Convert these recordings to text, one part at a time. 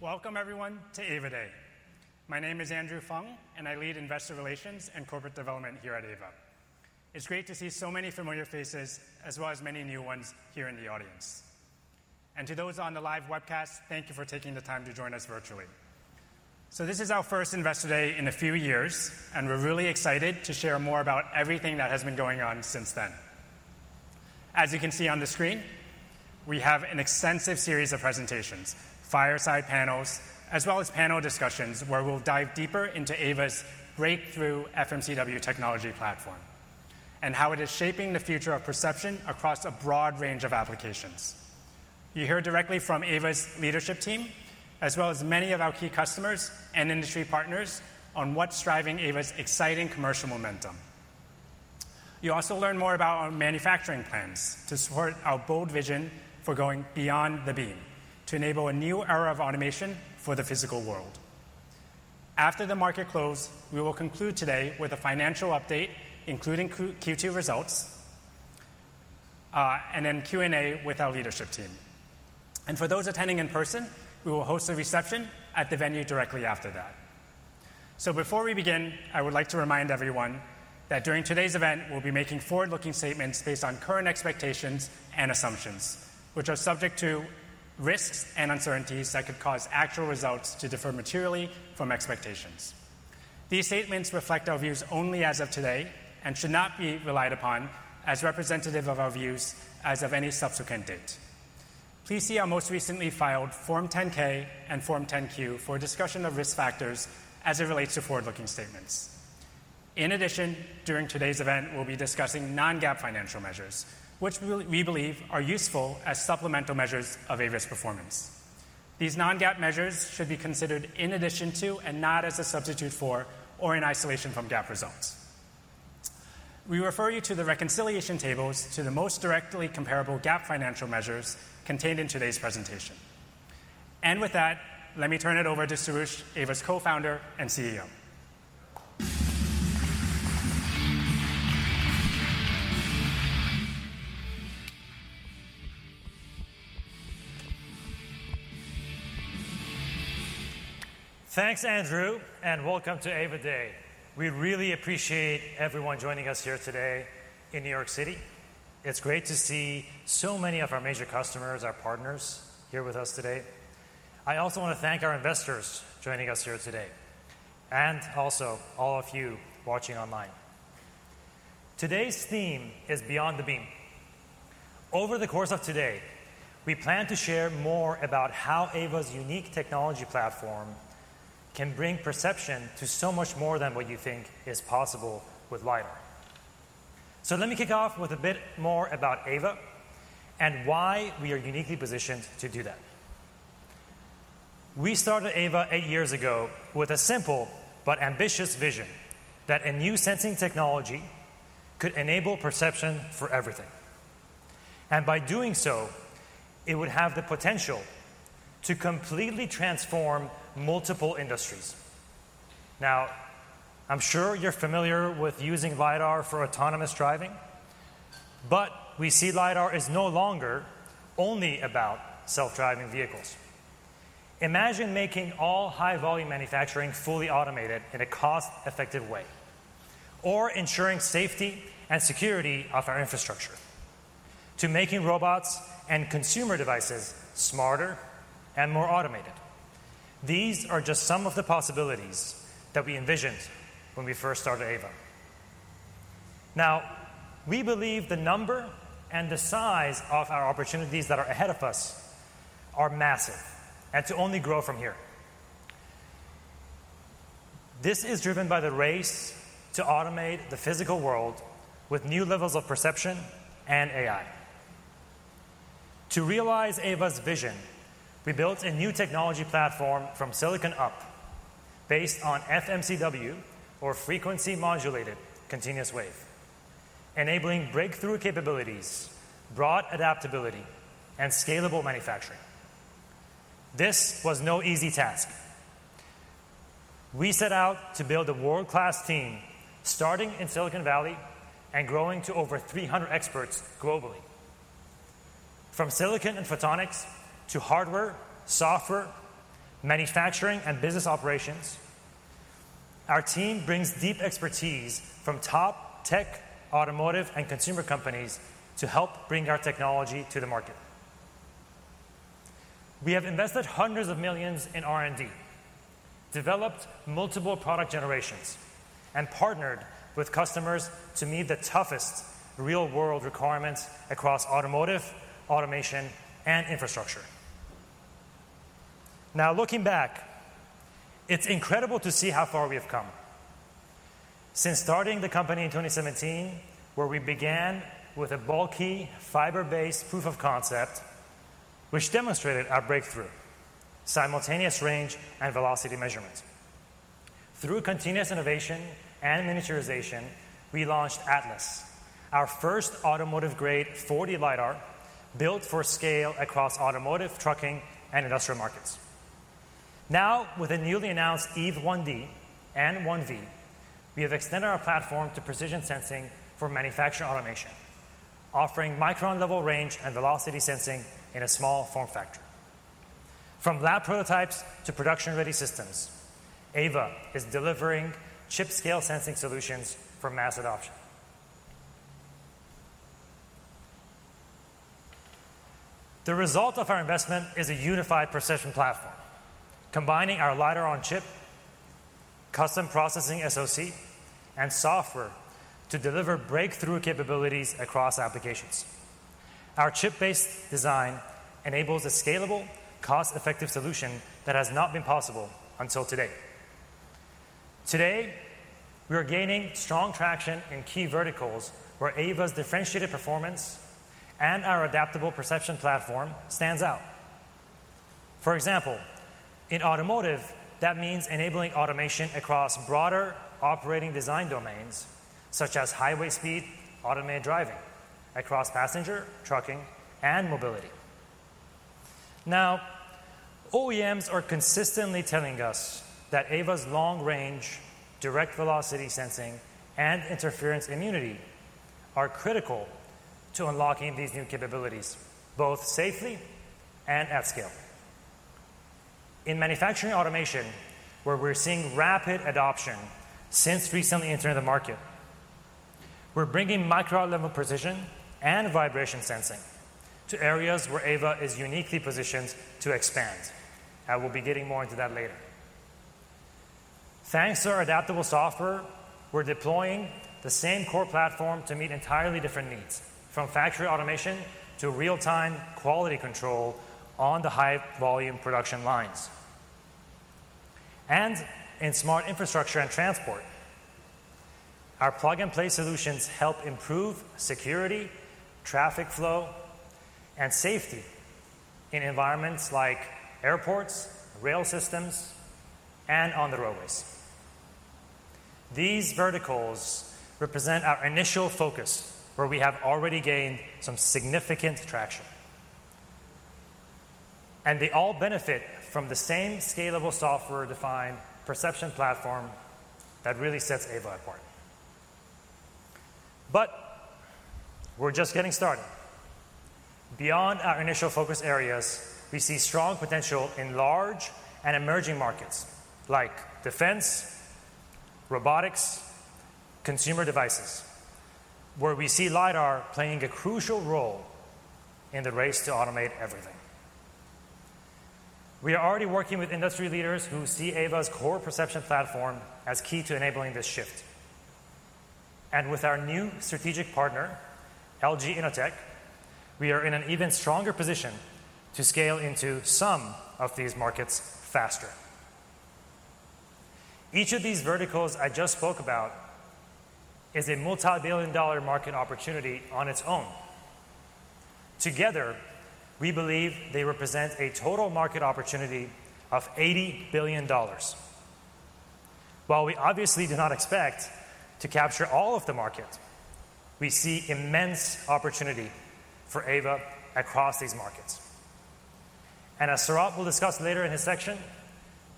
Welcome everyone to Aeva Day. My name is Andrew Fung and I lead Investor Relations and Corporate Development here at Aeva. It's great to see so many familiar faces as well as many new ones here in the audience. To those on the live webcast, thank you for taking the time to join us virtually. This is our first Investor Day in a few years and we're really excited to share more about everything that has been going on since then. As you can see on the screen, we have an extensive series of presentations, fireside panels, as well as panel discussions where we'll dive deeper into Aeva's breakthrough FMCW LiDAR technology platform and how it is shaping the future of perception across a broad range of applications. You will hear directly from Aeva's leadership team as well as many of our key customers and industry partners on what's driving Aeva's exciting commercial momentum. You will also learn more about our manufacturing plans to support our bold vision for going beyond the beam to enable a new era of automation for the physical world. After the market close, we will conclude today with a financial update including Q2 results and then Q&A with our leadership team. For those attending in person, we will host a reception at the venue directly after that. Before we begin, I would like to remind everyone that during today's event we'll be making forward-looking statements based on current expectations and assumptions which are subject to risks and uncertainties that could cause actual results to differ materially from expectations. These statements reflect our views only as of today and should not be relied upon as representative of our views as of any subsequent date. Please see our most recently filed Form 10-K and Form 10-Q for a discussion of risk factors as it relates to forward-looking statements. In addition, during today's event we'll be discussing non-GAAP financial measures which we believe are useful as supplemental measures of Aeva's performance. These non-GAAP measures should be considered in addition to and not as a substitute for or in isolation from GAAP results. We refer you to the reconciliation tables to the most directly comparable GAAP financial measures contained in today's presentation and with that let me turn it over to Soroush, Aeva's Co-Founder and CEO. Thanks Andrew and welcome to Aeva Day. We really appreciate everyone joining us here today in New York City. It's great to see so many of our major customers, our partners here with us today. I also want to thank our investors joining us here today and also all of you watching online. Today's theme is Beyond the Beam. Over the course of today we plan to share more about how Aeva's unique technology platform can bring perception to so much more than what you think is possible with LiDAR. Let me kick off with a bit more about Aeva and why we are uniquely positioned to do that. We started Aeva eight years ago with a simple but ambitious vision that a new sensing technology could enable perception for everything. By doing so it would have the potential to completely transform multiple industries. I'm sure you're familiar with using LiDAR for autonomous driving, but we see LiDAR is no longer only about self-driving vehicles. Imagine making all high-volume manufacturing fully automated in a cost-effective way or ensuring safety and security of our infrastructure to making robots and consumer devices smarter and more automated. These are just some of the possibilities that we envisioned when we first started Aeva. We believe the number and the size of our opportunities that are ahead of us are massive and to only grow from here. This is driven by the race to automate the physical world with new levels of perception and AI. To realize Aeva's vision, we built a new technology platform from Silicon Up based on FMCW or Frequency Modulated Continuous Wave, enabling breakthrough capabilities, broad adaptability and scalable manufacturing. This was no easy task. We set out to build a world-class team starting in Silicon Valley and growing to over 300 experts globally. From silicon and photonics to hardware, software, manufacturing and business operations, our team brings deep expertise from top tech, automotive and consumer companies to help bring our technology to the market. We have invested hundreds of millions in R&D, developed multiple product generations and partnered with customers to meet the toughest real-world requirements across automotive, automation and infrastructure. Looking back it's incredible to see how far we have come. Since starting the company in 2017 where we began with a bulky fiber-based proof of concept which demonstrated our breakthrough simultaneous range and velocity measurement. Through continuous innovation and miniaturization, we launched Atlas, our first automotive-grade 4D LiDAR built for scale across automotive, trucking and industrial markets. Now with the newly announced EVE 1D and 1V, we have extended our platform to precision sensing for manufacturing automation, offering micron-level range and velocity sensing in a small form factor. From lab prototypes to production-ready systems, Aeva is delivering chip-scale sensing solutions for mass adoption. The result of our investment is a unified precision platform combining our LiDAR-on-chip, custom processing, SoC, and software to deliver breakthrough capabilities across applications. Our chip-based design enables a scalable, cost-effective solution that has not been possible until today. Today we are gaining strong traction in key verticals where Aeva's differentiated performance and our adaptable perception platform stand out. For example, in automotive, that means enabling automation across broader operating design domains such as highway speed, automated driving across passenger, trucking, and mobility. Now, OEMs are consistently telling us that Aeva's long-range, direct velocity sensing, and interference immunity are critical to unlocking these new capabilities both safely and at scale. In manufacturing automation, where we're seeing rapid adoption since recently entering the market, we're bringing micron-level precision and vibration sensing to areas where Aeva is uniquely positioned to expand. I will be getting more into that later. Thanks to our adaptable software, we're deploying the same core platform to meet entirely different needs, from factory automation to real-time quality control on the high-volume production lines and in smart infrastructure and transport. Our plug-and-play solutions help improve security, traffic flow, and safety in environments like airports, rail systems, and on the roadways. These verticals represent our initial focus where we have already gained some significant traction, and they all benefit from the same scalable, software-defined perception platform that really sets Aeva apart. We are just getting started. Beyond our initial focus areas, we see strong potential in large and emerging markets like defense, robotics, and consumer devices, where we see LiDAR playing a crucial role in the race to automate everything. We are already working with industry leaders who see Aeva's core perception platform as key to enabling this shift. With our new strategic partner LG Innotek, we are in an even stronger position to scale into some of these markets faster. Each of these verticals I just spoke about is a multibillion dollar market opportunity on its own. Together we believe they represent a total market opportunity of $80 billion. While we obviously do not expect to capture all of the market, we see immense opportunity for Aeva across these markets. As Soroush will discuss later in his section,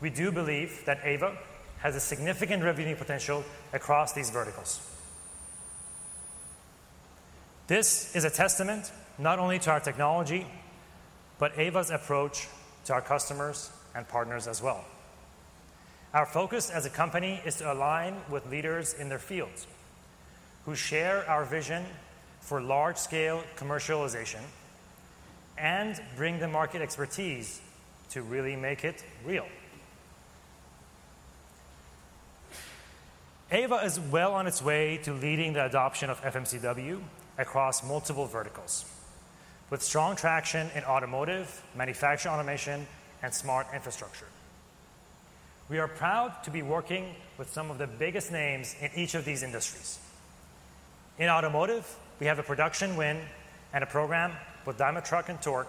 we do believe that Aeva has a significant revenue potential across these verticals. This is a testament not only to our technology, but Aeva's approach to our customers and partners as well. Our focus as a company is to align with leaders in their fields who share our vision for large scale commercialization and bring the market expertise to really make it real. Aeva is well on its way to leading the adoption of FMCW across multiple verticals, with strong traction in automotive, manufacturing, automation, and smart infrastructure. We are proud to be working with some of the biggest names in each of these industries. In automotive, we have a production win and a program with Daimler Truck and Torc,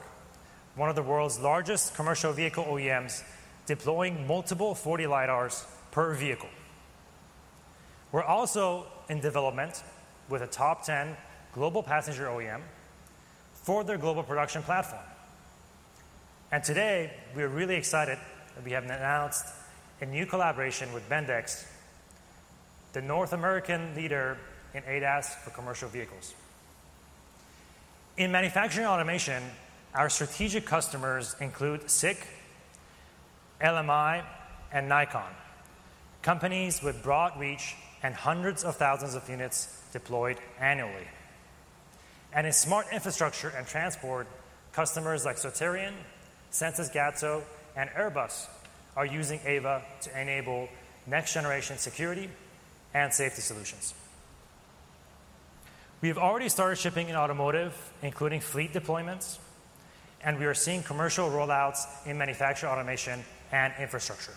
one of the world's largest commercial vehicle OEMs deploying multiple 40 LiDARs per vehicle. We're also in development with a top 10 global passenger OEM for their global production platform. Today we're really excited that we have announced a new collaboration with Bendix, the North American leader in ADAS for commercial vehicles. In manufacturing automation, our strategic customers include SICK, LMI, and Nikon, companies with broad reach and hundreds of thousands of units deployed annually. In smart infrastructure and transport, customers like SoterIA, Sensys Gatso, and Airbus are using Aeva to enable next generation security and safety solutions. We have already started shipping in automotive including fleet deployments, and we are seeing commercial rollouts in manufacturing automation and infrastructure.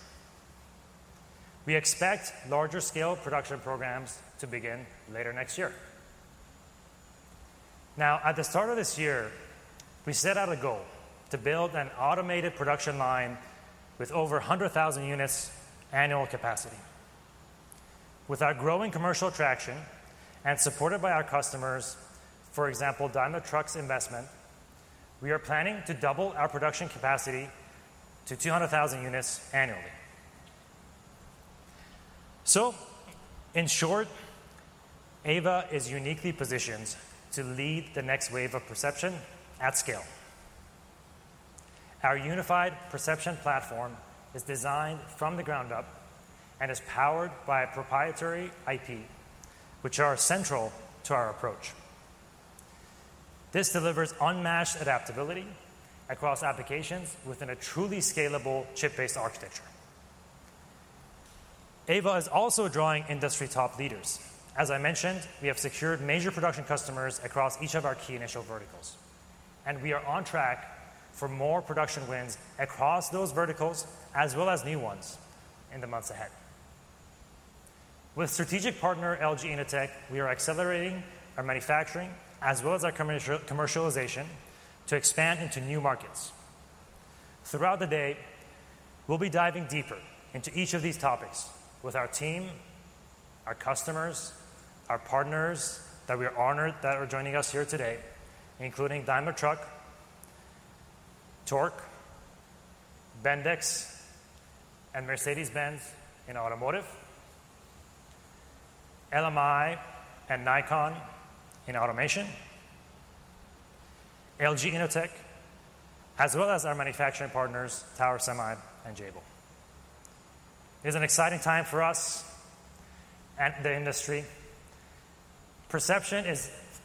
We expect larger scale production programs to begin later next year. At the start of this year we set out a goal to build an automated production line with over 100,000 units annual capacity. With our growing commercial traction and supported by our customers, for example Daimler Truck Investment, we are planning to double our production capacity to 200,000 units annually. In short, Aeva is uniquely positioned to lead the next wave of perception at scale. Our unified perception platform is designed from the ground up and is powered by proprietary IP, which are central to our approach. This delivers unmatched adaptability across applications within a truly scalable chip-based architecture. Aeva is also drawing industry top leaders. As I mentioned, we have secured major production customers across each of our key initial verticals, and we are on track for more production wins across those verticals as well as new ones in the months ahead. With strategic partner LG Innotek, we are accelerating our manufacturing as well as our commercialization to expand into new markets. Throughout the day, we'll be diving deeper into each of these topics with our team, our customers, our partners that we are honored are joining us here today, including Daimler Truck, Torc, Bendix, and Mercedes-Benz in automotive, LMI and Nikon in automation, LG Innotek as well as our manufacturing partners Tower Semi and Jabil. It's an exciting time for us and the industry.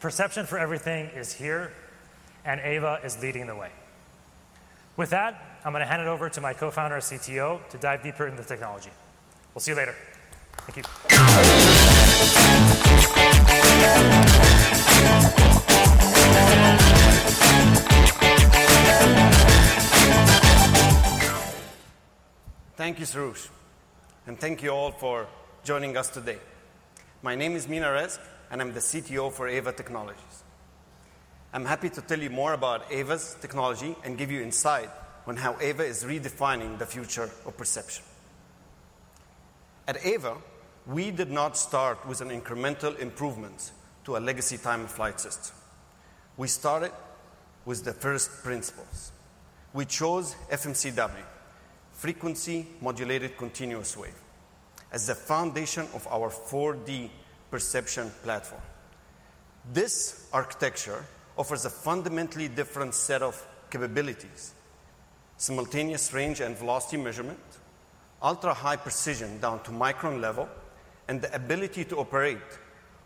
Perception for everything is here, and Aeva is leading the way. With that, I'm going to hand it over to my Co-Founder and CTO to dive deeper into technology. We'll see you later. Thank you. Thank you, Soroush, and thank you all for joining us today. My name is Mina Rezk and I'm the CTO for Aeva Technologies Inc. I'm happy to tell you more about Aeva's technology and give you insight on how Aeva is redefining the future of perception. At Aeva, we did not start with an incremental improvement to a legacy time of flight test. We started with the first principles. We chose FMCW, Frequency Modulated Continuous Wave, as the foundation of our 4D perception platform. This architecture offers a fundamentally different set of capabilities: simultaneous range and velocity measurement, ultra high precision down to micron level, and the ability to operate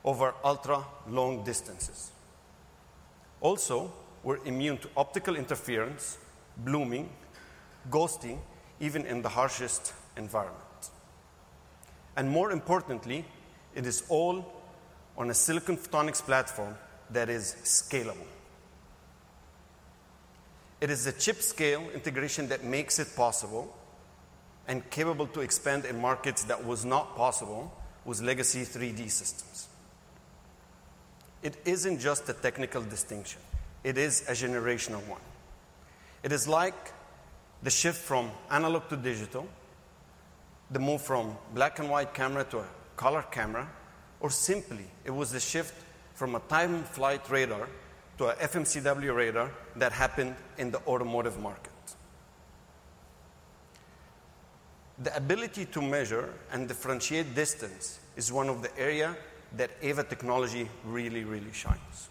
over ultra long distances. We're immune to optical interference, blooming, ghosting, even in the harshest environment. More importantly, it is all on a silicon photonics platform that is scalable. It is the chip-scale integration that makes it possible and capable to expand in markets that were not possible with legacy 3D systems. It isn't just a technical distinction, it is a generational one. It is like the shift from analog to digital, the move from black and white camera to a color camera, or simply it was the shift from a time of flight radar to an FMCW radar that happened in the automotive market. The ability to measure and differentiate distance is one of the areas that Aeva technology really, really shines.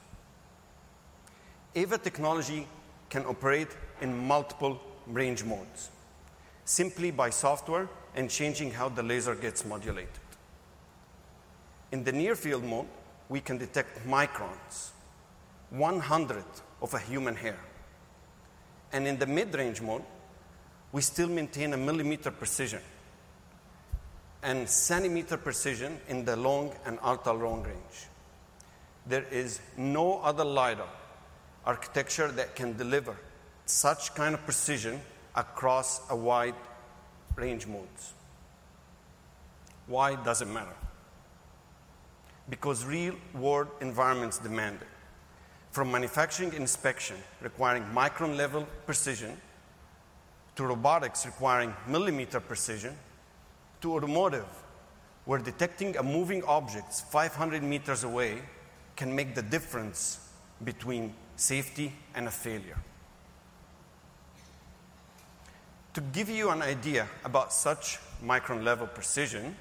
Aeva technology can operate in multiple range modes simply by software and changing how the laser gets modulated. In the near field mode, we can detect microns, one hundredth of a human hair, and in the mid range mode we still maintain a millimeter precision and centimeter precision in the long and ultra long range. There is no other LiDAR architecture that can deliver such kind of precision across a wide range mode. Why does it matter? Because real world environments demand it. From manufacturing inspection requiring micron level precision, to robotics requiring millimeter precision, to automotive, where detecting a moving object five hundred meters away can make the difference between safety and a failure. To give you an idea about such micron level precision,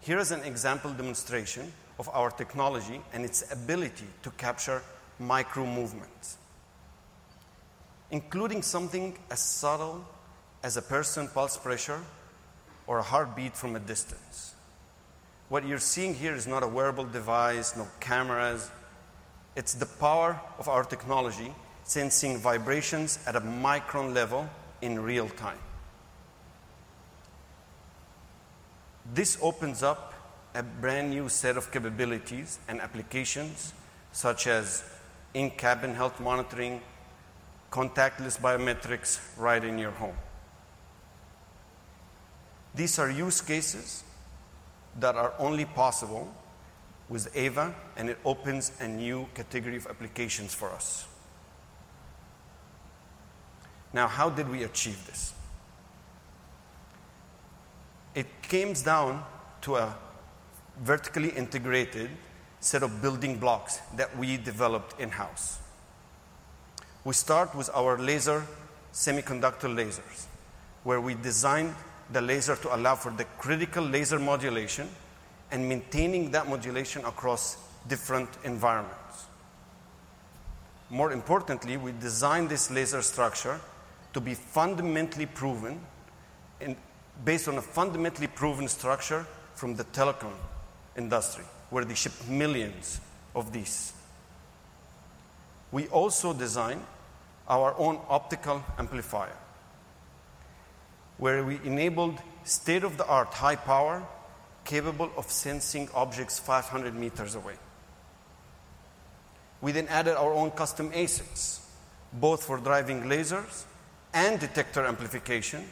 here is an example demonstration of our technology and its ability to capture micro movements. Including something as subtle as a person's pulse pressure or a heartbeat from a distance. What you're seeing here is not a wearable device, no cameras. It's the power of our technology, sensing vibrations at a micron level in real time. This opens up a brand new set of capabilities and applications such as in-cabin health monitoring, contactless biometrics right in your home. These are use cases that are only possible with Aeva and it opens a new category of applications for us. Now, how did we achieve this? It came down to a vertically integrated set of building blocks that we developed in-house. We start with our semiconductor lasers where we designed the laser to allow for the critical laser modulation and maintaining that modulation across different environments. More importantly, we designed this laser structure to be fundamentally proven and based on a fundamentally proven structure from the telecom industry where they ship millions of these. We also designed our own optical amplifier where we enabled state-of-the-art high power, capable of sensing objects 500 meters away. We then added our own custom ASICs both for driving lasers and detector amplification,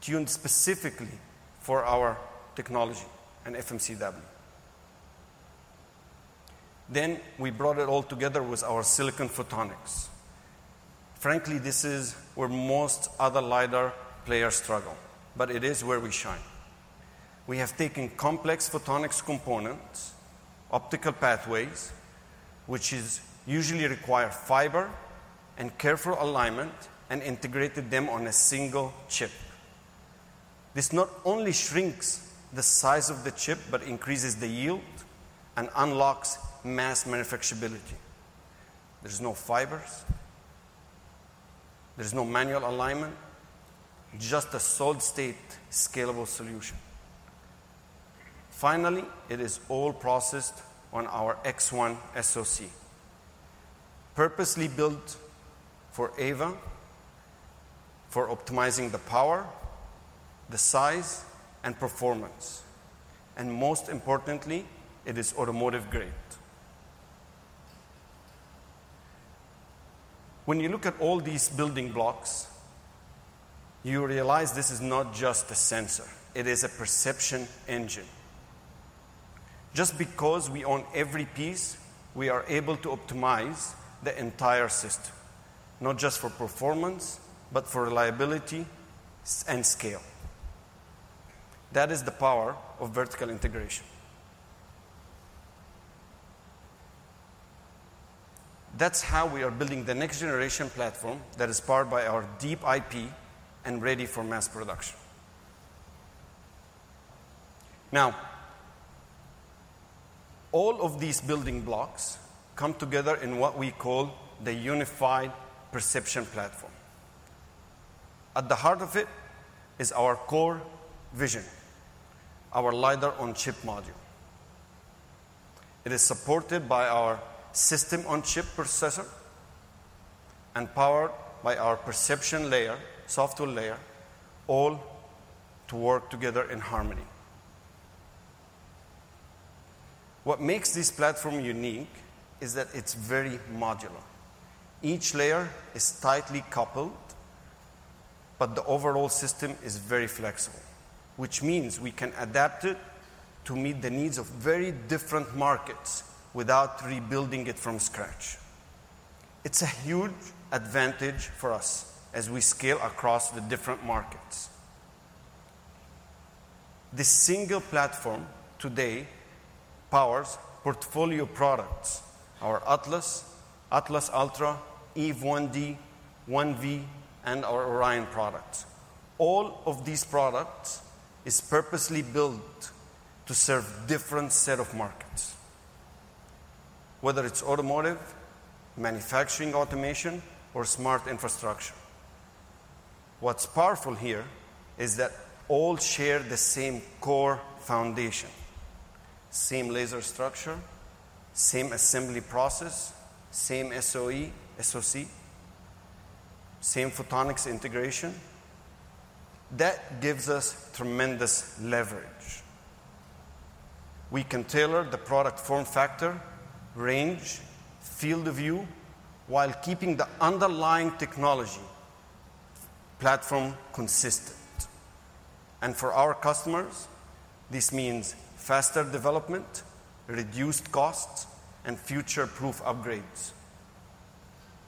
tuned specifically for our technology and FMCW. Then we brought it all together with our silicon photonics. Frankly, this is where most other LiDAR players struggle, but it is where we shine. We have taken complex photonics components, optical pathways which usually require fiber and careful alignment, and integrated them on a single chip. This not only shrinks the size of the chip, but increases the yield and unlocks mass manufacturability. There's no fibers, there's no manual alignment, just a solid-state scalable solution. Finally, it is all processed on our X1 SoC, purposely built for Aeva for optimizing the power, the size, and performance. Most importantly, it is automotive grade. When you look at all these building blocks, you realize this is not just a sensor, it is a perception engine. Because we own every piece, we are able to optimize the entire system not just for performance, but for reliability and scale. That is the power of vertical integration. That is how we are building the next generation platform that is powered by our deep IP and ready for mass production. All of these building blocks come together in what we call the unified perception platform. At the heart of it is our CoreVision, our LiDAR on chip module. It is supported by our system on chip processor and powered by our perception layer, software layer, all to work together in harmony. What makes this platform unique is that it's very modular. Each layer is tightly coupled, but the overall system is very flexible, which means we can adapt it to meet the needs of very different markets without rebuilding it from scratch. It's a huge advantage for us as we scale across the different markets. This single platform today powers portfolio products. Our Atlas, Atlas, Ultra, EVE 1D, 1V, and our Orion products. All of these products are purposely built to serve different sets of markets, whether it's automotive, manufacturing, automation, or smart infrastructure. What's powerful here is that all share the same core foundation, same laser structure, same assembly process, same SoC, same photonics integration that gives us tremendous leverage. We can tailor the product, form factor, range, field of view, while keeping the underlying technology platform consistent. For our customers, this means faster development, reduced costs, and future-proof upgrades,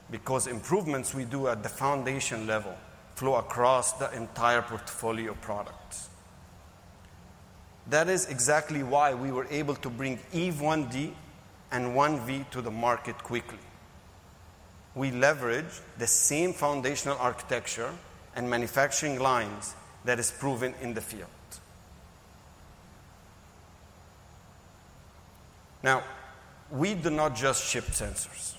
because improvements we do at the foundation level flow across the entire portfolio products. That is exactly why we were able to bring EVE 1D and 1V to the market quickly. We leverage the same foundational architecture and manufacturing lines that are proven in the field. Now, we do not just ship sensors,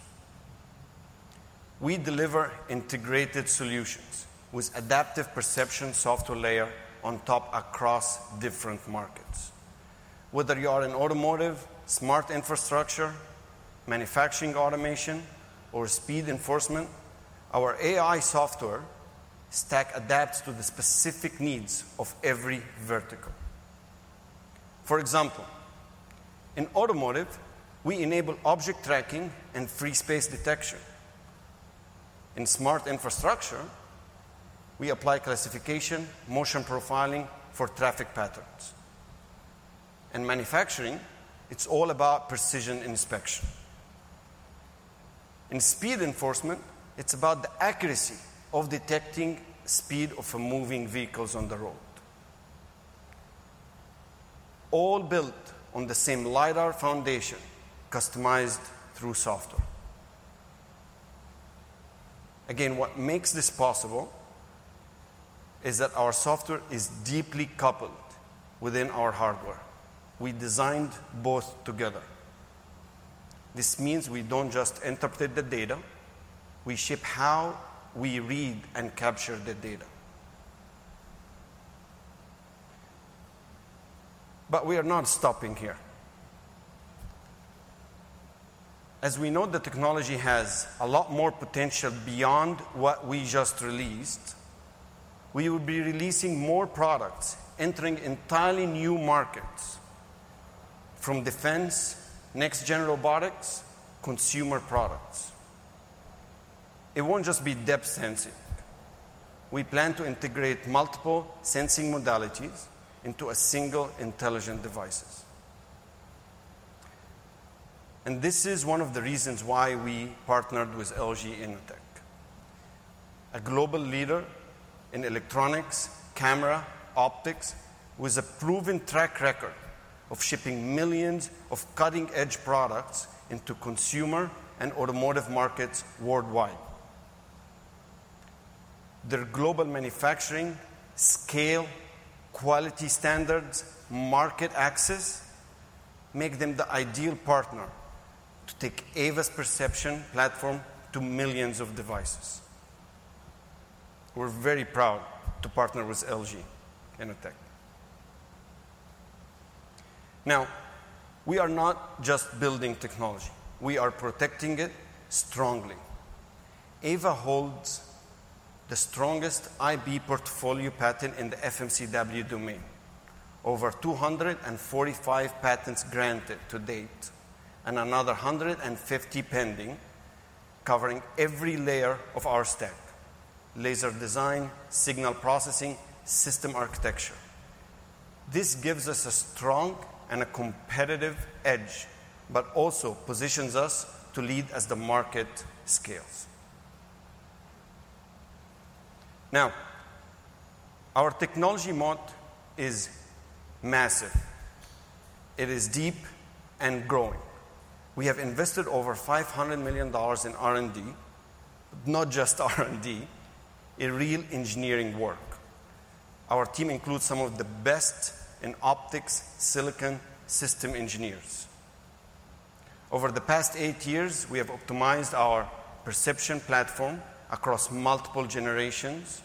we deliver integrated solutions with adaptive perception software layer on top across different markets. Whether you are in automotive, smart infrastructure, manufacturing automation, or speed enforcement, our AI software stack adapts to the specific needs of every vertical. For example, in automotive, we enable object tracking and free space detection. In smart infrastructure, we apply classification, motion profiling for traffic patterns. In manufacturing, it's all about precision inspection. In speed enforcement, it's about the accuracy of detecting speed of moving vehicles on the road. All built on the same LiDAR foundation, customized through software. What makes this possible is that our software is deeply coupled within our hardware. We designed both together. This means we don't just interpret the data, we shape how we read and capture the data. We are not stopping here as we know the technology has a lot more potential beyond what we just released. We will be releasing more products, entering entirely new markets from defense, next-gen robotics, consumer products. It won't just be depth sensing. We plan to integrate multiple sensing modalities into single intelligent devices. This is one of the reasons why we partnered with LG Innotek. A global leader in electronics camera optics with a proven track record of shipping millions of cutting-edge products into consumer and automotive markets worldwide. Their global manufacturing scale, quality standards, and market access make them the ideal partner to take Aeva's perception platform to millions of devices. We're very proud to partner with LG Innotek. Now we are not just building technology, we are protecting it strongly. Aeva holds the strongest IP portfolio patent in the FMCW domain. Over 245 patents granted to date and another 150 pending, covering every layer of our stack, laser design, signal processing, system architecture. This gives us a strong and a competitive edge, but also positions us to lead as the market scales. Now our technology moat is massive. It is deep and growing. We have invested over $500 million in R&D, not just R&D, real engineering work. Our team includes some of the best in optics, silicon, system engineers. Over the past eight years, we have optimized our perception platform across multiple generations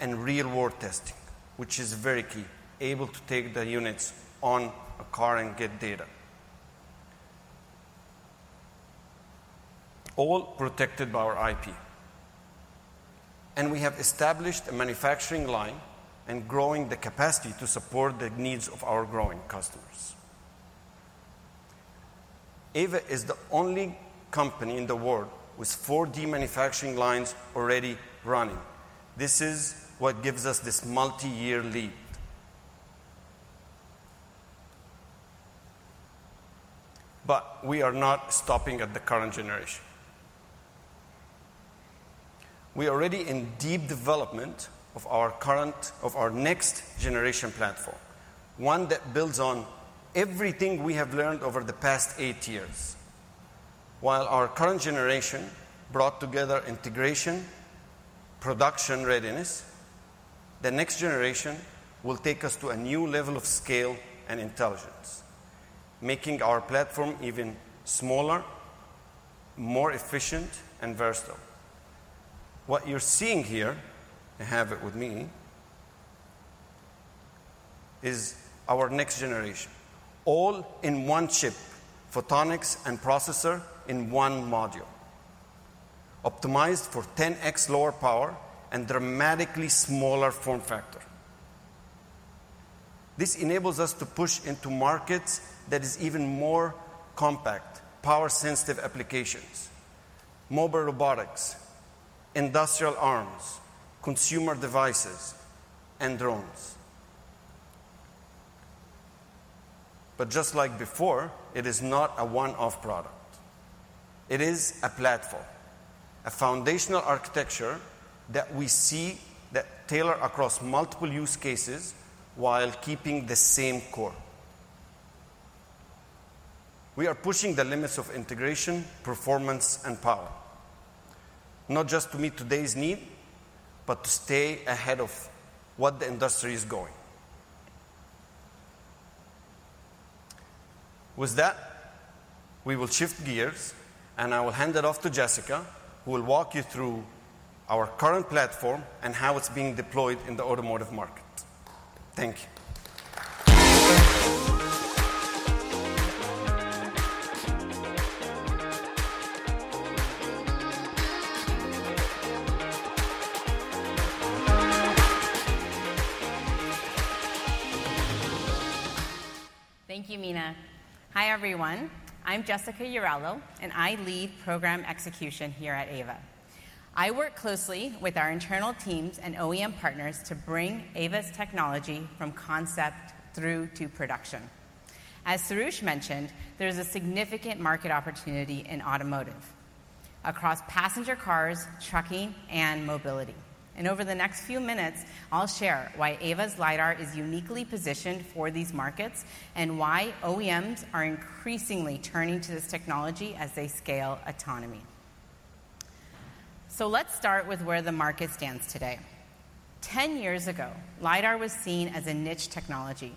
and real-world testing, which is very key. Able to take the units on a car and get data, all protected by our IP. We have established a manufacturing line and are growing the capacity to support the needs of our growing customers. Aeva is the only company in the world with 4D manufacturing lines already running. This is what gives us this multi-year lead. We are not stopping at the current generation. We are already in deep development of our next generation platform, one that builds on everything we have learned over the past eight years. While our current generation brought together integration and production readiness, the next generation will take us to a new level of scale and intelligence, making our platform even smaller, more efficient, and versatile. What you're seeing here, I have it with me, is our next generation all-in-one chip, photonics and processor in one module, optimized for 10x lower power and dramatically smaller form factor. This enables us to push into markets that are even more compact, power-sensitive applications, mobile robotics, industrial arms, consumer devices, and drones. Just like before, it is not a one-off product. It is a platform, a foundational architecture that we see that tailor across multiple use cases while keeping the same core. We are pushing the limits of integration, performance, and power not just to meet today's need, but to stay ahead of where the industry is going. With that, we will shift gears, and I will hand it off to Jessica, who will walk you through our current platform and how it's being deployed in the automotive market. Thank you. Thank you, Mina. Hi everyone, I'm Jessica Uralil and I lead Program Execution here at Aeva. I work closely with our internal teams and OEM partners to bring Aeva's technology from concept through to production. As Soroush mentioned, there's a significant market opportunity in automotive across passenger cars, trucking, and mobility. Over the next few minutes I'll share why Aeva's LiDAR is uniquely positioned for these markets and why OEMs are increasingly turning to this technology as they scale autonomy. Let's start with where the market stands today. Ten years ago, LiDAR was seen as a niche technology,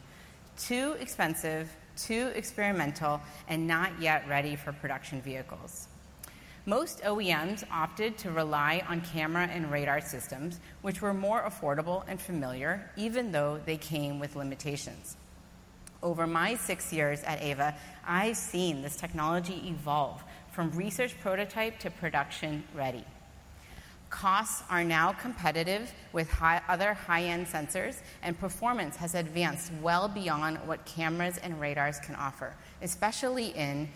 too expensive, too experimental, and not yet ready for production vehicles. Most OEMs opted to rely on camera and radar systems, which were more affordable and familiar, even though they came with limitations. Over my six years at Aeva, I've seen this technology evolve from research prototype to production ready. Costs are now competitive with other high-end sensors, and performance has advanced well beyond what cameras and radars can offer, especially in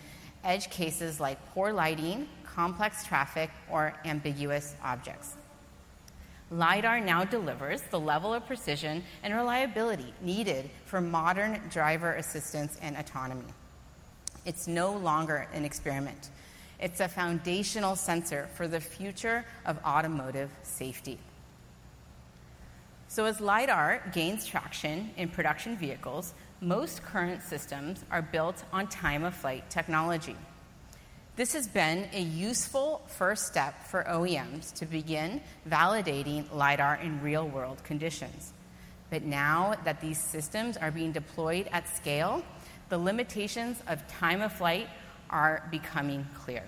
edge cases like poor lighting, complex traffic, or ambiguous objects. LiDAR now delivers the level of precision and reliability needed for modern driver assistance and autonomy. It's no longer an experiment, it's a foundational sensor for the future of automotive safety. As LiDAR gains traction in production vehicles, most current systems are built on time of flight technology. This has been a useful first step for OEMs to begin validating LiDAR in real world conditions. Now that these systems are being deployed at scale, the limitations of time of flight are becoming clear.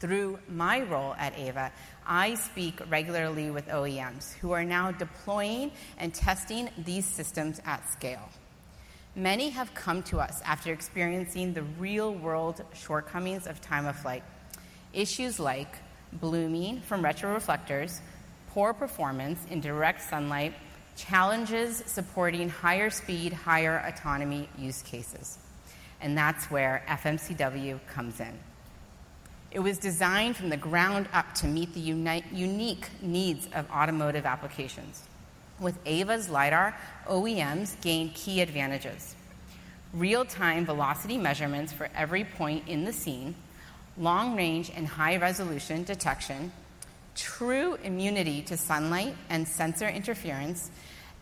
Through my role at Aeva, I speak regularly with OEMs who are now deploying and testing these systems at scale. Many have come to us after experiencing the real world shortcomings of time of flight: issues like blooming from retroreflectors, poor performance in direct sunlight, and challenges supporting higher speed, higher autonomy use cases. That's where FMCW comes in. It was designed from the ground up to meet the unique needs of automotive applications. With Aeva's LiDAR, OEMs gain key advantages: real time velocity measurements for every point in the scene, long range and high resolution detection, true immunity to sunlight and sensor interference,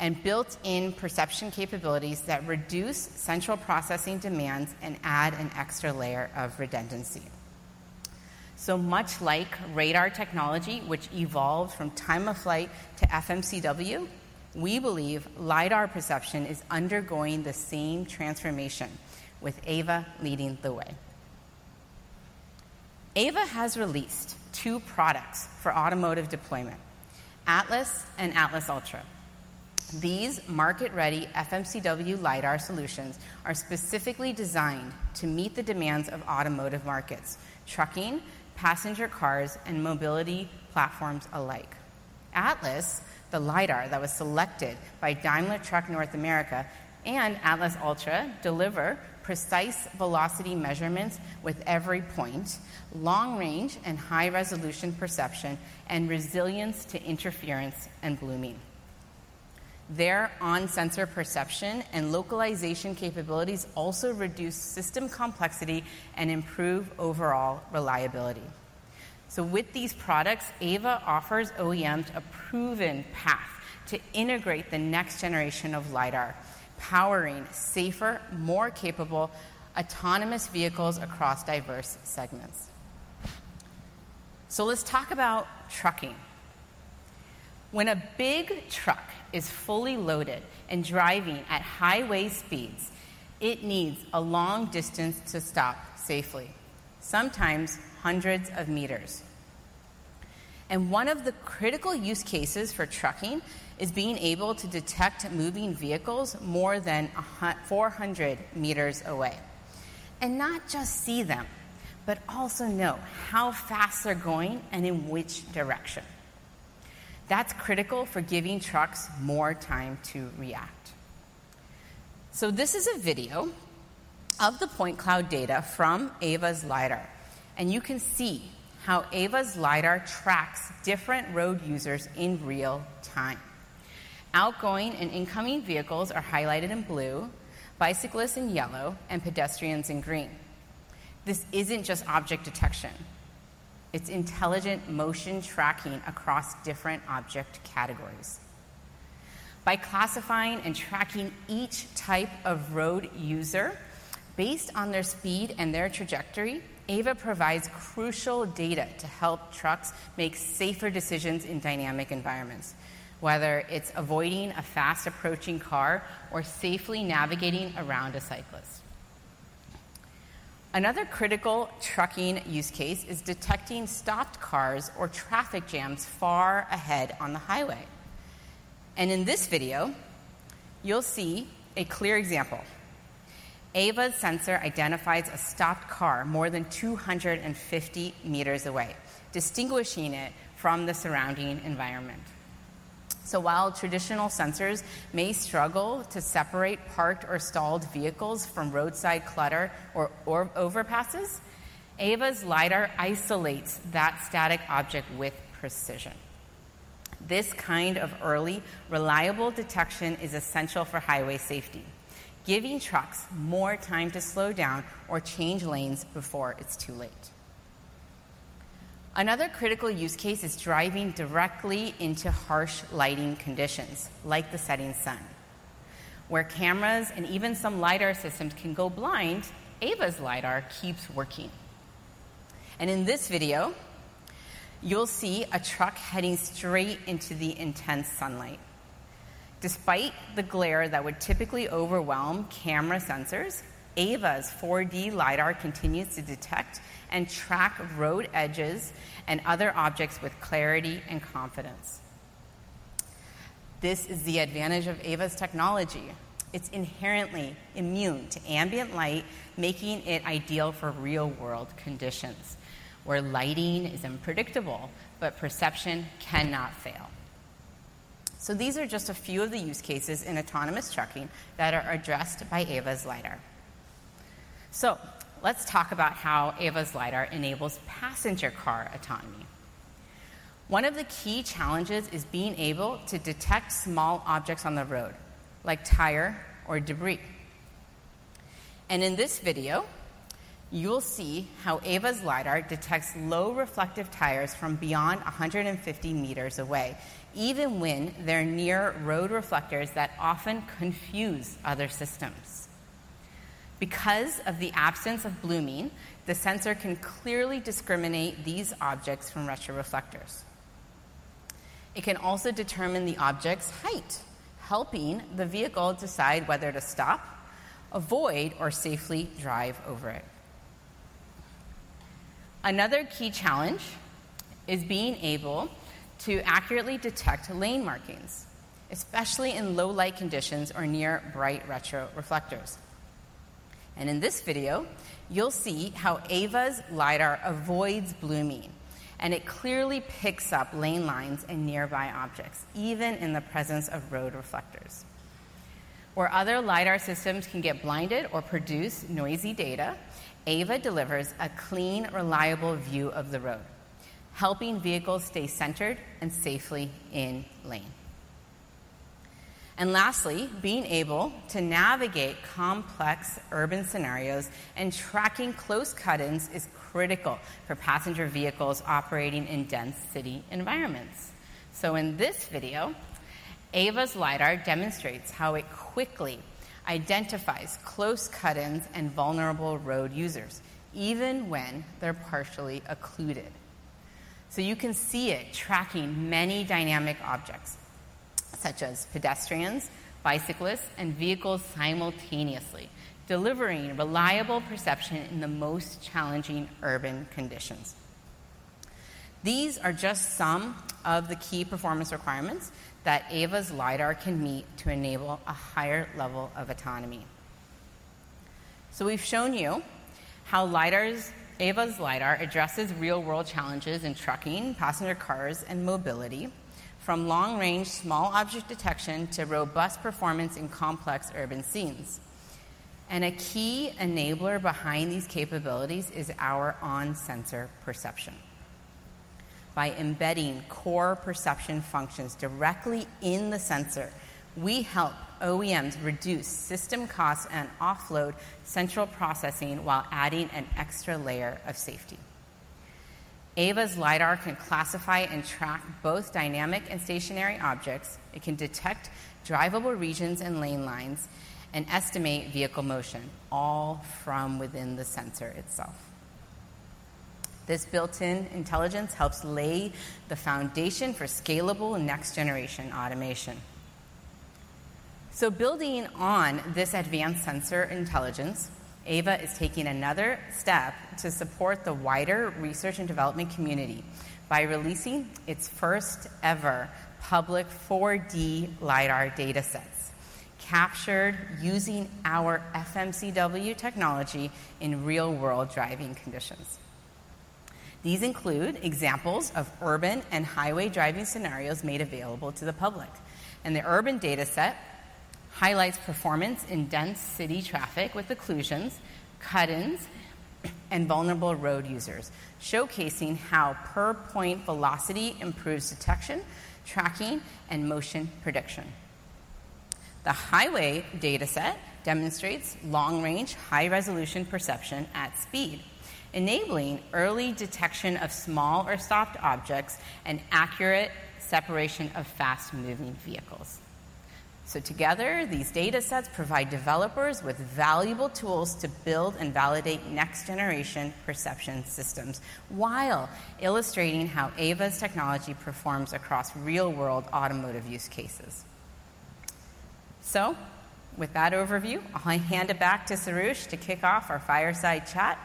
and built-in perception capabilities that reduce central processing demands and add an extra layer of redundancy. Much like radar technology, which evolved from time of flight to FMCW, we believe LiDAR perception is undergoing the same transformation. With Aeva leading the way, Aeva has released two products for automotive deployment, Atlas and Atlas Ultra. These market-ready FMCW LiDAR solutions are specifically designed to meet the demands of automotive markets, trucking, passenger cars, and mobility platforms alike. Atlas, the LiDAR that was selected by Daimler Truck North America, and Atlas Ultra deliver precise velocity measurements with every point, long-range and high-resolution perception, and resilience to interference and blooming. Their on-sensor perception and localization capabilities also reduce system complexity and improve overall reliability. With these products, Aeva offers OEMs a proven path to integrate the next generation of LiDAR, powering safer, more capable autonomous vehicles across diverse segments. Let's talk about trucking. When a big truck is fully loaded and driving at highway speeds, it needs a long distance to stop safely, sometimes hundreds of meters. One of the critical use cases for trucking is being able to detect moving vehicles more than 400 meters away. Not just see them, but also know how fast they're going and in which direction. That's critical for giving trucks more time to react. This is a video of the point cloud data from Aeva's LiDAR, and you can see how Aeva's LiDAR tracks different road users in real time. Outgoing and incoming vehicles are highlighted in blue, bicyclists in yellow, and pedestrians in green. This isn't just object detection, it's intelligent motion tracking across different object categories. By classifying and tracking each type of road user based on their speed and their trajectory, Aeva provides crucial data to help trucks make safer decisions in dynamic environments, whether it's avoiding a fast-approaching car or safely navigating around a cyclist. Another critical trucking use case is detecting stopped cars or traffic jams far ahead on the highway. In this video, you'll see a clear example. Aeva's sensor identifies a stopped car more than 250 meters away, distinguishing it from the surrounding environment. While traditional sensors may struggle to separate parked or stalled vehicles from roadside clutter or overpasses, Aeva's LiDAR isolates that static object with precision. This kind of early, reliable detection is essential for highway safety, giving trucks more time to slow down or change lanes before it's too late. Another critical use case is driving directly into harsh lighting conditions like the setting sun, where cameras and even some LiDAR systems can go blind. Aeva's LiDAR keeps working. In this video, you'll see a truck heading straight into the intense sunlight. Despite the glare that would typically overwhelm camera sensors, Aeva's 4D LiDAR continues to detect and track road edges and other objects with clarity and confidence. This is the advantage of Aeva's technology. It's inherently immune to ambient light, making it ideal for real world conditions where lighting is unpredictable but perception cannot fail. These are just a few of the use cases in autonomous trucking that are addressed by Aeva's LiDAR. Let's talk about how Aeva's LiDAR enables passenger car autonomy. One of the key challenges is being able to detect small objects on the road, like a tire or debris. In this video, you'll see how Aeva's LiDAR detects low reflective tires from beyond 150 meters away, even when they're near road reflectors that often confuse other systems. Because of the absence of blooming, the sensor can clearly discriminate these objects from retroreflectors. It can also determine the object's height, helping the vehicle decide whether to stop, avoid, or safely drive over it. Another key challenge is being able to accurately detect lane markings, especially in low light conditions or near bright retroreflectors. In this video, you'll see how Aeva's LiDAR avoids blooming, and it clearly picks up lane lines and nearby objects, even in the presence of road reflectors, where other LiDAR systems can get blinded or produce noisy data. Aeva delivers a clean, reliable view of the road, helping vehicles stay centered and safely in lane. Lastly, being able to navigate complex urban scenarios and tracking close cut-ins is critical for passenger vehicles operating in dense city environments. In this video, Aeva's LiDAR demonstrates how it quickly identifies close cut-ins and vulnerable road users, even when they're partially occluded. You can see it tracking many dynamic objects, such as pedestrians, bicyclists, and vehicles, simultaneously delivering reliable perception in the most challenging urban conditions. These are just some of the key performance requirements that Aeva's LiDAR can meet to enable a higher level of autonomy. We've shown you how Aeva's LiDAR addresses real world challenges in trucking, passenger cars, and mobility, from long range small object detection to robust performance in complex urban scenes. A key enabler behind these capabilities is our On Sensor perception. By embedding core perception functions directly in the sensor, we help OEMs reduce system costs and offload central processing while adding an extra layer of safety. Aeva's LiDAR can classify and track both dynamic and stationary objects. It can detect drivable regions and lane lines and estimate vehicle motion all from within the sensor itself. This built-in intelligence helps lay the foundation for scalable next generation automation. Building on this advanced sensor intelligence, Aeva is taking another step to support the wider research and development community by releasing its first ever public 4D LiDAR data sets captured using our FMCW technology in real world driving conditions. These include examples of urban and highway driving scenarios made available to the public. The urban data set highlights performance in dense city traffic with occlusions, cut-ins, and vulnerable road users, showcasing how per point velocity improves detection, tracking, and motion prediction. The highway data set demonstrates long range high resolution perception at speed, enabling early detection of small or soft objects and accurate separation of fast moving vehicles. Together, these data sets provide developers with valuable tools to build and validate next generation perception systems while illustrating how Aeva's technology performs across real world automotive use cases. With that overview, I hand it back to Soroush to kick off our fireside chat.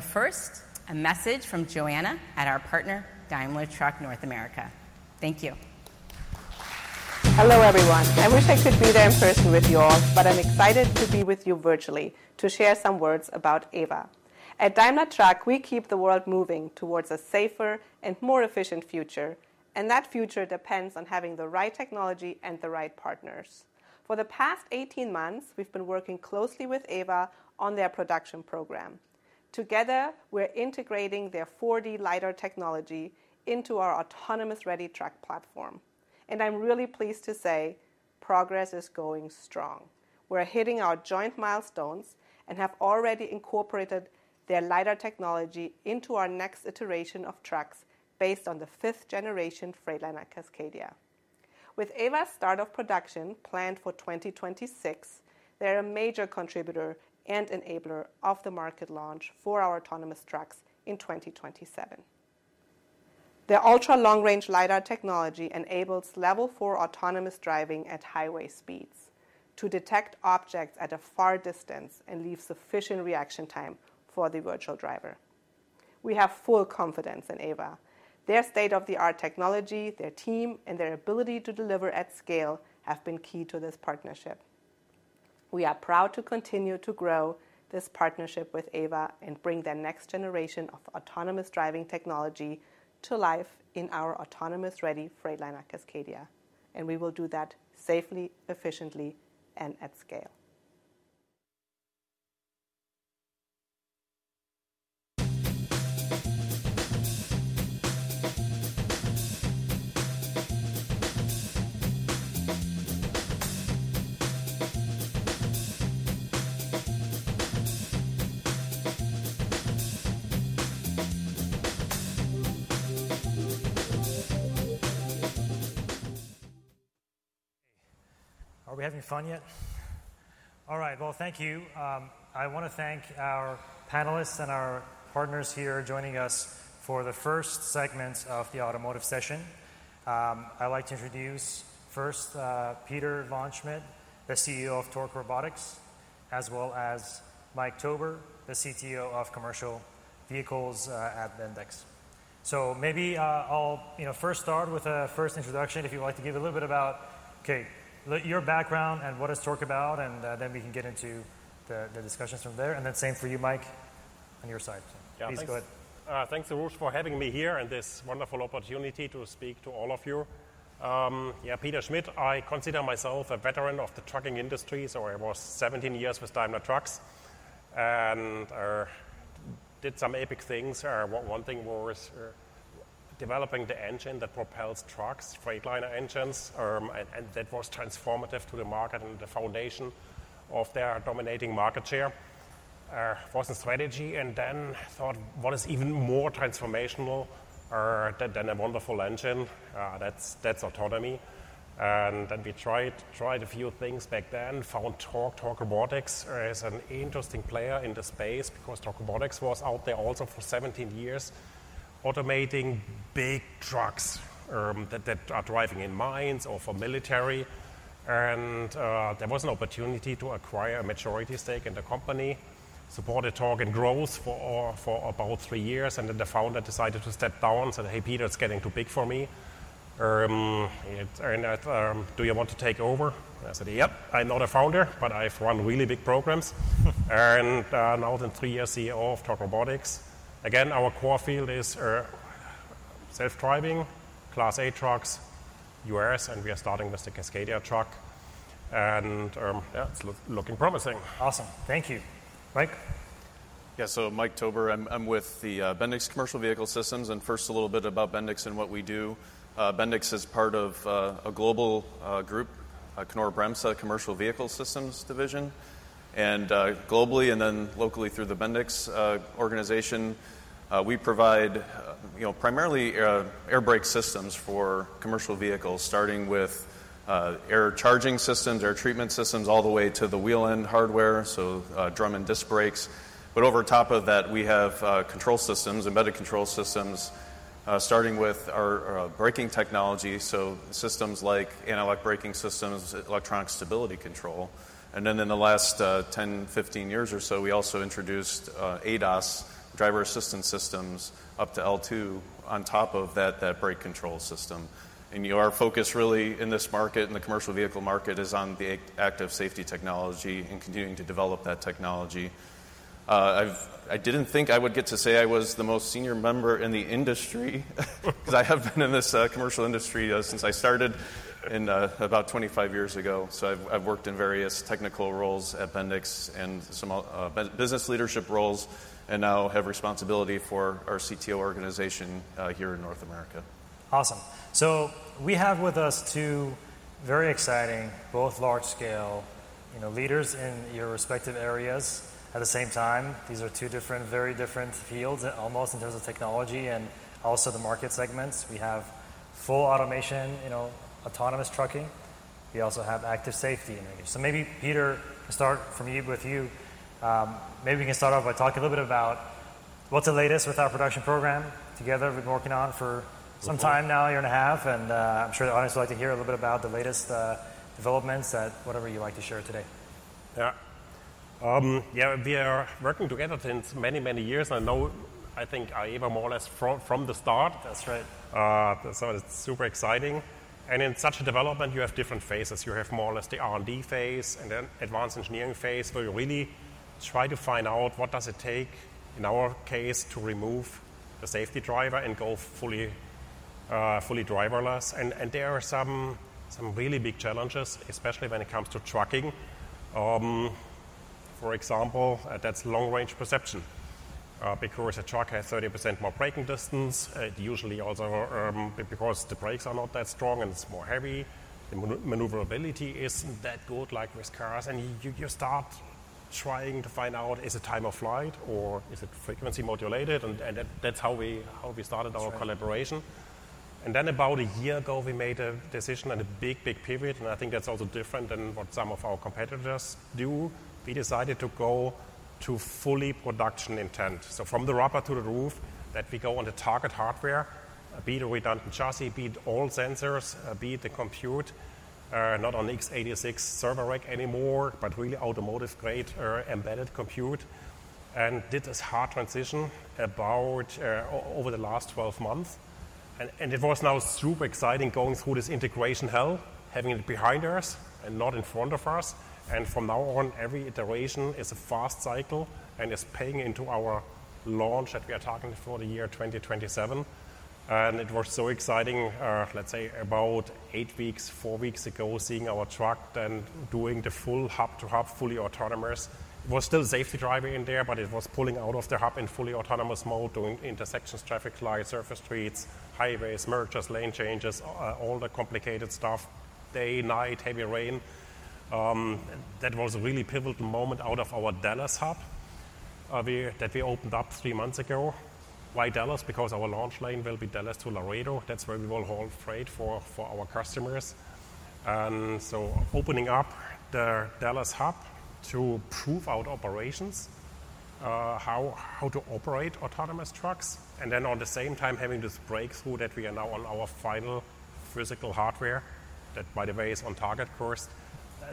First, a message from Joanna at our partner Daimler Truck AG North America. Thank you. Hello everyone. I wish I could be there. excited to be here with you all to be with you virtually to share some words about Aeva. At Daimler Truck we keep the world moving towards a safer and more efficient future, and that future depends on having the right technology and the right partners. For the past 18 months we've been working closely with Aeva on their production program. Together we're integrating their 4D LiDAR technology into our autonomous ReadyTrack platform. I'm really pleased to say progress is going strong. We're hitting our joint milestones and have already incorporated their LiDAR technology into our. Next iteration of trucks. Based on the fifth generation Freightliner Cascadia. With Aeva's start of production planned for 2026, they are a major contributor and enabler of the market launch for our autonomous trucks in 2027. The ultra long range LiDAR technology enables level 4 autonomous driving at highway speeds to detect objects at a far distance and leave sufficient reaction time for the virtual driver. We have full confidence in Aeva. Their state of the art technology, their team, and their ability to deliver at scale have been key to this partnership. We are proud to continue to grow this partnership with Aeva and bring the next generation of autonomous driving technology to life in our autonomous ready Freightliner Cascadia. We will do that safely, efficiently, and at scale. Are we having fun yet? All right, thank you. I want to thank our panelists and our partners here joining us for the first segment of the automotive session. I'd like to introduce first Peter Voss Schmidt, the CEO of Torc Robotics, as well as Mike Tober, the CTO of commercial vehicles at Bendix. I'll start with a first introduction. If you'd like to give a little bit about your background and what Torc Robotics is about, then we can get into the discussions from there. Same for you, Mike, on your side. Please go ahead. Thanks, Soroush, for having me here and this wonderful opportunity to speak to all of you. Yeah. Peter Schmidt. I consider myself a veteran of the trucking industry. I was 17 years with Daimler Trucks, and did some epic things. One thing was developing the engine that propels trucks, Freightliner engines, and that was transformative to the market. The foundation of their dominating market share was a strategy. I thought what is even more transformational than a wonderful engine. That's autonomy. We tried a few things back then, found Torc Robotics as an interesting player in the space because Torc Robotics was out there also for 17 years automating big trucks that are driving in mines or for military. There was an opportunity to acquire a majority stake in the company. Supported target growth for about three years. The founder decided to step down, said, hey Peter, it's getting too big for me. Do you want to take over? I said, yes, I'm not a founder, but I've run really big programs. Now the three year CEO of Torc Robotics. Again, our core field is self-driving Class 8 trucks, and us and we are starting with the Cascadia truck and it's looking promising. Awesome. Thank you, Mike. Yeah. Mike Tober, I'm with Bendix Commercial Vehicle Systems. First a little bit about Bendix and what we do. Bendix is part of a global group, Knorr-Bremse Commercial Vehicle Systems division, and globally and then locally through the Bendix organization we provide, you know, primarily air brake systems for commercial vehicles, starting with air charging systems, air treatment systems, all the way to the wheel end hardware, so drum and disc brakes. Over top of that we have control systems, embedded control systems, starting with our braking technology. Systems like anti-lock braking systems, electronic stability. In the last 10-15 years or so we also introduced ADAS, driver assistance systems up to L2 on top of that brake control system. Our focus really in this market and the commercial vehicle market is on the active safety technology and continuing to develop that technology. I didn't think I would get to say I was the most senior member in the industry because I have been in this commercial industry since I started in about 25 years ago. I've worked in various technical roles at Bendix and some business leadership roles and now have responsibility for our CTO organization here in North America. Awesome. We have with us two very exciting, both large scale leaders in your respective areas at the same time. These are two different, very different fields almost in terms of technology and also the market segments. We have full automation, you know, autonomous trucking. We also have active safety. Maybe Peter, start with you. Maybe we can start off by talking a little bit about what's the latest with our production program together. We've been working on it for some time now, a year and a half. I'm sure the audience would like to hear a little bit about the latest developments. Whatever you like to share today. Yeah. We are working together since many, many years. I know, I think Aeva more or less from the start. That's right. It's super exciting. In such a development you have different phases, you have more or less the R&D phase and then advanced engineering phase where you really try to find out what does it take in our case to remove the safety driver and go fully driverless. There are some really big challenges, especially when it comes to trucking. For example, that's long range perception because a truck has 30% more braking distance. It usually also, because the brakes are not that strong and it's more heavy, the maneuverability isn't that good like with cars. You start trying to find out is it time of flight or is it frequency modulated. That's how we started our collaboration. About a year ago we made a decision on a big, big pivot. I think that's also different than what some of our competitors do. We decided to go to fully production intent. From the rubber to the roof that we go on the target hardware, be it a redundant chassis, be it all sensors, be it the compute, not on x86 server rack anymore, but really automotive grade embedded compute. We did this hard transition over the last 12 months and it was now super exciting going through this integration hell, having it behind us and not in front of us and from now on every iteration is a fast cycle and is paying into our launch that we are targeting for the year 2027. It was so exciting, let's say about eight weeks, four weeks ago, seeing our truck then doing the full hub to hub fully autonomous. It was still safety driving in there, but it was pulling out of the hub in fully autonomous mode, doing intersections, traffic lights, surface streets, highways, mergers, lane changes, all the complicated stuff. Day, night, heavy rain. That was a really pivotal moment out of our Dallas hub that we opened up three months ago. Why Dallas? Because our launch lane will be Dallas to Laredo. That's where we will haul freight for our customers. Opening up the Dallas hub to proof out operations, how to operate autonomous trucks, and then at the same time having this breakthrough that we are now on our final physical hardware that by the way is on target. First,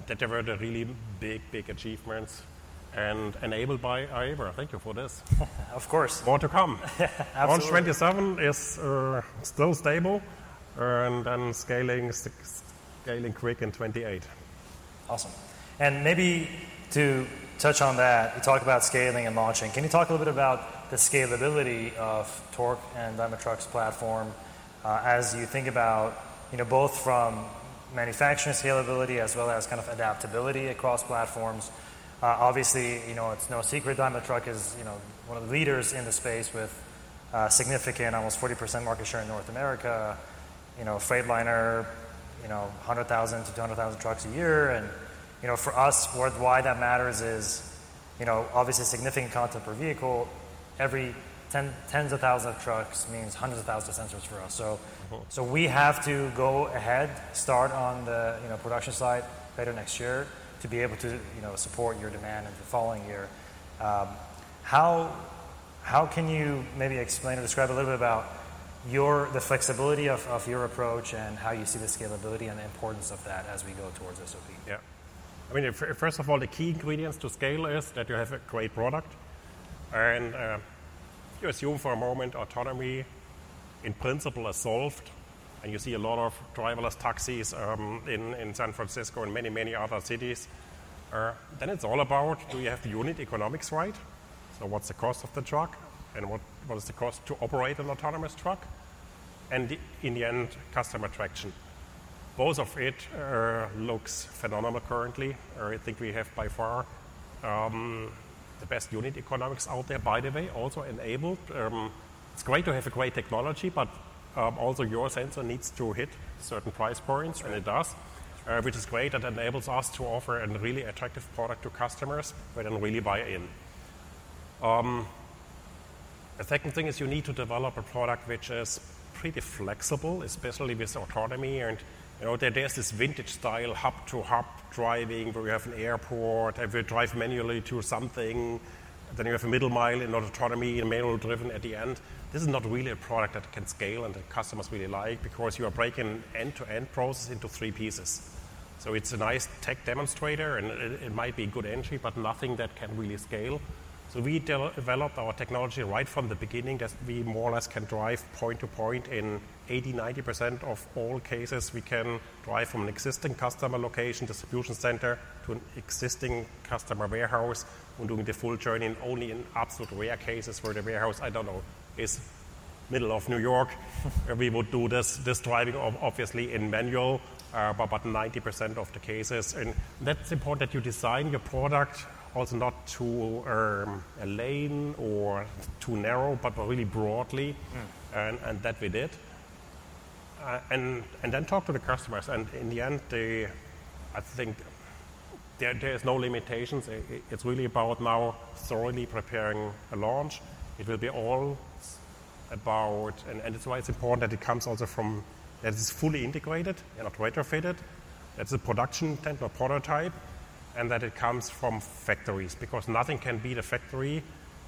there were the really big, big achievements and enabled by Aeva. Thank you for this. Of course. More to come. Launch 2027 is still stable and then scaling quick in 2028. Awesome. Maybe to touch on that, to talk about scaling and launching, can you talk a little bit about the scalability of Torc and Daimler Truck AG's platform as you think about, you know, both from manufacturing scalability as well as kind of adaptability across platforms? Obviously, you know, it's no secret. Daimler Truck is, you know, one of the leaders in the space with significant, almost 40% market share in North America. You know, Freightliner, you know, 100,000-200,000 trucks a year. For us, why that matters is, you know, obviously significant content per vehicle. Every tens of thousands of trucks means hundreds of thousands of sensors for us. We have to go ahead, start on the production side later next year to be able to, you know, support your demand in the following year. How can you maybe explain or describe a little bit about your, the flexibility of your approach and how you see the scalability and the importance of that as we go towards SOP. Yeah, I mean, first of all, the key ingredients to scale is that you have a great product and you assume for a moment autonomy in principle is solved and you see a lot of driverless taxis in San Francisco and many, many other cities. Then it's all about do you have the unit economics right? So what's the cost of the truck and what is the cost to operate an autonomous truck? In the end, customer traction, both of it looks phenomenal. Currently, I think we have by far the best unit economics out there. By the way, also enabled. It's great to have a great technology, but also your sensor needs to hit certain price points and it does, which is great. It enables us to offer a really attractive product to customers where they'll really buy in. The second thing is you need to develop a product which is pretty flexible, especially with autonomy. There's this vintage style hub to hub driving where you have an airport. If you drive manually to something, then you have a middle mile and autonomy and manual driven at the end. This is not really a product that can scale and the customers really like because you are breaking end to end process into three pieces. It's a nice tech demonstrator and it might be good entry but nothing that can really scale. We developed our technology right from the beginning as we more or less can drive point to point. In 80%, 90% of all cases, we can drive from an existing customer location distribution center to an existing customer warehouse when doing the full journey. Only in absolute rare cases where the warehouse, I don't know, is middle of New York, we would do this driving obviously in manual, but about 90% of the cases. That's important that you design your product also not too lane or too narrow, but really broadly. That we did and then talk to the customers. In the end, I think there's no limitations. It's really about now thoroughly preparing a launch. It will be all about. That's why it's important that it comes also from that it's fully integrated and operator fitted, it's a production prototype and that it comes from factories because nothing can beat a factory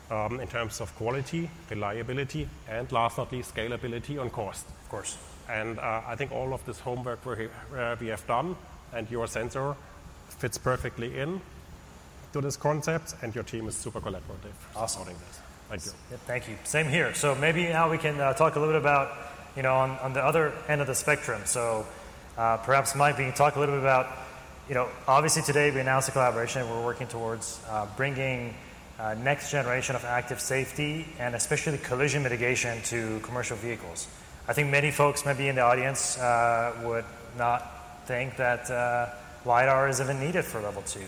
in terms of quality, reliability and last, not least, scalability on cost of course. I think all of this homework we have done and your sensor fits perfectly in to this concept and your team is super collaborative. Thank you. Thank you. Same here. Maybe now we can talk a little bit about on the other end of the spectrum. Perhaps, Mike, we can talk a little bit about obviously today we announced a collaboration. We're working towards bringing next generation of active safety and especially the collision mitigation to commercial vehicles. I think many folks maybe in the audience would not think that LiDAR is even needed for Level 2.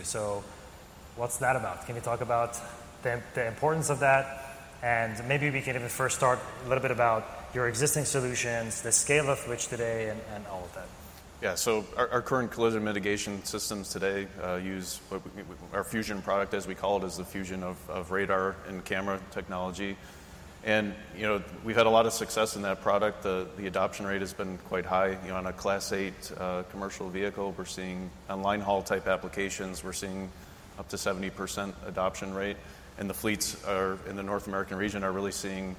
What's that about? Can you talk about the importance of that? Maybe we can even first start a little bit about your existing solutions, the scale of which today and all of that. Yeah. Our current collision mitigation systems today use our fusion product, as we call it, which is the fusion of radar and camera technology. Technology. You know, we've had a lot of success in that product. The adoption rate has been quite high. On a Class 8 commercial vehicle we're seeing online haul type applications, we're seeing up to 70% adoption rate. The fleets in the North American region are really seeing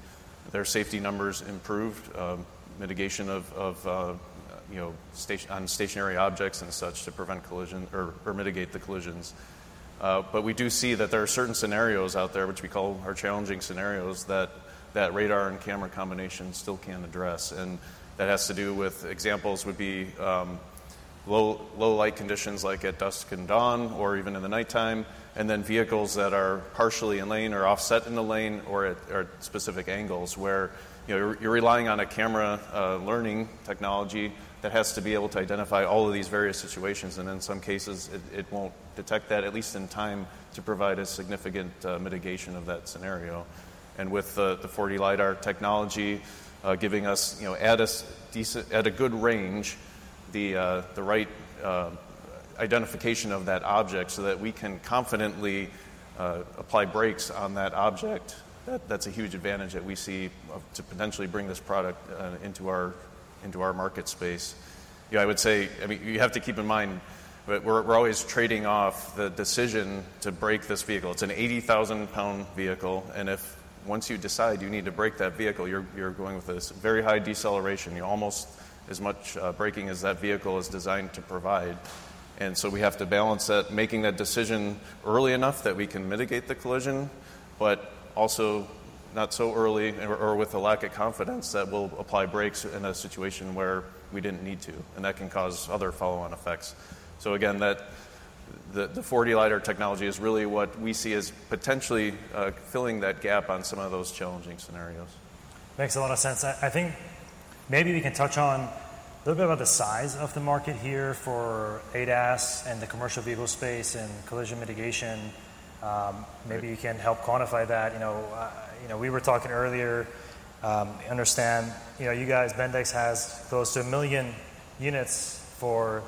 their safety numbers improve, mitigation of, you know, on stationary objects and such to prevent collision or mitigate the collisions. We do see that there are certain scenarios out there which we call our challenging scenarios that radar and camera combination still can address. That has to do with examples like low light conditions at dusk and dawn or even in the nighttime. Vehicles that are partially in lane or offset in the lane or at specific angles where you're relying on a camera learning technology that has to be able to identify all of these various situations. In some cases it won't detect that at least in time to provide a significant mitigation of that scenario. With the 4D LiDAR technology giving us, you know, at a good range, the right identification of that object so that we can confidently apply brakes on that object, that's a huge advantage that we see to potentially bring this product into our market space. I would say you have to keep in mind we're always trading off the decision to brake this vehicle. It's an 80,000 pound vehicle and if once you decide you need to brake that vehicle, you're going with this very high deceleration, almost as much braking as that vehicle is designed to provide. We have to balance that, making that decision early enough that we can mitigate the collision, but also not so early or with a lack of confidence that we'll apply brakes in a situation where we didn't need to and that can cause other follow on effects. The 4D LiDAR technology is really what we see as potentially filling that gap on some of those challenging scenarios. Makes a lot of sense. I think maybe we can touch on a little bit about the size of the market here for ADAS and the commercial vehicle space and collision mitigation. Maybe you can help quantify that. We were talking earlier. Understand, you know, you guys, Bendix has close to 1 million units for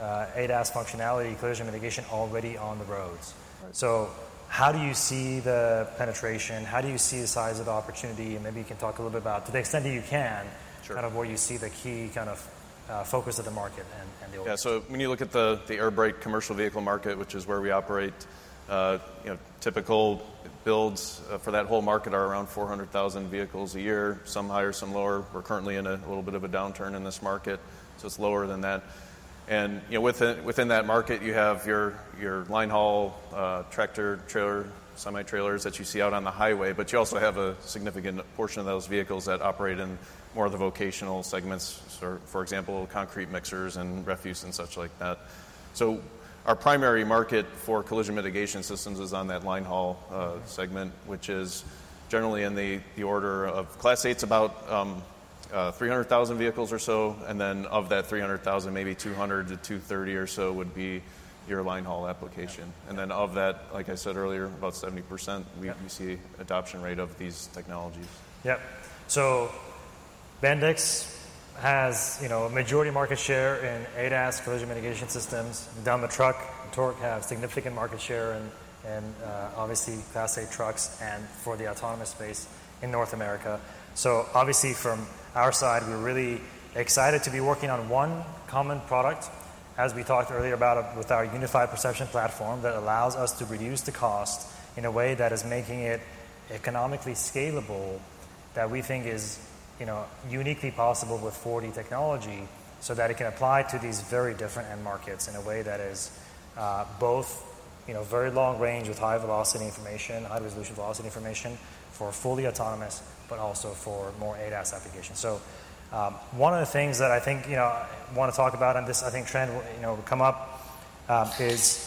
ADAS functionality collision mitigation already on the roads. How do you see the penetration, how do you see the size of the opportunity? Maybe you can talk a little bit about to the extent that you can kind of where you see the key kind of focus of the market and the oil. Yeah. When you look at the air brake commercial vehicle market, which is where we operate, typical builds for that whole market are around 400,000 vehicles a year, some higher, some lower. We're currently in a little bit of a downturn in this market, so it's lower than that. Within that market you have your line haul, tractor trailer, semi trailers that you see out on the highway, but you also have a significant portion of those vehicles that operate in more of the vocational segments, for example, concrete mixers and refuse and such like that. Our primary market for collision mitigation systems is on that line haul segment, which is generally in the order of Class 8's, about 300,000 vehicles or so. Of that 300,000, maybe 200,000-230,000 or so would be your line haul application. Of that, like I said earlier, about 70% we see adoption rate of these technologies. Yeah. Bendix has a majority market share in ADAS collision mitigation systems down the truck. Torc has significant market share and obviously Class 8 trucks and for the autonomous space in North America. From our side, we're really excited to be working on one common product, as we talked earlier about with our unified perception platform that allows us to reduce the cost in a way that is making it economically scalable that we think is uniquely possible with 4D technology so that it can apply to these very different end markets in a way that is both very long range with high velocity information, high resolution velocity information for fully autonomous, but also for more ADAS applications. One of the things that I think want to talk about and this trend will come up is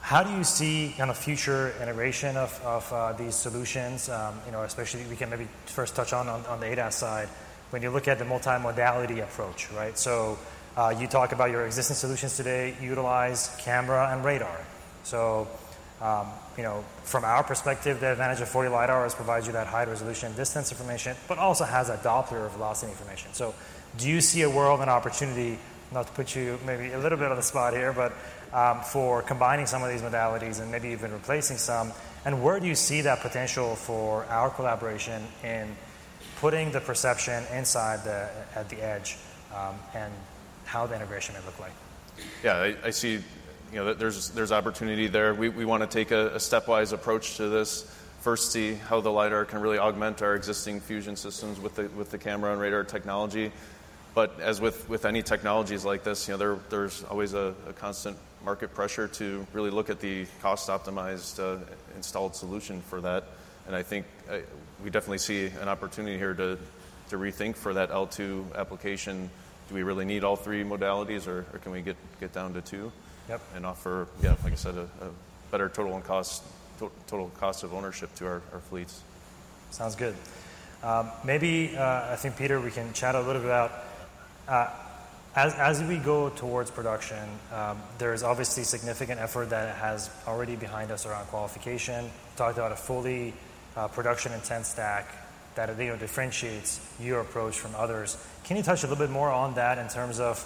how do you see kind of future integration of these solutions? Especially we can maybe first touch on the ADAS side when you look at the multimodality approach. You talk about your existing solutions today utilize camera and radar. From our perspective, the advantage of 4D LiDAR is provides you that high resolution distance information, but also has a Doppler velocity information. Do you see a world and opportunity, not to put you maybe a little bit on the spot here, but for combining some of these modalities and maybe even replacing some. Where do you see that potential for our collaboration in putting the perception inside, at the edge and how the integration may look like. Yeah, I see there's opportunity there. We want to take a stepwise approach to this first, see how the LiDAR can really augment our existing fusion systems with the camera and radar technology. As with any technologies like this, there's always a constant market pressure to really look at the cost-optimized installed solution for that. I think we definitely see an opportunity here to rethink for that L2 application. Do we really need all three modalities, or can we get down to two and offer, like I said, a better total cost, total cost of ownership to our fleets? Sounds good. Maybe I think, Peter, we can chat a little bit about as we go towards production. There is obviously significant effort that is already behind us around qualification. Talked about a fully production intense stack that differentiates your approach from others. Can you touch a little bit more on that in terms of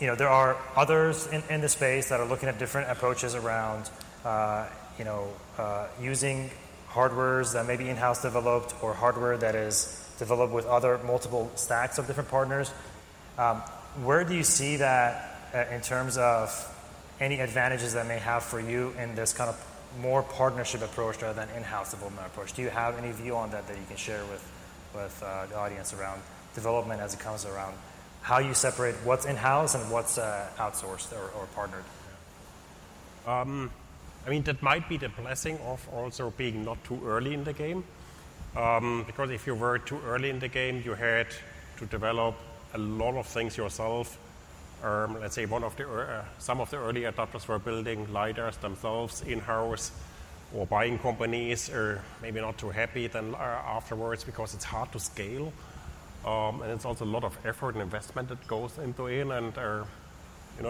there are others in the space that are looking at different approaches around using hardware that may be in-house developed or hardware that is developed with other multiple stacks of different partners. Where do you see that in terms of any advantages that may have for you in this kind of more partnership approach rather than in-house development approach? Do you have any view on that that you can share with the audience around development as it comes around? How you separate what's in-house and what's outsourced or partnered? I mean that might be the blessing of also being not too early in the game, because if you were too early in the game you had to develop a lot of things yourself. Let's say some of the early adopters were building LiDARs themselves in house or buying companies or maybe not too happy then afterwards because it's hard to scale. It's also a lot of effort and investment that goes into it.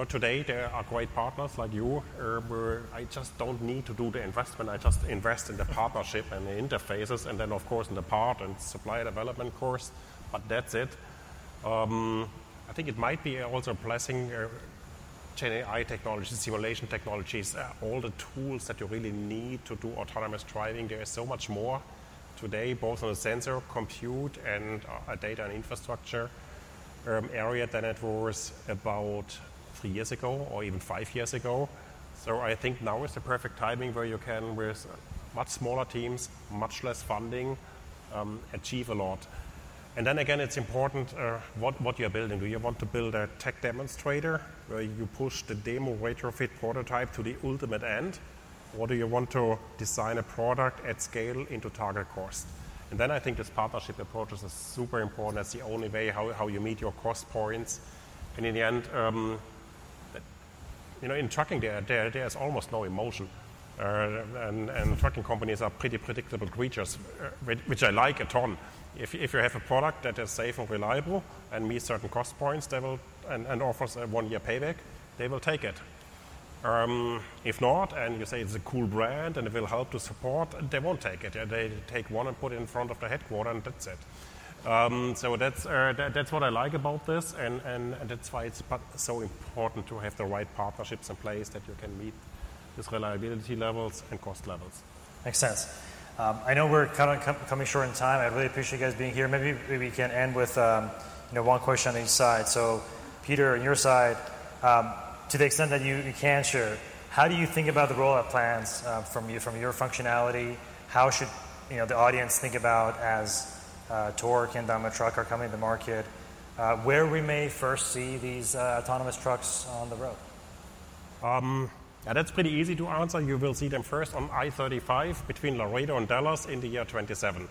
Today there are great partners like you, where I just don't need to do the investment. I just invest in the partnership and the interfaces and then of course in the part and supply development course. That's it. I think it might be also a blessing. Chain AI technology, simulation technologies, all the tools that you really need to do autonomous driving. There is so much more today, both on a sensor, compute and a data and infrastructure area than it was about three years ago or even five years ago. I think now is the perfect timing where you can, with much smaller teams, much less funding, achieve a lot. It's important what you're building. Do you want to build a tech demonstrator where you push the demo retrofit prototype to the ultimate end or do you want to design a product at scale into target cost? I think this partnership approach is super important. That's the only way how you meet your cost points. In the end, you know, in trucking there's almost no emotion. Trucking companies are pretty predictable creatures, which I like a ton. If you have a product that is safe and reliable and meets certain cost points and offers a one year payback, they will take it. If not, and you say it's a cool brand and it will help to support, they won't take it. They take one and put it in front of the headquarter and that's it. That's what I like about this. That's why it's so important to have the right partnerships in place that you can meet this reliability levels and cost levels. Makes sense. I know we're kind of coming short in time. I really appreciate you guys being here. Maybe we can end with one question on each side. Peter, on your side, to the extent that you can share, how do you think about the rollout plans from your functionality? How should the audience think about as Torc and Daimler Truck AG are coming to market, where we may first see these autonomous trucks on the road? That's pretty easy to answer. You will see them first on I-35 between Laredo and Dallas in the year 2027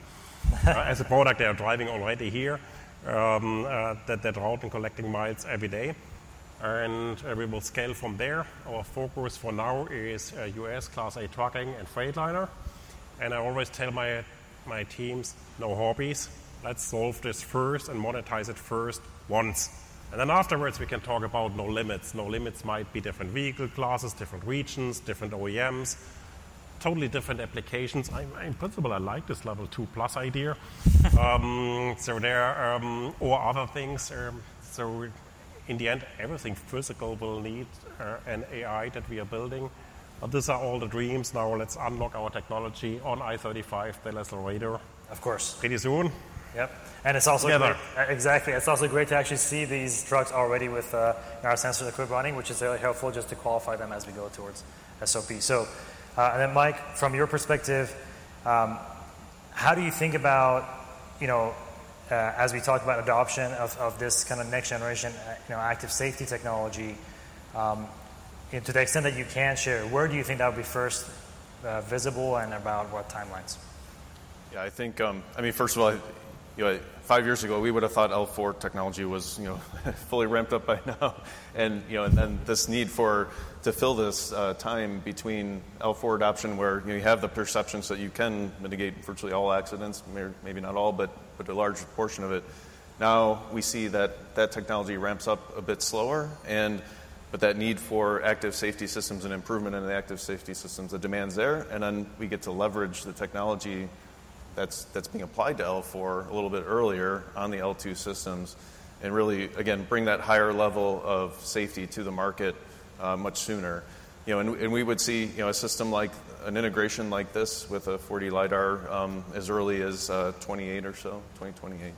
as a product. They are driving already here, they're driving, collecting miles every day, and we will scale from there. Our focus for now is U.S. Class 8 trucking and Freightliner. I always tell my teams, no hobbies, let's solve this first and monetize it first once, and then afterwards we can talk about no limits. No limits might be different vehicle classes, different regions, different OEMs, totally different applications. In principle, I like this Level 2+ idea. There are other things. In the end, everything physical will need an AI that we are building. These are all the dreams. Now let's unlock our technology on I-35, the lesser radar, of course. Pretty soon. Yep. Exactly. It's also great to actually see these trucks already with our sensor equipment running, which is very helpful just to qualify them as we go towards SOP. Mike, from your perspective, how do you think about, you know, as we talk about adoption of this kind of next generation, you know, active safety technology to the extent that you can share, where do you think that would be first visible and about what timelines? Yeah, I think, I mean first of all, five years ago, we would have thought L4 technology was fully ramped up by now. This need to fill this time between L4 adoption, where you have the perception so you can mitigate virtually all accidents, maybe not all, but a large portion of it. Now we see that that technology ramps up a bit slower. That need for active safety systems and improvement in the active safety systems, the demand's there, and we get to leverage the technology that's being applied to L4 a little bit earlier on the L2 systems and really, again, bring that higher level of safety to the market much sooner. We would see a system like an integration like this with a 4D LiDAR as early as 2028 or so. 2028.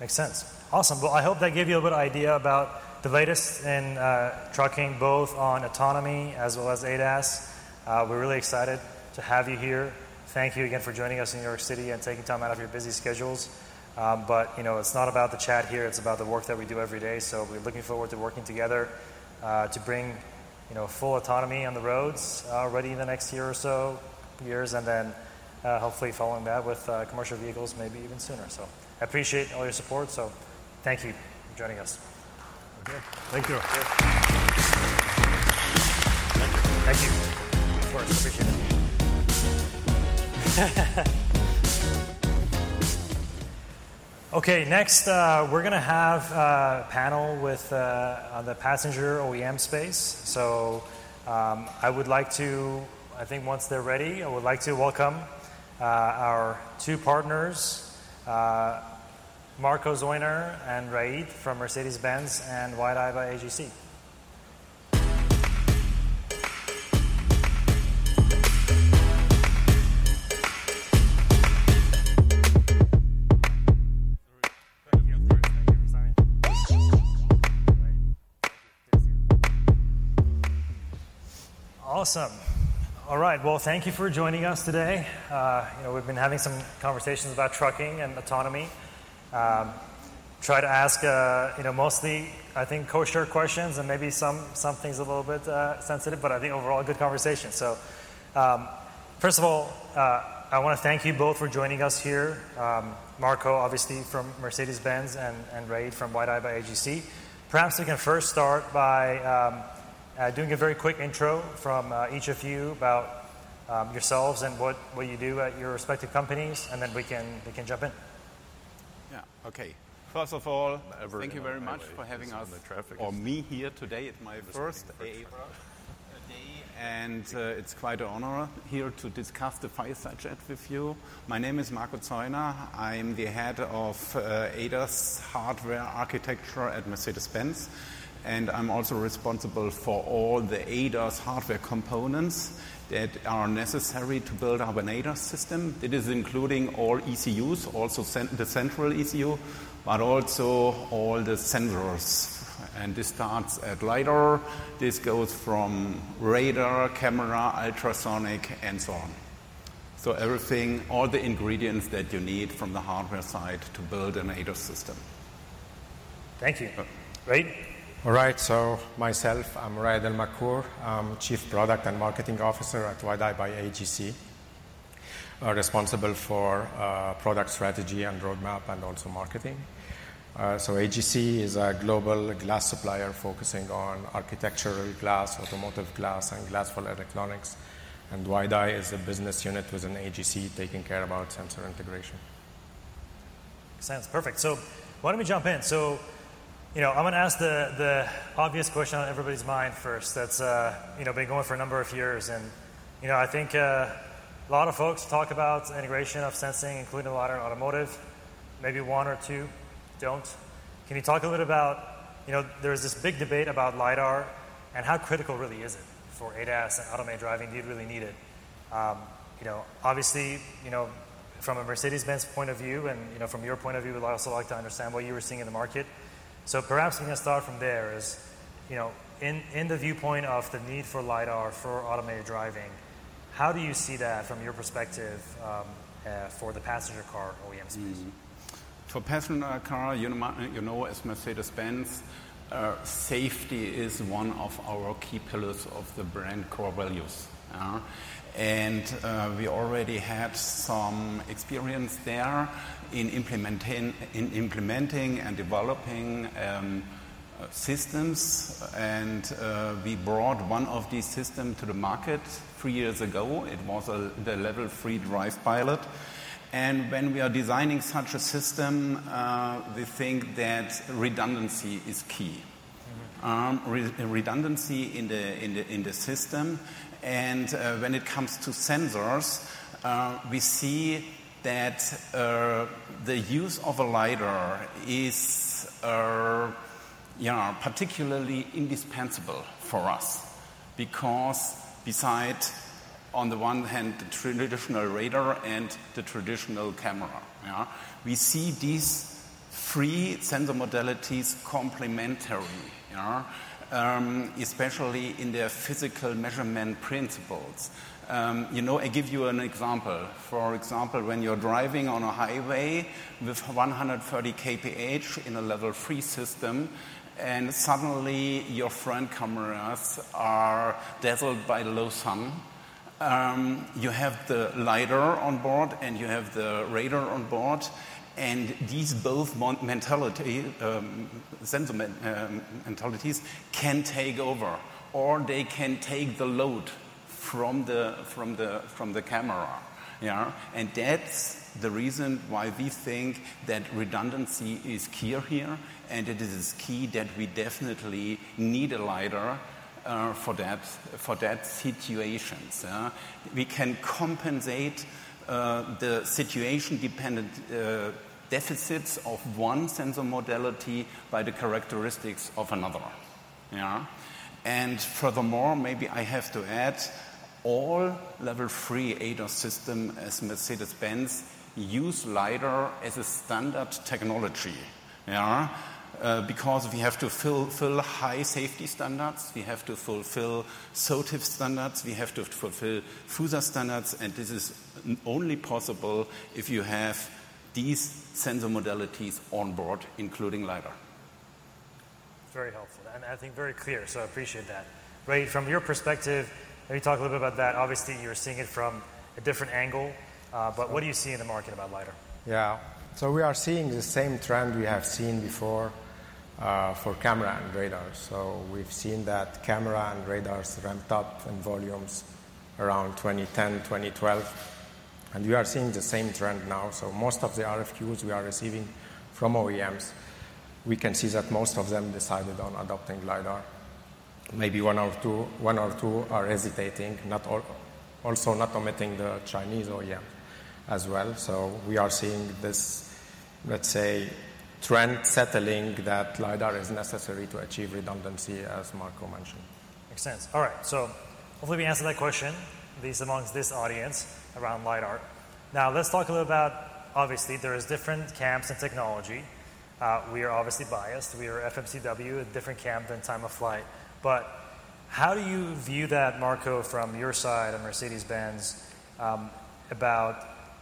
Makes sense. Awesome. I hope that gave you a little idea about the latest in trucking, both on autonomy as well as ADAS. We're really excited to have you here. Thank you again for joining us in New York City and taking time out of your busy schedules. You know, it's not about the chat here. It's about the work that we do every day. We're looking forward to working together to bring full autonomy on the roads ready in the next year or so years, and then hopefully following that with commercial vehicles, maybe even sooner. I appreciate all your support. Thank you for joining us. Okay, thank you. Thank you. Thank you for speaking. Next, we're going to have a panel with the passenger OEM space. I would like to, once they're ready, welcome our two partners, Marco Zeuner and Raed from Mercedes-Benz and Wideye by AGC. Awesome. Thank you for joining us today. You know, we've been having some conversations about trucking and autonomy. I try to ask mostly, I think, kosher questions and maybe some things a little bit sensitive, but I think overall a good conversation. First of all, I want to thank you both for joining us here. Marco, obviously from Mercedes-Benz, and Raed from Wideye by AGC. Perhaps I can first start by doing a very quick intro from each of you about yourselves and what you do at your respective companies, and then we can jump in. Yeah. Okay. First of all, thank you very much for having us or me here today at my first day. It's quite an honor here to discuss the fireside chat with you. My name is Marco Zeuner. I'm the Head of ADAS Hardware Architecture at Mercedes-Benz, and I'm also responsible for all the ADAS hardware components that are necessary to build up an ADAS system. It is including all ECUs, also the central ECU, but also all the sensors. This starts at LiDAR. This goes from radar, camera, ultrasonic and so on. Everything, all the ingredients that you need from the hardware side to build an ADAS system. Thank you. Raed. All right, so myself, I'm Raed El-Makhour. I'm Chief Product and Marketing Officer at Wideye by AGC, responsible for product strategy and roadmap and also marketing. AGC is a global glass supplier focusing on architectural glass, automotive glass, and glass for electronics. Wideye is a business unit within AGC taking care about sensor integration. Sounds perfect. Why don't we jump in? I'm going to ask the obvious question on everybody's mind first. That's been going for a number of years and I think a lot of folks talk about integration of sensing, including a lot of automotive. Maybe one or two don't. Can you talk a little bit about there's this big debate about LiDAR and how critical really is it for ADAS and automated driving. Do you really need it? Obviously, you know, from a Mercedes-Benz point of view and from your point of view, we'd also like to understand what you were seeing in the market. Perhaps we can start from there. In the viewpoint of the need for LiDAR for automated driving, how do you see that from your perspective for the passenger car OEM space? For passenger car, you know, as Mercedes-Benz, safety is one of our key pillars of the brand core values. We already had some experience there in implementing and developing systems, and we brought one of these systems to the market three years ago. It was the Level 3 Drive Pilot. When we are designing such a system, we think that redundancy is key, redundancy in the system. When it comes to sensors, we see that the use of a LiDAR is particularly indispensable for us because, beside, on the one hand, the traditional radar and the traditional camera, we see these three sensor modalities as complementary, especially in their physical measurement principles. I give you an example. For example, when you're driving on a highway with 130 kph in a Level 3 system and suddenly your front cameras are dazzled by the low sun, you have the LiDAR on board and you have the radar on board, and these both sensor modalities can take over or they can take the load from the camera. That's the reason why we think that redundancy is key here. It is key that we definitely need a LiDAR for that situation. We can compensate the situation-dependent deficits of one sensor modality by the characteristics of another. Furthermore, maybe I have to add all Level 3 ADAS systems as Mercedes-Benz use LiDAR as a standard technology because we have to fulfill high safety standards, we have to fulfill SOTIF standards, we have to fulfill FUSA standards, and this is only possible if you have these sensor modalities on board, including LiDAR. Very helpful and I think very clear. I appreciate that, Raed, from your perspective. Let me talk a little bit about that. Obviously you're seeing it from a different angle, but what do you see in the market about LiDAR? Yeah, we are seeing the same trend we have seen before for camera and radar. We've seen that camera and radars ramped up in volumes around 2010, 2012, and you are seeing the same trend now. Most of the RFQs we are receiving from OEMs, we can see that most of them decided on adopting LiDAR. Maybe one or two are hesitating, not all. Also, not omitting the Chinese OEM as well. We are seeing this trend settling that LiDAR is necessary to achieve redundancy as Marco mentioned. Makes sense. All right, so hopefully we answered that question amongst this audience around LiDAR. Now let's talk a little about, obviously there is different camps and technology. We are obviously biased. We are FMCW, a different camp than time of flight. How do you view that, Marco, from your side and Mercedes-Benz about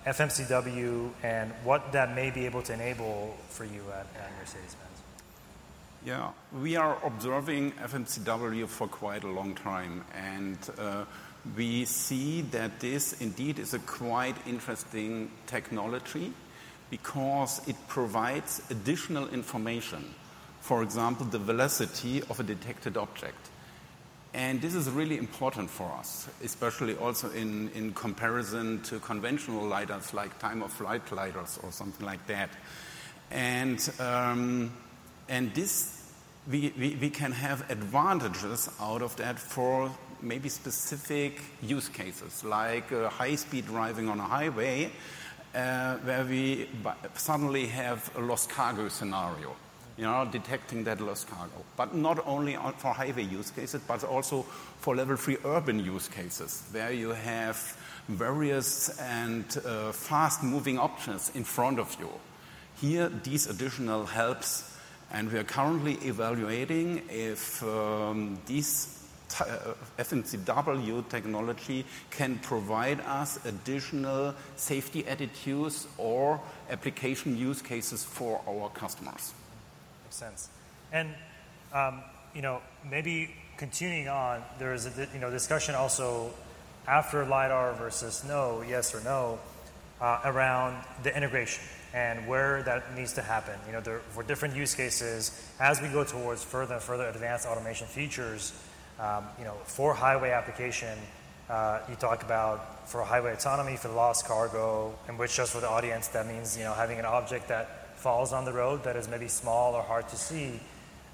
FMCW and what that may be able to enable for you at Mercedes-Benz? Yeah, we are observing FMCW for quite a long time, and we see that this indeed is a quite interesting technology because it provides additional information, for example, the velocity of a detected object. This is really important for us, especially also in comparison to conventional LiDARs like Time of Flight LiDARs or something like that. We can have advantages out of that for maybe specific use cases like high-speed driving on a highway where we suddenly have a lost cargo scenario, you know, detecting that lost cargo. Not only for highway use cases, but also for level 3 urban use cases where you have various and fast-moving options in front of you here. These additional helps, and we are currently evaluating if this FMCW technology can provide us additional safety attitudes or application use cases for our customers. Makes sense. Maybe continuing on, there is a discussion also after LiDAR versus no, yes or no, around the integration and where that needs to happen. There were different use cases as we go towards further, further advanced automation features. For highway application, you talk about for highway autonomy, for lost cargo, which shows for the audience that means having an object that falls on the road that is maybe small or hard to see.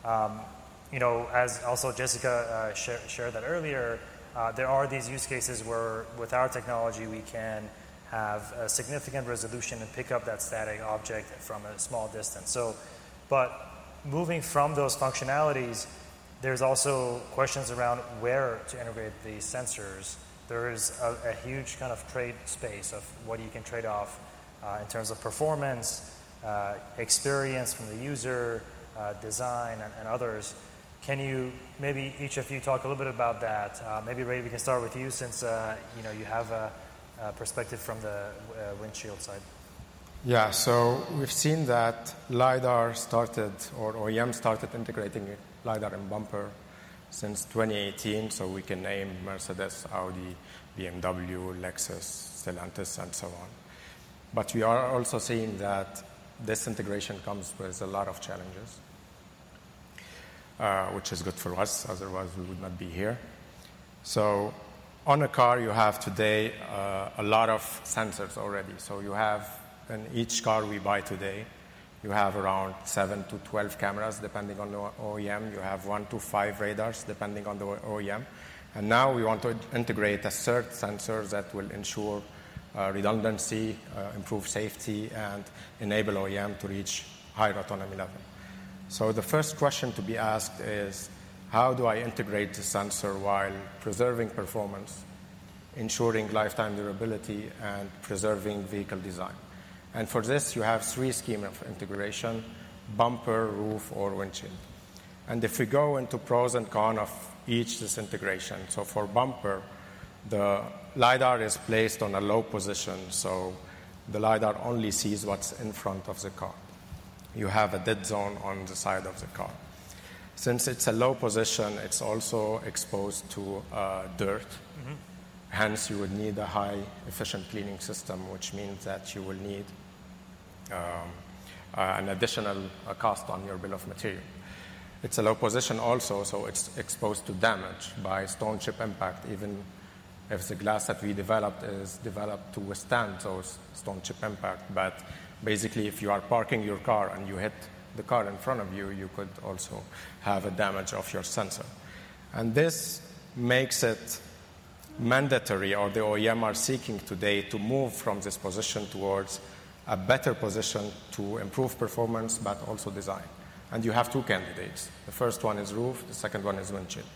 As also Jessica shared earlier, there are these use cases where with our technology we can have a significant resolution and pick up that static object from a small distance. Moving from those functionalities, there's also questions around where to integrate the sensors. There is a huge kind of trade space of what you can trade off in terms of performance, experience from the user, design, and others. Can you maybe each of you talk a little bit about that? Maybe Raed, we can start with you since you have a perspective from the windshield side. Yeah, we've seen that LiDAR started or OEMs started integrating LiDAR in bumper since 2018. We can name Mercedes, Audi, BMW, Lexus, Stellantis, and so on. We are also seeing that this integration comes with a lot of challenges, which is good for us, otherwise we would not be here. On a car you have today a lot of sensors already. Each car we buy today, you have around 7-12 cameras depending on the OEM. You have 1-5 radars depending on the OEM. Now we want to integrate a third sensor that will ensure redundancy, improve safety, and enable OEMs to reach higher autonomy level. The first question to be asked is how do I integrate the sensor while preserving performance, ensuring lifetime durability, and preserving vehicle design. For this, you have three schemes of integration: bumper, roof, or windshield. If we go into pros and cons of each integration, for bumper the LiDAR is placed in a low position, so the LiDAR only sees what's in front of the car. You have a dead zone on the side of the car. Since it's a low position, it's also exposed to dirt, hence you would need a high efficient cleaning system, which means that you will need an additional cost on your bill of material. It's a low position also, so it's exposed to damage by stone chip impact, even if the glass that we developed is developed to withstand stone chip impact. Basically, if you are parking your car and you hit the car in front of you, you could also have a damage of your sensor and this makes it mandatory. The OEMs are seeking today to move from this position towards a better position to improve performance, but also design, and you have two candidates. The first one is roof. The second one is windshield.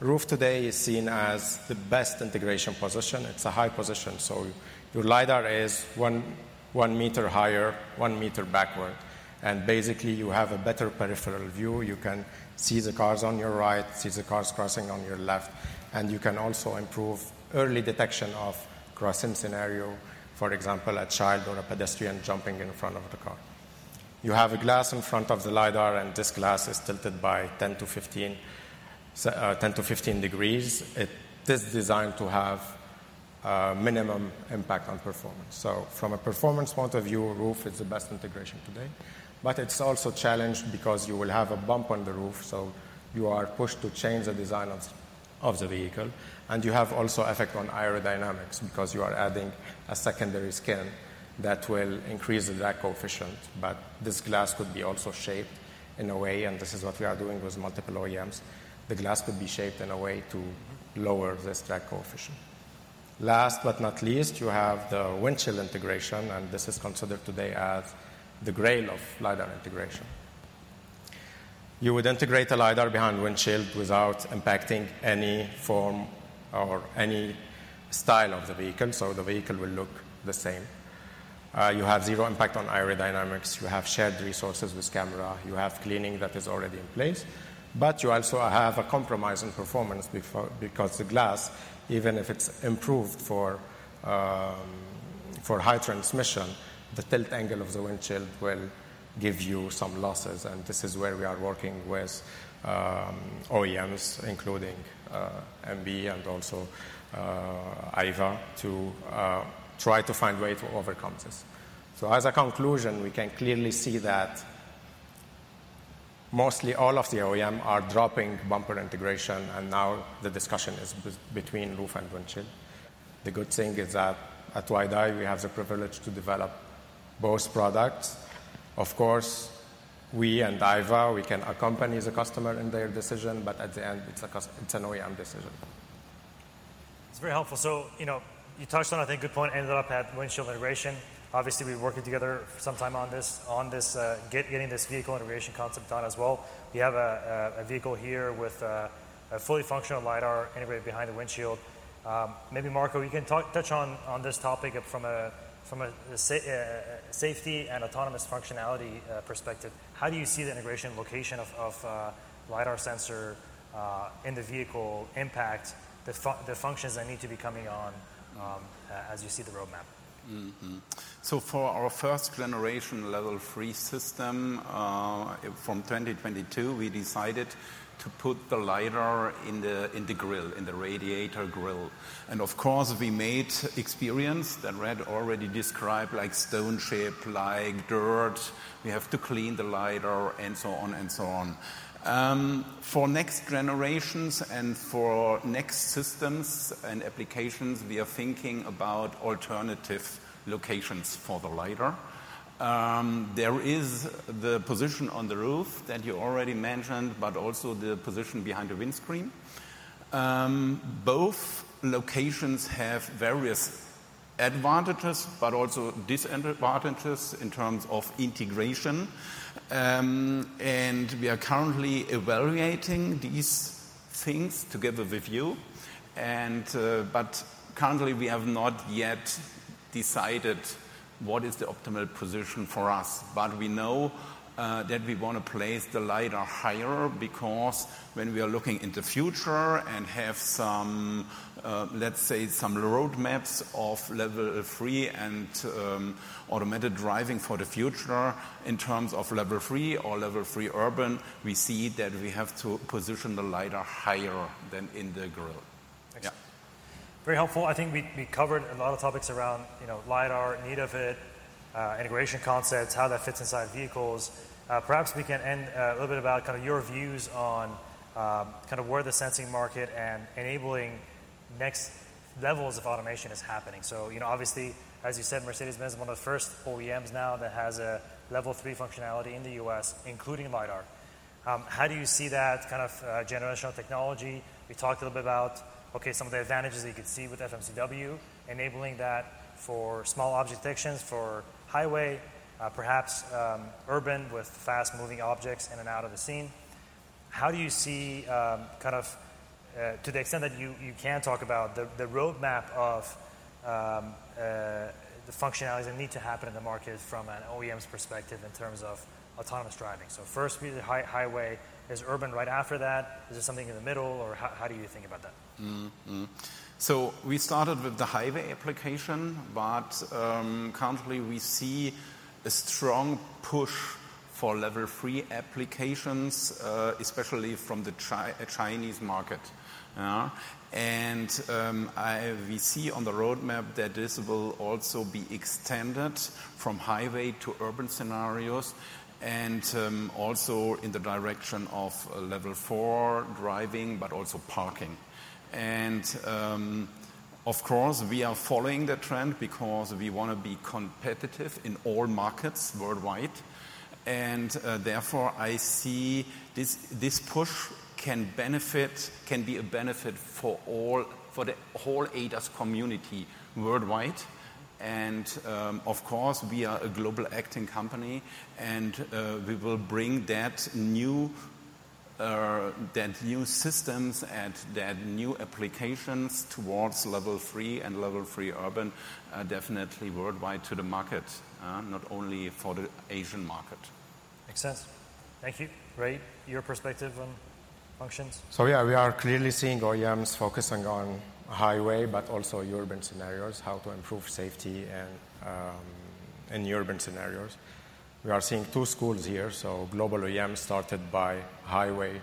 Roof today is seen as the best integration position. It's a high position, so your LiDAR is 1 meter higher, 1 meter backward, and basically you have a better peripheral view. You can see the cars on your right, see the cars crossing on your left, and you can also improve early detection of crossing scenario. For example, a child or a pedestrian jumping in front of the car. You have a glass in front of the LiDAR, and this glass is tilted by 10-15 degrees. It is designed to have minimum impact on performance. From a performance point of view, roof is the best integration today, but it's also challenged because you will have a bump on the roof. You are pushed to change the design of the vehicle. You have also effect on aerodynamics because you are adding a secondary skin that will increase the drag coefficient. This glass could be also shaped in a way, and this is what we are doing with multiple OEMs. The glass could be shaped in a way to lower this drag coefficient. Last but not least, you have the windshield integration. This is considered today as the grail of LiDAR integration. You would integrate a LiDAR behind windshield without impacting any form or any style of the vehicle, so the vehicle will look the same. You have zero impact on aerodynamics. You have shared resources with camera. You have cleaning that is already in place. You also have a compromise in performance because the glass, even if it's improved for high transmission, the tilt angle of the windshield will give you some losses. This is where we are working with OEMs, including Mercedes-Benz and also Aeva to try to find way to overcome this. As a conclusion, we can clearly. See that. Mostly all of the OEM are dropping bumper integration. Now the discussion is between roof and windshield. The good thing is that at Wideye, we have the privilege to develop both products. Of course, we and Aeva, we can accompany the customer in their decision. At the end it's an OEM decision. That's very helpful. You touched on, I think, good point. Ended up at windshield integration. Obviously we're working together sometime on this, on this, getting this vehicle integration concept done as well. You have a vehicle here with a fully functional LiDAR integrated behind a windshield. Maybe Marco, you can touch on this topic from a safety and autonomous functionality perspective. How do you see the integration location of LiDAR sensor in the vehicle impact the functions that need to be coming on as you see the roadmap. For our first generation level three system from 2022, we decided to put the LiDAR in the grille, in the radiator grille. Of course, we made experience that Raed already described, like stone, shape, like dirt. We have to clean the LiDAR and so on and so on. For next generations and for next systems and applications, we are thinking about alternative locations for the LiDAR. There is the position on the roof that you already mentioned, but also the position behind the windscreen. Both locations have various advantages but also disadvantages in terms of integration. We are currently evaluating these things together with you. Currently, we have not yet decided what is the optimal position for us. We know that we want to place the LiDAR higher because when we are looking in the future and have some, let's say, some roadmaps of level three and automated driving for the future, in terms of level three or level three urban, we see that we have to position the LiDAR higher than in the grille. Very helpful. I think we covered a lot of topics around LiDAR, need of IT integration concepts, how that fits inside vehicles. Perhaps we can end a little bit about kind of your views on kind of where the sensing market and enabling next levels of automation is happening. Obviously, as you said, Mercedes-Benz is one of the first OEMs now that has a level three functionality in the U.S. including LiDAR. How do you see that kind of generational technology? We talked a little bit about, okay, some of the advantages that you could see with FMCW enabling that for small object detections, for highway, perhaps urban with fast moving objects in and out of the scene. How do you see kind of, to the extent that you can talk about the roadmap of the functionalities that need to happen in the market from an OEM's perspective in terms of autonomous driving. First highway is urban, right after that, is there something in the middle or how do you think about that? We started with the highway application, but currently we see a strong push for Level 3 applications, especially from the Chinese market. We see on the roadmap that this will also be extended from highway to urban scenarios and also in the direction of Level 4 driving, but also parking. We are following the trend because we want to be competitive in all markets worldwide. Therefore, I see this push can be a benefit for the whole ADAS community worldwide. We are a global acting company and we will bring that new systems at that new applications towards Level 3 and Level 3 urban, definitely worldwide to the market, not only for the Asian market. Makes sense. Thank you. Great, your perspective on functions? Yeah, we are clearly seeing OEMs focusing on highway but also urban scenarios, how to improve safety. In urban scenarios we are seeing two schools here. Global OEMs started by highway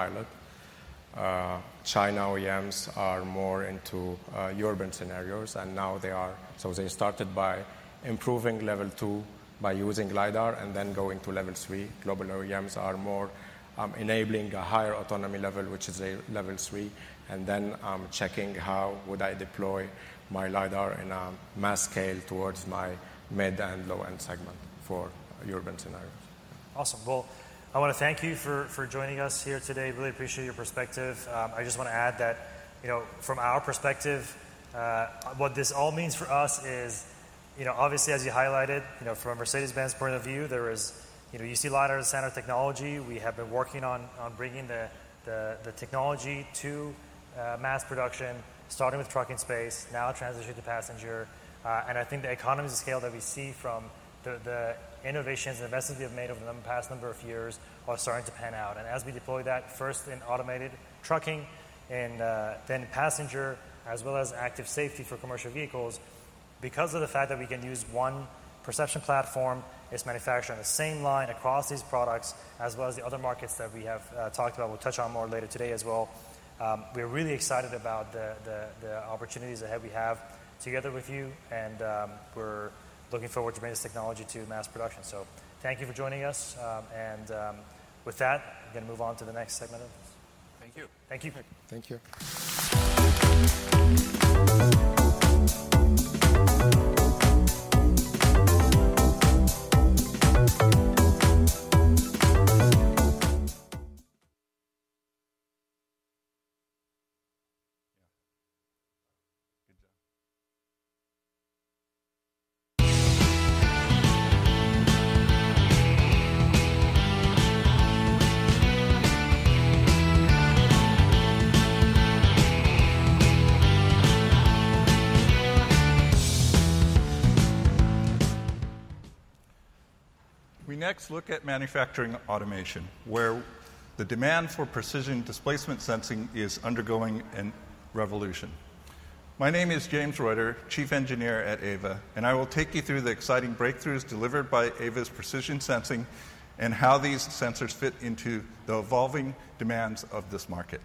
pilot, China OEMs are more into urban scenarios and now they are. They started by improving level two by using LiDAR and then going to level three. Global OEMs are more enabling a higher autonomy level, which is a level three, and then checking how would I deploy my LiDAR in a mass scale towards my mid and low end segment for urban scenarios. Awesome. I want to thank you for joining us here today. Really appreciate your perspective. I just want to add that from our perspective, what this all means for us is obviously as you highlighted from a Mercedes-Benz point of view, there is UC LiDAR center technology. We have been working on bringing the technology to mass production starting with trucking space, now transition to passenger. I think the economies of scale that we see from the innovations, investments we have made over the past number of years are starting to pan out. As we deploy that first in automated trucking and then passenger as well as active safety for commercial vehicles, because of the fact that we can use one perception platform, it's manufactured on the same line across these products as well as the other markets that we have talked about. We'll touch on more later today as well. We are really excited about the opportunities ahead we have together with you and we're looking forward to bring this technology to mass production. Thank you for joining us. With that, I'm going to move on to the next segment of this. Thank you. Thank you. Thank you. Yeah, good job. We next look at manufacturing automation where the demand for precision displacement sensing is undergoing a revolution. My name is James Reuther, Chief Engineer at Aeva, and I will take you through the exciting breakthroughs delivered by Aeva's precision sensing and how these sensors fit into the evolving demands of this market.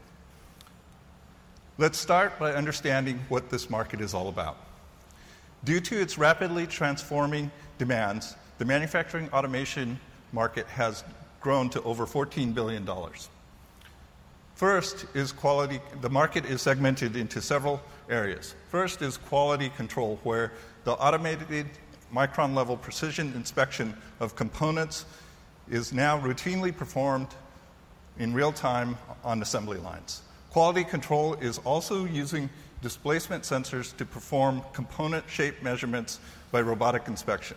Let's start by understanding what this market is all about. Due to its rapidly transforming demands, the manufacturing automation market has grown to over $14 billion. First is quality. The market is segmented into several areas. First is quality control, where the automated micron-level precision inspection of components is now routinely performed in real time on assembly lines. Quality control is also using displacement sensors to perform component shape measurements by robotic inspection.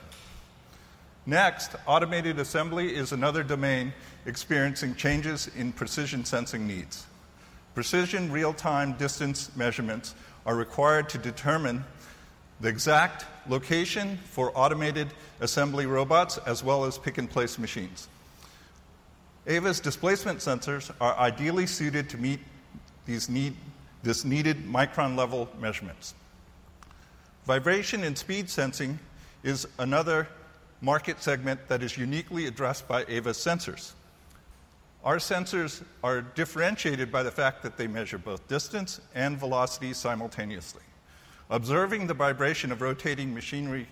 Next, automated assembly is another domain experiencing changes in precision sensing needs. Precision real-time distance measurements are required to determine the exact location for automated assembly robots as well as pick and place machines. Aeva's displacement sensors are ideally suited to meet this need for micron-level measurements. Vibration and speed sensing is another market segment that is uniquely addressed by Aeva's sensors. Our sensors are differentiated by the fact that they measure both distance and velocity simultaneously. Observing the vibration of rotating machinery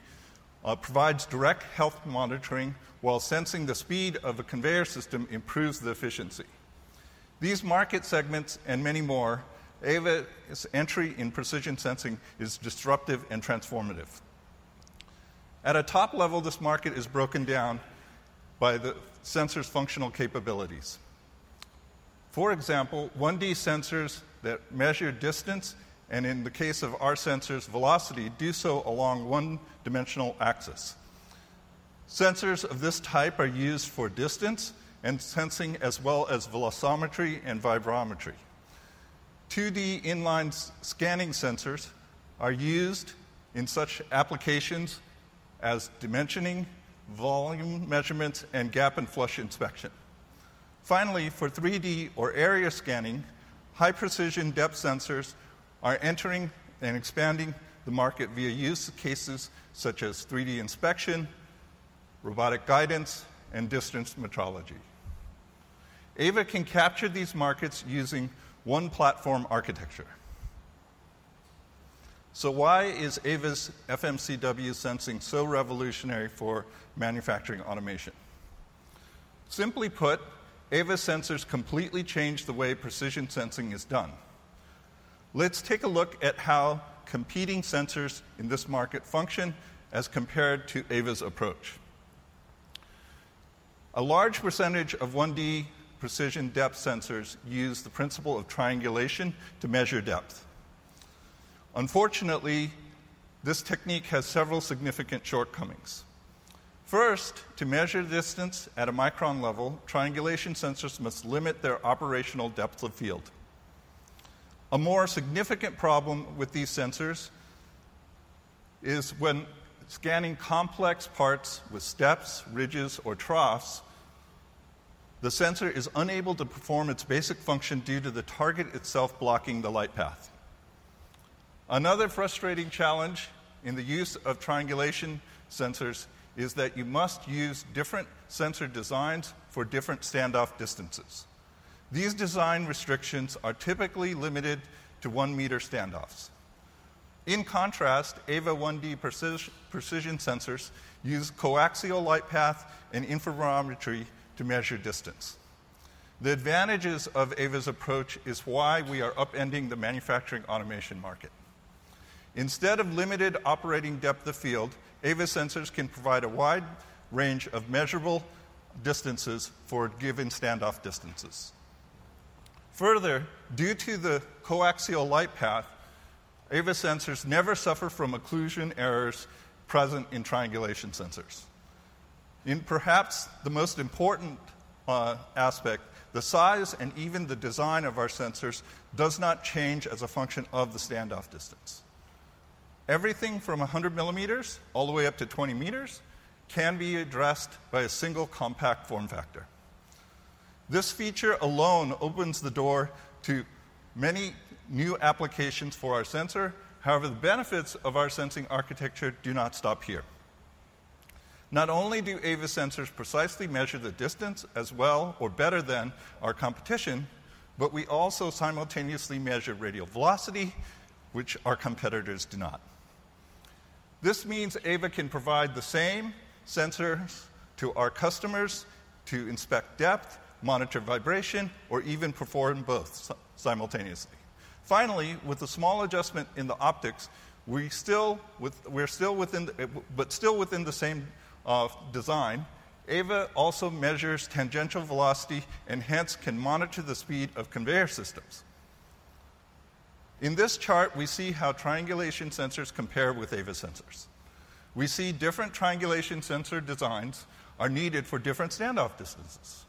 provides direct health monitoring, while sensing the speed of a conveyor system improves the efficiency of these market segments and many more. Aeva's entry in precision sensing is disruptive and transformative. At a top level, this market is broken down by the sensor's functional capabilities. For example, 1D sensors that measure distance, and in the case of our sensors, velocity, do so along one dimensional axis. Sensors of this type are used for distance sensing as well as velocimetry and vibrometry. 2D inline scanning sensors are used in such applications as dimensioning, volume measurements, and gap and flush inspection. Finally, for 3D or area scanning, high precision depth sensors are entering and expanding the market via use cases such as 3D inspection, robotic guidance, and distance metrology. Aeva can capture these markets using one platform architecture. Why is Aeva's FMCW sensing so revolutionary for manufacturing automation? Simply put, Aeva sensors completely change the way precision sensing is done. Let's take a look at how competing sensors in this market function as compared to Aeva's approach. A large percentage of 1D precision depth sensors use the principle of triangulation to measure depth. Unfortunately, this technique has several significant shortcomings. First, to measure distance at a micron level, triangulation sensors must limit their operational depth of field. A more significant problem with these sensors is when scanning complex parts with steps, ridges, or troughs, the sensor is unable to perform its basic function due to the target itself blocking the light path. Another frustrating challenge in the use of triangulation sensors is that you must use different sensor designs for different standoff distances. These design restrictions are typically limited to 1 meter standoffs. In contrast, Aeva 1D precision sensors use coaxial light path and interferometry to measure distance. The advantages of Aeva's approach is why we are upending the manufacturing automation market. Instead of limited operating depth of field, Aeva sensors can provide a wide range of measurable distances for given standoff distances. Further, due to the coaxial light path, Aeva sensors never suffer from occlusion errors present in triangulation sensors. In perhaps the most important aspect, the size and even the design of our sensors does not change as a function of the standoff distance. Everything from 100 mm all the way up to 20 m can be addressed by a single compact form factor. This feature alone opens the door to many new applications for our sensor. However, the benefits of our sensing architecture do not stop here. Not only do Aeva sensors precisely measure the distance as well or better than our competition, but we also simultaneously measure radial velocity, which our competitors do not. This means Aeva can provide the same sensor to our customers to inspect depth, monitor vibration, or even perform both simultaneously. Finally, with a small adjustment in the optics, but still within the same design, Aeva also measures tangential velocity and hence can monitor the speed of conveyor systems. In this chart we see how triangulation sensors compare with Aeva sensors. We see different triangulation sensor designs are needed for different standoff distances.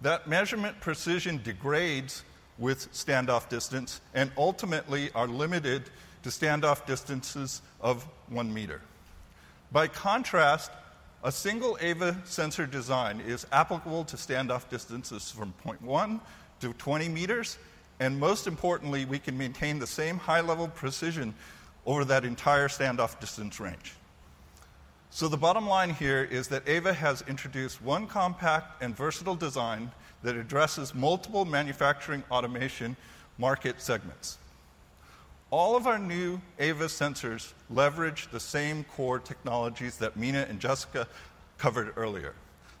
That measurement precision degrades with standoff distance and ultimately are limited to standoff distances of 1 meter. By contrast, a single Aeva sensor design is applicable to standoff distances from 0.1 m to 20 m. Most importantly, we can maintain the same high level precision over that entire standoff distance range. The bottom line here is that Aeva has introduced one compact and versatile design that addresses multiple manufacturing automation market segments. All of our new Aeva sensors leverage the same core technologies that Mina and Jessica covered earlier.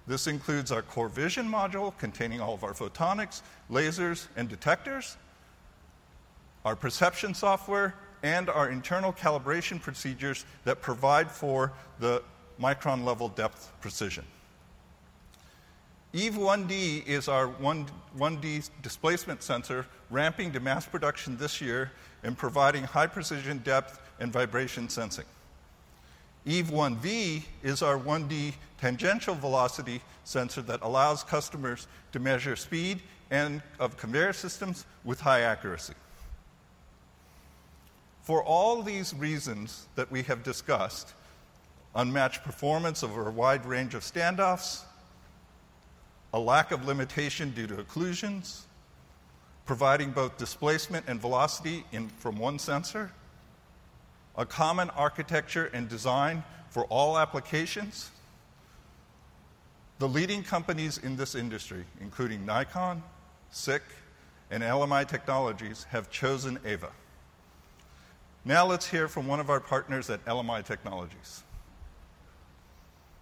This includes our CoreVision module containing all of our photonics, lasers, and detectors, our perception software, and our internal calibration procedures that provide for the micron level depth precision. EVE 1D is our 1D displacement sensor ramping to mass production this year and providing high precision depth and vibration sensing. EVE 1V is our 1V tangential velocity sensor that allows customers to measure speed of conveyor systems with high accuracy. For all these reasons that we have discussed, unmatched performance over a wide range of standoffs, a lack of limitation due to occlusions, providing both displacement and velocity from one sensor, and a common architecture and design for all applications. The leading companies in this industry, including Nikon, SICK AG, and LMI Technologies, have chosen Aeva. Now let's hear from one of our partners at LMI Technologies.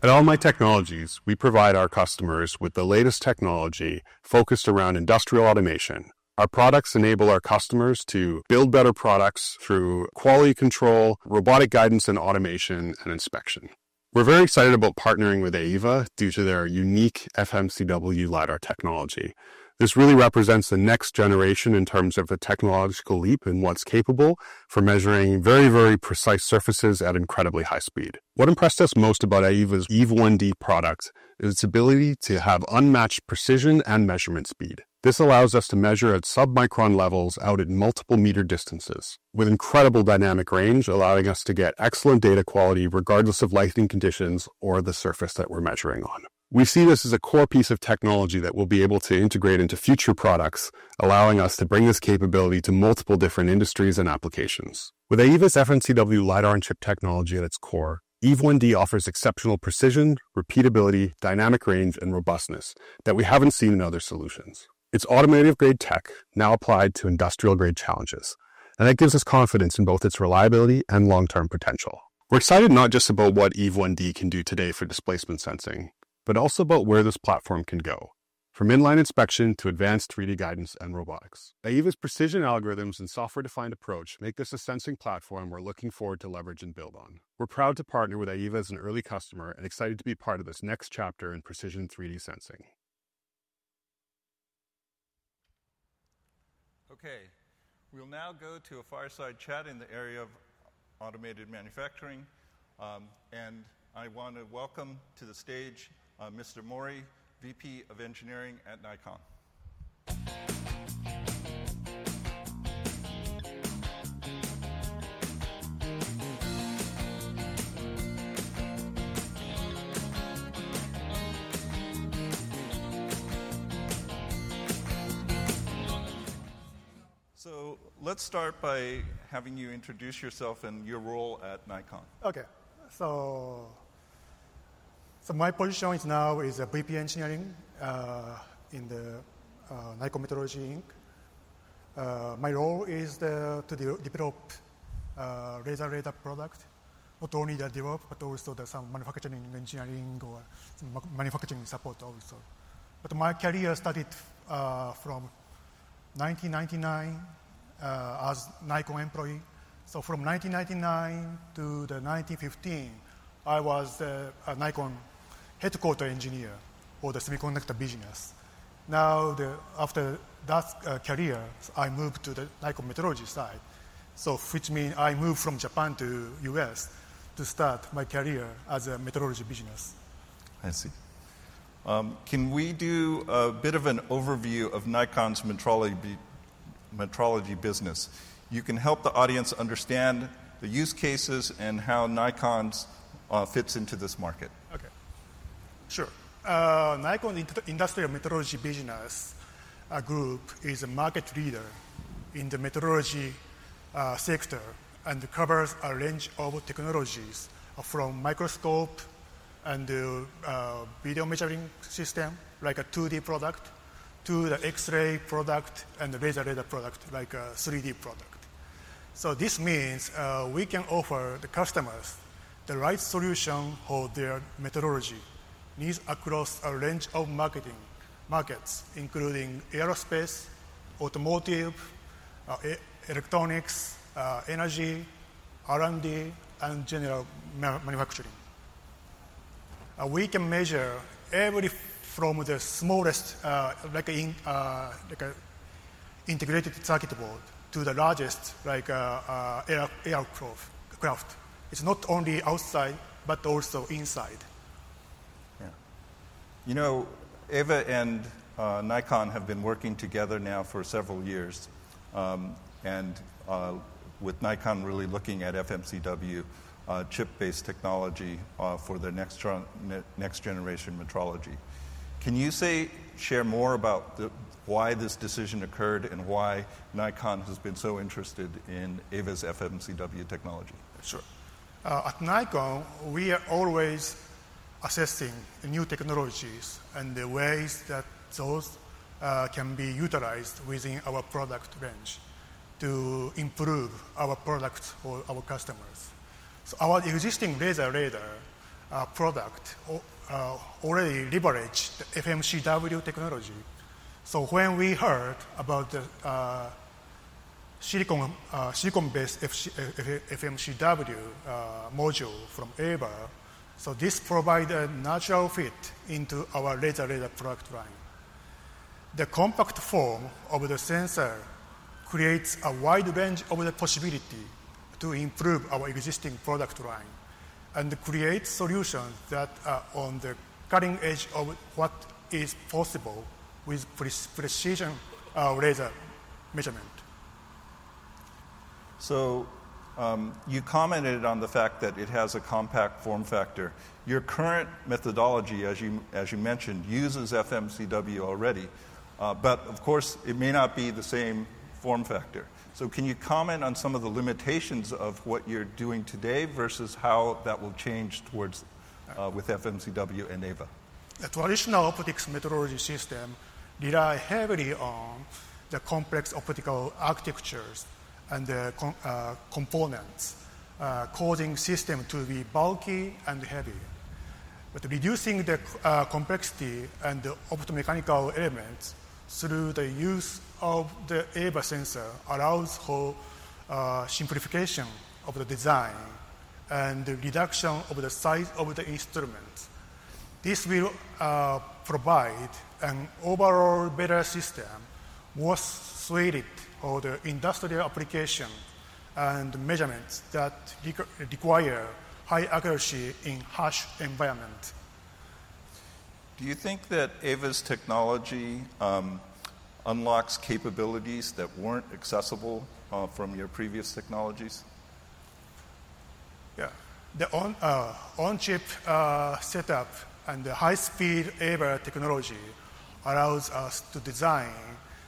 At LMI Technologies, we provide our customers with the latest technology focused around industrial automation. Our products enable our customers to build better products through quality control, robotic guidance, and automation and inspection. We're very excited about partnering with Aeva due to their unique FMCW LiDAR technology. This really represents the next generation in terms of a technological leap in what's capable for measuring very, very precise surfaces at incredibly high speed. What impressed most about Aeva's EVE 1D product is its ability to have unmatched precision and measurement speed. This allows us to measure at sub micron levels out at multiple meter distances with incredible dynamic range, allowing us to get excellent data quality regardless of lighting conditions or the surface that we're measuring on. We see this as a core piece of technology that we'll be able to integrate into future products, allowing us to bring this capability to multiple different industries and applications. With Aeva's FMCW LiDAR and chip technology at its core, EVE 1D offers exceptional precision, repeatability, dynamic range, and robustness that we haven't seen in other solutions. It's automotive grade tech now applied to industrial grade challenges, and it gives us confidence in both its reliability and long term potential. We're excited not just about what EVE 1D can do today for displacement sensing, but also about where this platform can go, from inline inspection to advanced 3D guidance and robotics. Aeva's precision algorithms and software-defined approach make this a sensing platform we're looking forward to leverage and build on. We're proud to partner with Aeva as an early customer and excited to be part of this next chapter in precision 3D sensing. Okay, we'll now go to a fireside chat in the area of automated manufacturing. I want to welcome to the stage Mr. Mori, VP of Engineering at Nikon. Let's start by having you introduce yourself and your role at Nikon. Okay, so my position is now is a VP Engineering in Nikon Metrology Inc. My role is to deploy laser radar product. Not only the devop but also some manufacturing engineering or some manufacturing support also. My career started from 1999 as Nikon employee. From 1999 to 2015 I was a Nikon headquarter engineer for the semiconductor business. After that career I moved to the Metrology side, which means I moved from Japan to U.S. to start my career as a metrology business. I see. I see. Can we do a bit of an overview of Nikon's Metrology business? You can help the audience understand the use cases and how Nikon fits into this market. Okay, sure. Nikon Industrial Metrology Business Group is a market leader in the metrology sector and covers a range of technologies from microscope and video measuring system like a 2D product to the X-ray product and laser product like a 3D product. This means we can offer the customers the right solution for their metrology needs across a range of markets including aerospace, automotive, electronics, energy, R&D, and general manufacturing. We can measure everything from the smallest integrated target board to the largest aircraft. It's not only outside, but also inside. Yeah. You know, Aeva and Nikon have been working together now for several years, and with Nikon really looking at FMCW chip-scale technology for their next generation metrology. Can you share more about why this decision occurred and why Nikon has been so interested in Aeva's FMCW technology? Sure. At Nikon we are always assessing new technologies and the ways that those can be utilized within our product range to improve our products or our customers. Our existing laser radar product already leveraged FMCW technology. When we heard about the Silicon based FMCW module from Aeva, this provides a natural fit into our laser product line. The compact form of the sensor creates a wide range of the possibility to improve our existing product line and create solutions that are on the cutting edge of what is possible with precision laser measurement. You commented on the fact that it has a compact form factor. Your current methodology, as you mentioned, uses FMCW already, but of course it may not be the same form factor. Can you comment on some of the limitations of what you're doing today versus how that will change with FMCW and Aeva? The traditional optics metrology system rely heavily on the complex optical architectures and components, causing system to be bulky and heavy. Reducing the complexity and optomechanical elements through the use of the Aeva sensor allows for simplification of the design and the reduction of the size of the instruments. This will provide an overall better system worth suited for the industrial applications and measurements that require high accuracy in harsh environment. Do you think that Aeva's technology unlocks capabilities that weren't accessible from your previous technologies? Yeah, the on chip setup and the high speed Aeva technology allows us to design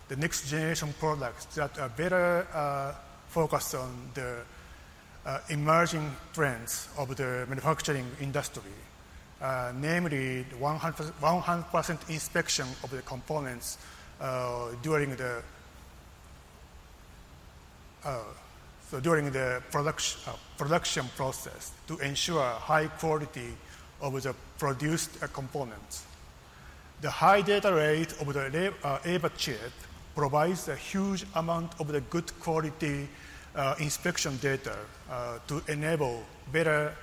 the next generation products that are better focused on the emerging trends of the manufacturing industry, namely the 100% inspection of the components during the production process to ensure high quality of the produced components. The high data rate of the Aeva chip provides a huge amount of the good quality inspection data to enable better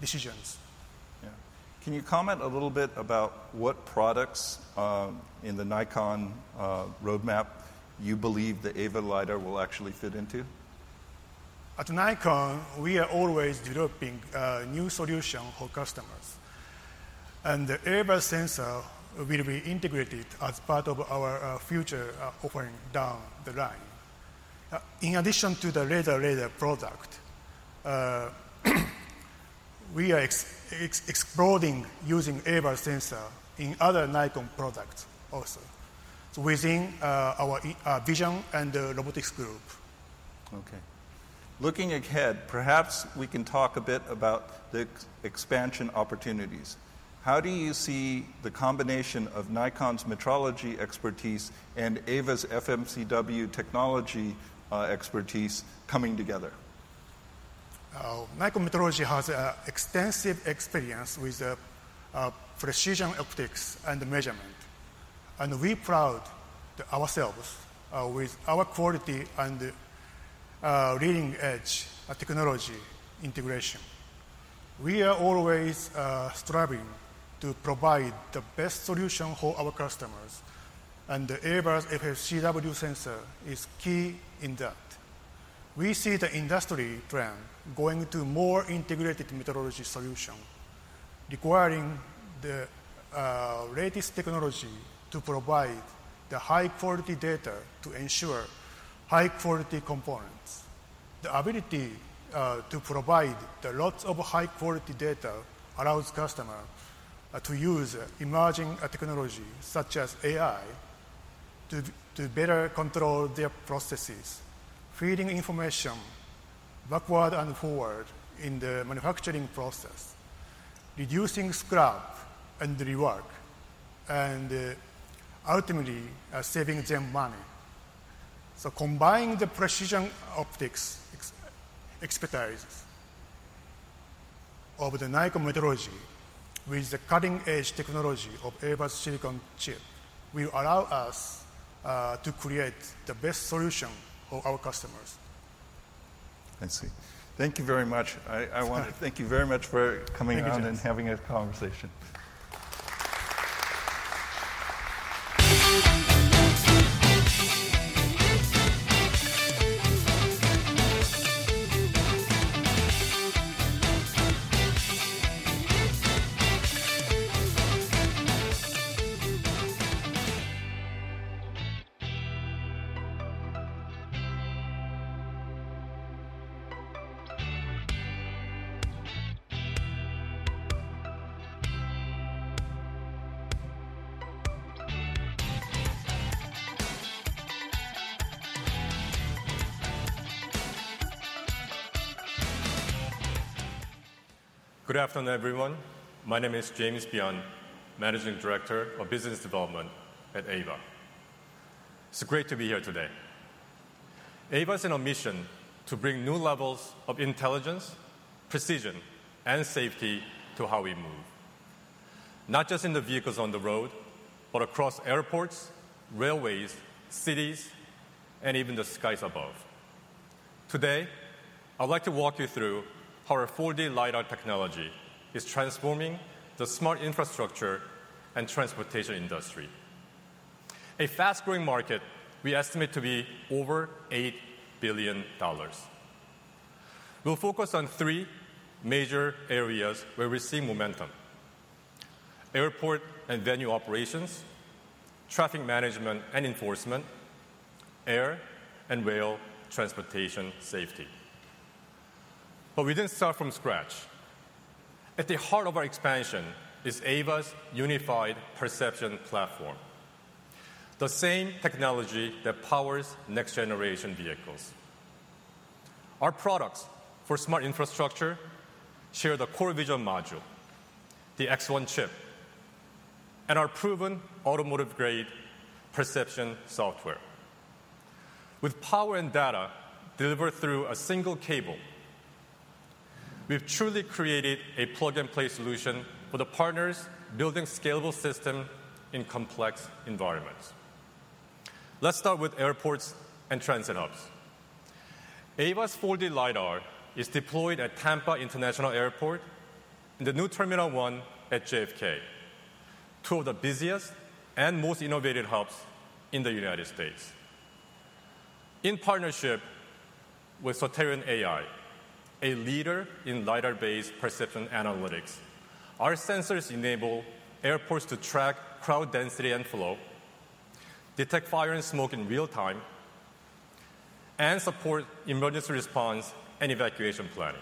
decisions. Can you comment a little bit about what products in the Nikon roadmap you believe the Aeva LiDAR will actually fit into? At Nikon we are always developing new solutions for customers and the Aeva sensor will be integrated as part of our future offering down the line. In addition to the LiDAR product, we are exploring using Aeva sensor in other Nikon products also within our Vision and Robotics group. Okay, looking ahead, perhaps we can talk a bit about the expansion opportunities. How do you see the combination of Nikon's metrology expertise and Aeva's FMCW technology expertise coming together? Nikon Metrology has extensive experience with precision optics and measurement, and we pride ourselves on our quality and leading-edge technology integration. We are always striving to provide the best solution for our customers, and the Aeva FMCW sensor is key in that we see the industry trend going to more integrated metrology solutions requiring the latest technology to provide the high-quality data to ensure high-quality components. The ability to provide lots of high-quality data allows customers to use emerging technology such as AI to better control their processes, feeding information backward and forward in the manufacturing process, reducing scrub and rework, and ultimately saving them money. Combining the precision optics expertise of Nikon Metrology with the cutting-edge technology of Aeva's silicon chip will allow us to create the best solution for our customers. I see. Thank you very much. I want to thank you very much for coming in and having a conversation.It. Good afternoon everyone. My name is James Byun, Managing Director of Business Development at Aeva. It's great to be here. Today, Aeva is in our mission to bring new levels of intelligence, precision, and safety to how we move not just in the vehicles on the road, but across airports, railways, cities, and even the skies above. Today I'd like to walk you through how our 4D LiDAR technology is transforming the smart infrastructure and transportation industry, a fast growing market we estimate to be over $8 billion. We'll focus on three major areas where we see momentum: airport and venue operations, traffic management and enforcement, air and rail transportation safety. We didn't start from scratch. At the heart of our expansion is Aeva's unified perception platform, the same technology that powers next generation vehicles. Our products for smart infrastructure share the CoreVision module, the X1 chip, and our proven automotive grade perception software. With power and data delivered through a single cable, we've truly created a plug and play solution for the partners building scalable systems in complex environments. Let's start with airports and transit hubs. Aeva's 4D LiDAR is deployed at Tampa International Airport and the new Terminal 1 at JFK, two of the busiest and most innovative hubs in the United States. In partnership with SoterIA, a leader in LiDAR based perception analytics, our sensors enable airports to track crowd density and flow, detect fire and smoke in real time, and support emergency response and evacuation planning.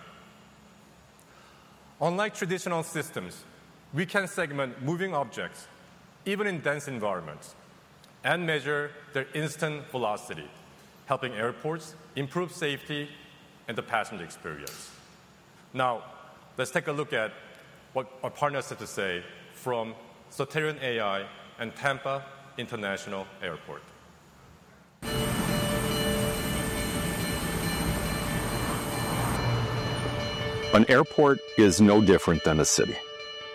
Unlike traditional systems, we can segment moving objects even in dense environments and measure their instant velocity, helping airports improve safety and the passenger experience. Now let's take a look at what our partners have to say from SoterIA and Tampa International Airport. An airport is no different than a city,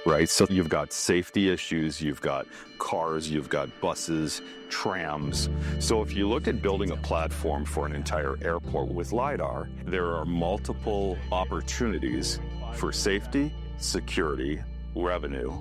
right? You've got safety issues, you've got cars, you've got buses, trams. If you look at building a platform for an entire airport with LiDAR, there are multiple operations opportunities for safety. Security, revenue,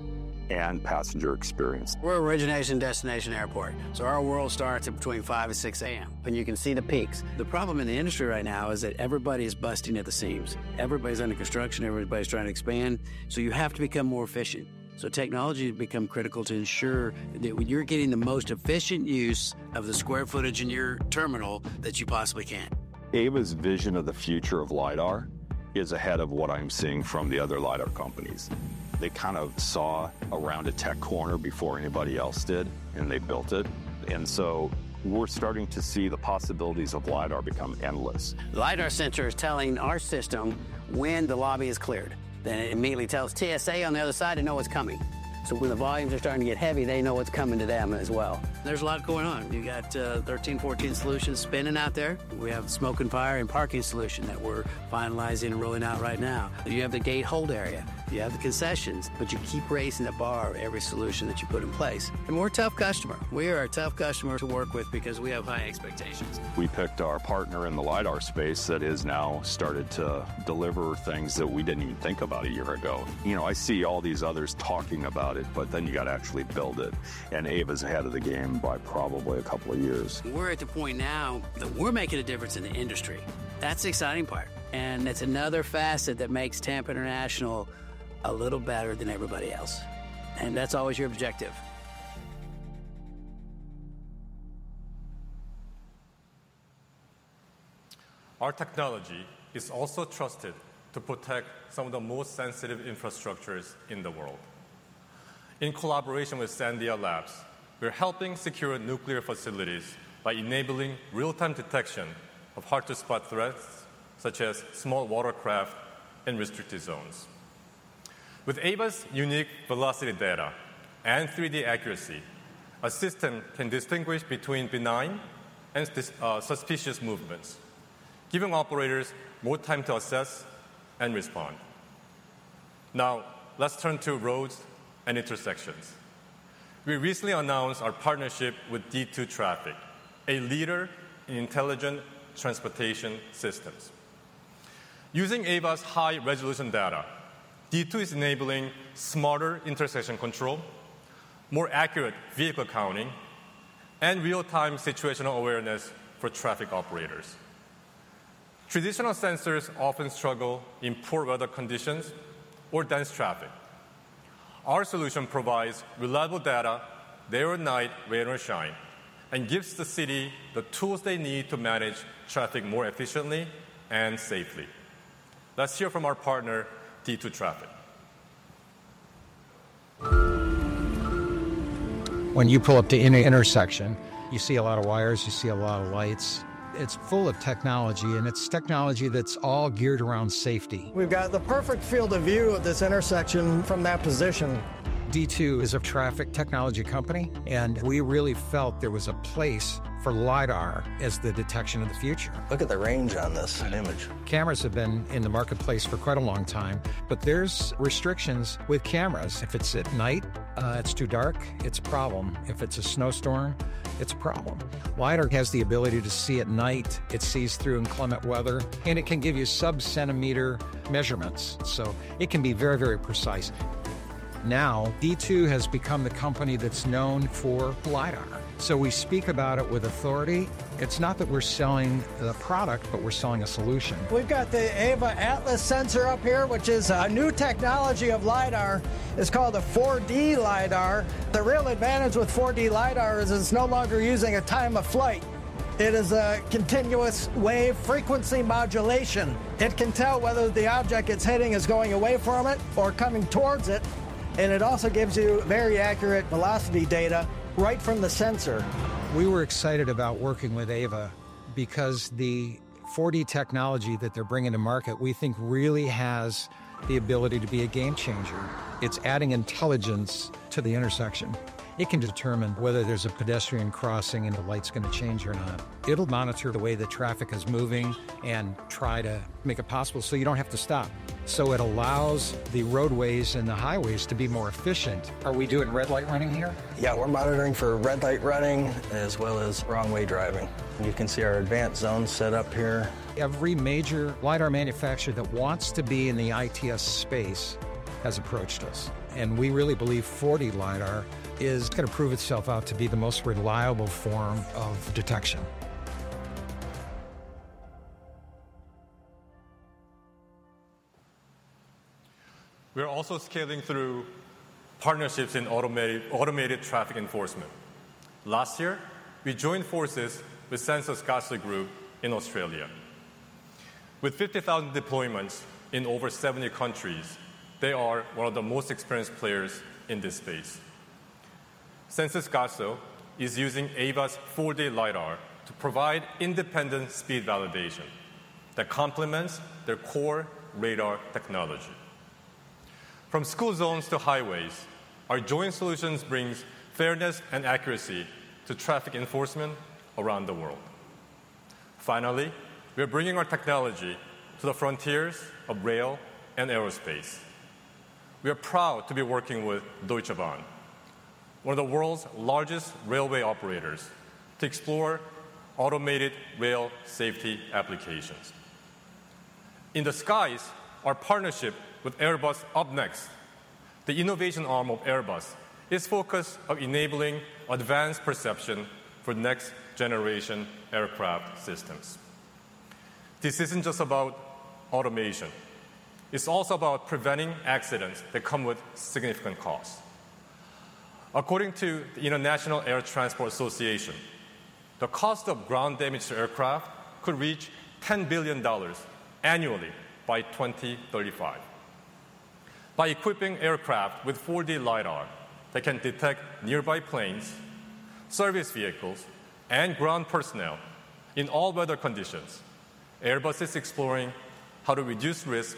and passenger experience. We're origination, destination, airport. Our world starts at between 5:00A.M. to 6:00 A.M. you can see the peaks. The problem in the industry right now is that everybody is busting at the seams. Everybody's under construction, everybody's trying to expand. You have to become more efficient. Technology has become critical to ensure that you're getting the most efficient use of the square footage in your terminal that you possibly can. Aeva's vision of the future of LiDAR is ahead of what I'm seeing from the other LiDAR companies. They kind of saw around tech corner before anybody else did, and they built it. We're starting to see the possibilities of LiDAR become endless. LiDAR sensor is telling our system when the lobby is cleared, then it immediately tells TSA on the other side to know what's coming. When the volumes are starting to get heavy, they know what's coming to them as well. There's a lot going on. You got 13, 14 solutions spinning out there. We have smoke and fire and parking solution that we're finalizing and rolling out right now. You have the gate hold area, you have the concessions, you keep raising the bar, every solution that you put in place. We're a tough customer. We're a tough customer to work with because we have high expectations. We picked our partner in the LiDAR space that is now starting to deliver things that we didn't even think about a year ago. I see all these others talking about it, but then you got to actually build it. Aeva's ahead of the game by probably a couple of years. We're at the point now that we're making a difference in the industry. That's the exciting part. It's another facet that makes Tampa International a little better than everybody else. That's always our objective. Our technology is also trusted to protect some of the most sensitive infrastructures in the world. In collaboration with Sandia Labs, we're helping secure nuclear facilities by enabling real-time detection of hard-to-spot threats such as small watercraft in restricted zones. With Aeva's unique velocity data and 3D accuracy, a system can distinguish between benign and suspicious movements, giving operators more time to assess and respond. Now let's turn to roads and intersections. We recently announced our partnership with D2 Traffic, a leader in intelligent transportation systems. Using Aeva's high-resolution data, D2 is enabling smarter intersection control, more accurate vehicle counting, and real-time situational awareness for traffic operators. Traditional sensors often struggle in poor weather conditions or dense traffic. Our solution provides reliable data, day or night, rain or shine, and gives the city the tools they need to manage traffic more efficiently and safely. Let's hear from our partner, D2 Traffic. When you pull up to any intersection, you see a lot of wires. See a lot of lights. It's full of technology, and it's technology that's all geared around safety. We've got the perfect field of view of this intersection from that position. D2 Traffic is a traffic technology company and we really felt there was a place for LiDAR as the detection of the future. Look at the range on this, an image. Cameras have been in the marketplace for quite a long time, but there's restrictions with cameras. If it's at night, it's too dark, it's a problem. If it's a snowstorm, it's a problem. LiDAR has the ability to see at night, it sees through inclement weather. It can give you sub-centimeter measurements. It can be very, very precise. Now, D2 Traffic has become the company that's known for LiDAR, so we speak about it with authority. It's not that we're selling the product, but we're selling a solution. We've got the Aeva Atlas sensor up here, which is a new technology of LiDAR. It's called a 4D LiDAR. The real advantage with 4D LiDAR is it's no longer using a time of flight. It is a continuous wave frequency modulation. It can tell whether the object it's hitting is going away from it or coming towards it. It also gives you very accurate velocity data right from the sensor. We were excited about working with Aeva because the 4D technology that they're bringing to market, we think really has the ability to be a game changer. It's adding intelligence to the intersection. It can determine whether there's a pedestrian crossing and the light's going to change or not. It'll monitor the way the traffic is moving and try to make it possible so you don't have to stop. It allows the roadways and the highways to be more efficient. Are we doing red light running here? Yeah, we're monitoring for red light running. As well as wrong-way driving. You can see our advanced zones set up here. Every major LiDAR manufacturer that wants to be in the ITS space has approached us, and we really believe 4D LiDAR is going to prove itself out to be the most reliable form of detection. We're also scaling through partnerships in automated traffic enforcement. Last year we joined forces with Sensys Gatso Group in Australia. With 50,000 deployments in over 70 countries, they are one of the most experienced players in this space. Sensys Gatso is using Aeva's 4D LiDAR to provide independent speed validation that complements their core radar technology. From school zones to highways, our joint solutions bring fairness and accuracy to traffic enforcement around the world. Finally, we are bringing our technology to the frontiers of rail and aerospace. We are proud to be working with Deutsche Bahn, one of the world's largest railway operators, to explore automated rail safety applications. In the skies, our partnership with Airbus UpNext, the innovation arm of Airbus, is focused on enabling advanced perception for next generation aircraft systems. This isn't just about automation. It's also about preventing accidents that come with significant costs. According to the International Air Transport Association, the cost of ground-damaged aircraft could reach $10 billion annually by 2035. By equipping aircraft with 4D LiDAR that can detect nearby planes, service vehicles, and ground personnel in all weather conditions, Airbus is exploring how to reduce risk,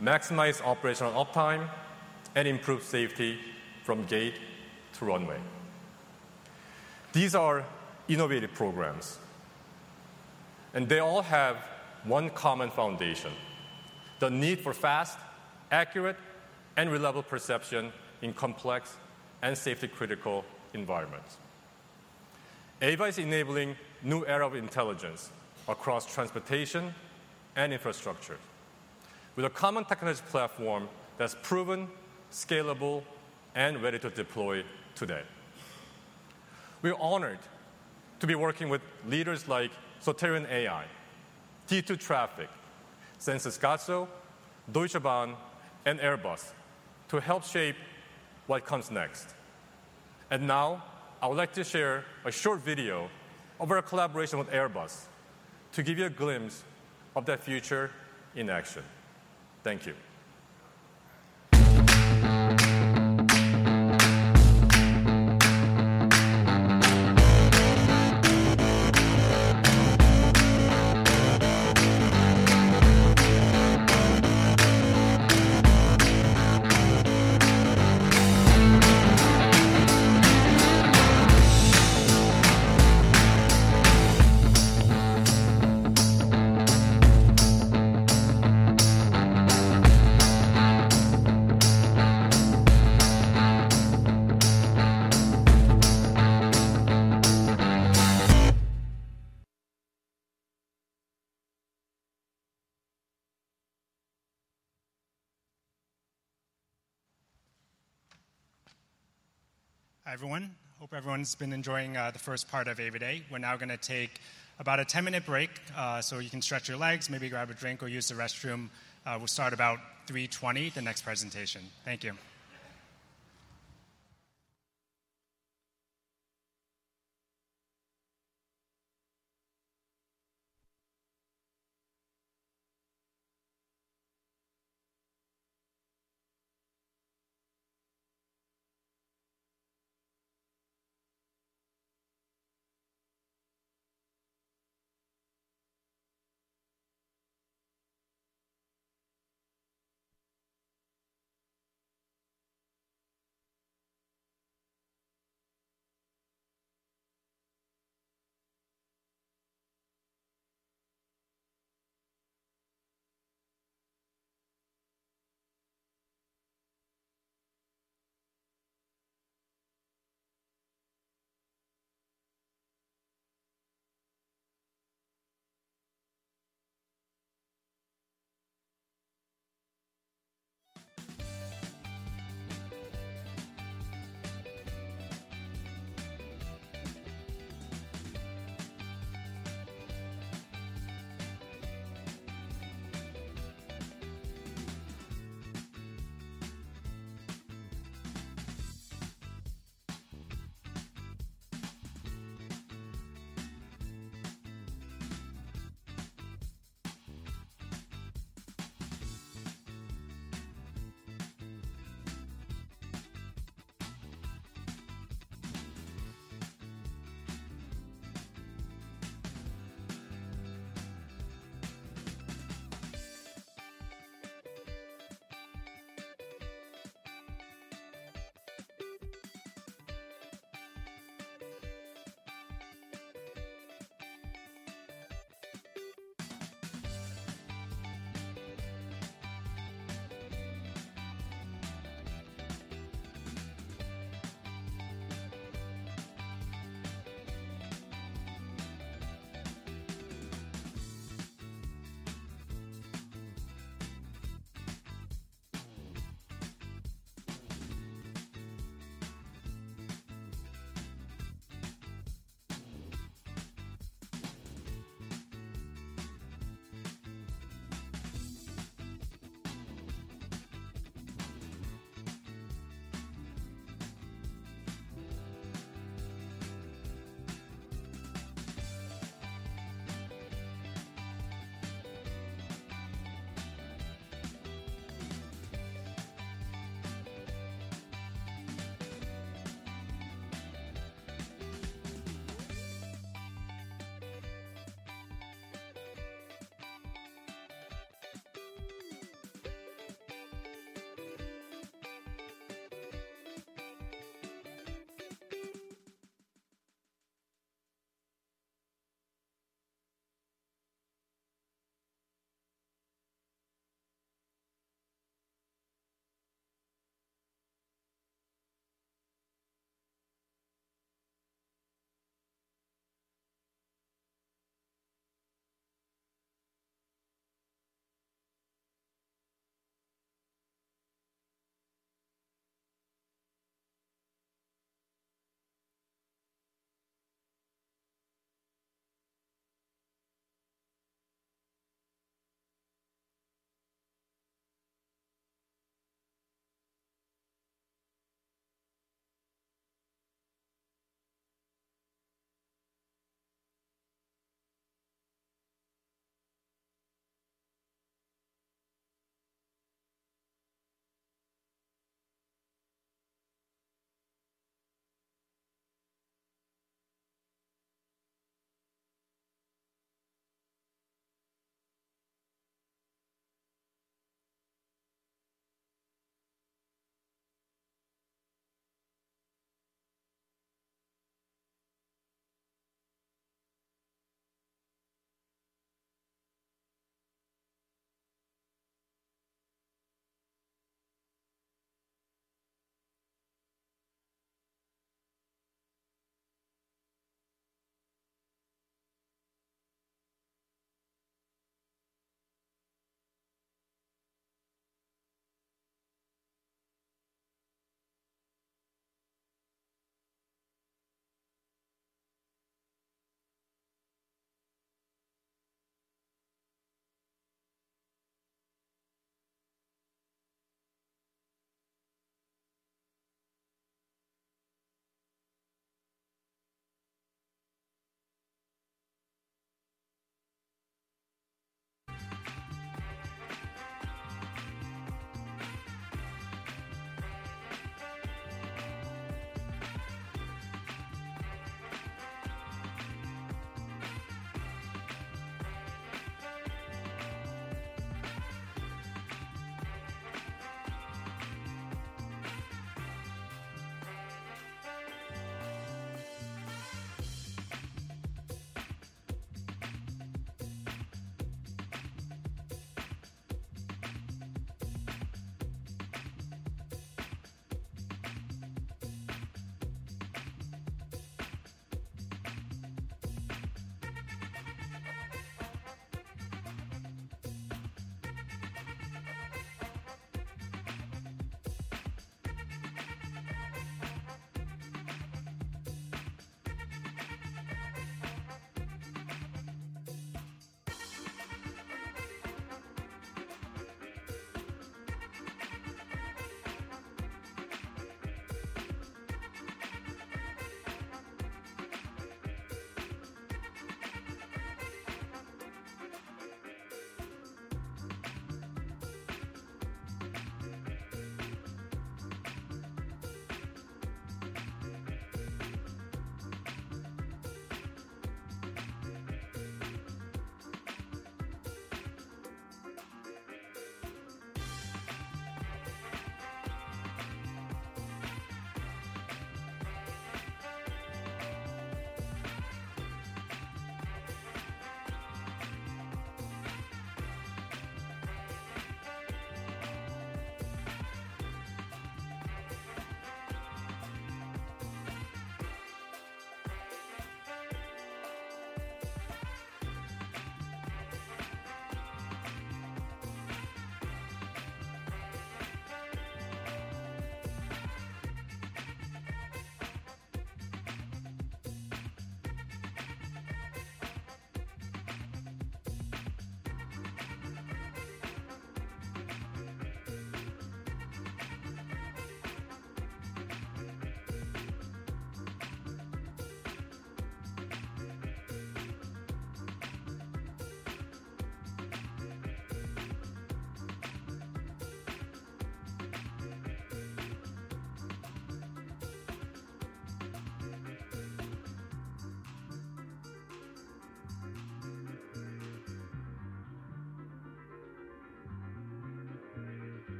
maximize operational uptime, and improve safety from gate to runway. These are innovative programs and they all have one common foundation: the need for fast, accurate, and reliable perception in complex and safety-critical environments. Aeva is enabling a new era of intelligence across transportation and infrastructure with a common technology platform that's proven, scalable, and ready to deploy. Today we are honored to be working with leaders like SoterIA, D2 Traffic, Sensys Gatso, Deutsche Bahn, and Airbus to help shape what comes next. Now I would like to share a short video of our collaboration with Airbus to give you a glimpse of the future in action. Thank you. Hi everyone. Hope everyone's been enjoying the first part of Aeva Day. We're now going to take about a 10 minute break so you can stretch your legs, maybe grab a drink or use the restroom. We'll start at about 3:20 P.M. with the next presentation. Thank you.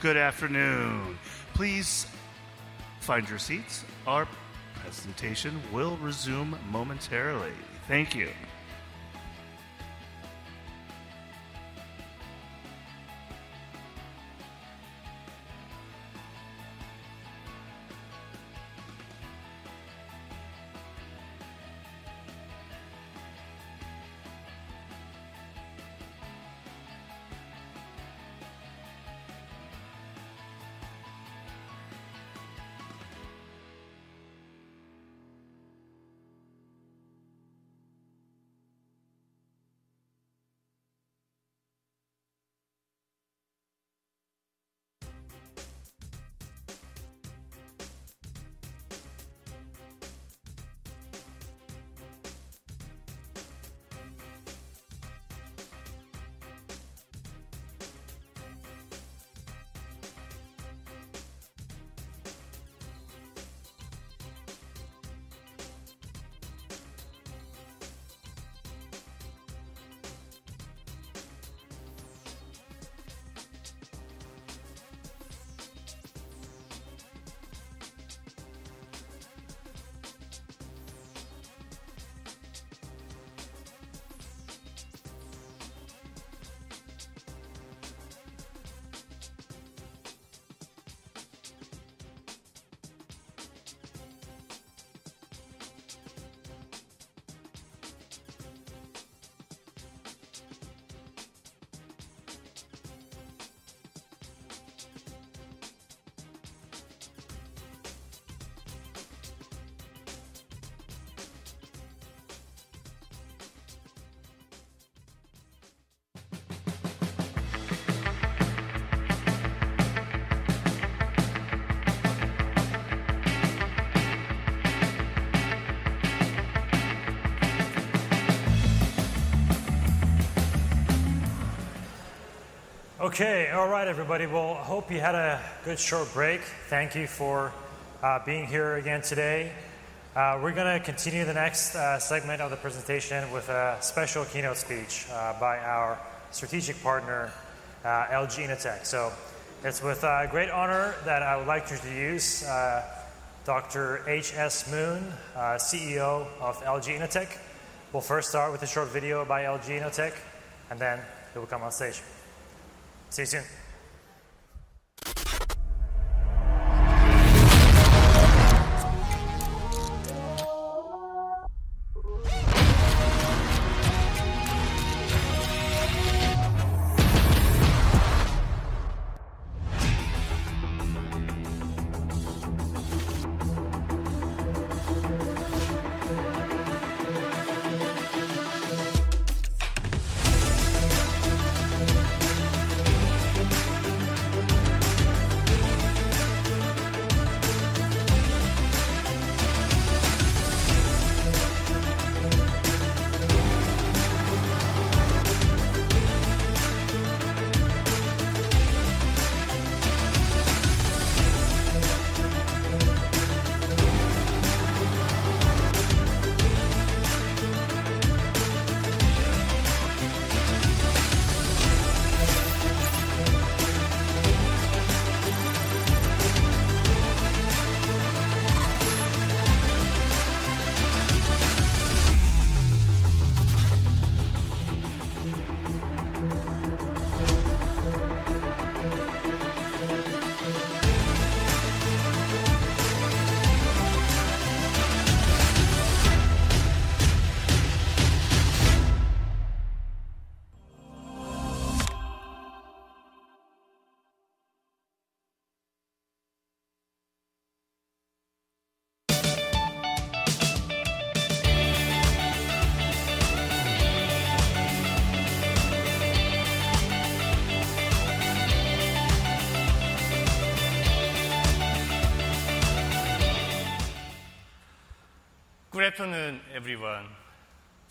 Good afternoon. Please find your seats. Our presentation will resume momentarily. Thank you. All right everybody. I hope you had a good short break. Thank you for being here again. Today we're going to continue the next segment of the presentation with a special keynote speech by our strategic partner, LG Innotek. It is with great honor that I would like to introduce Dr. H.S. Moon, CEO of LG Innotek. We'll first start with a short video by LG Innotek and then he will come on stage. See you soon. Good afternoon everyone.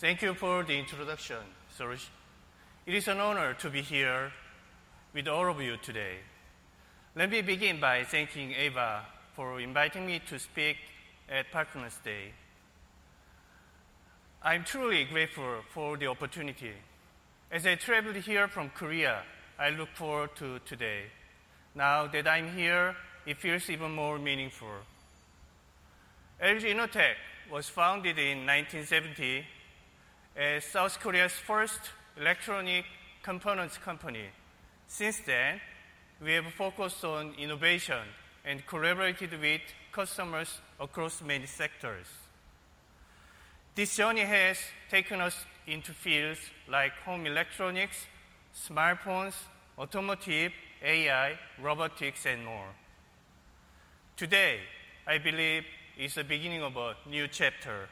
Thank you for the introduction, Soroush. It is an honor to be here. With all of you today. Let me begin by thanking Aeva for inviting me to speak at Aeva Day. I'm truly grateful for the opportunity. As I traveled here from Korea, I look forward to today. Now that I'm here, it feels even more meaningful. LG Innotek was founded in 1970 as South Korea's first electronic components company. Since then we have focused on innovation and collaborated with customers across many sectors. This journey has taken us into fields like home electronics, smartphones, smart automotive, AI, robotics, and more. Today, I believe, is the beginning of a new chapter.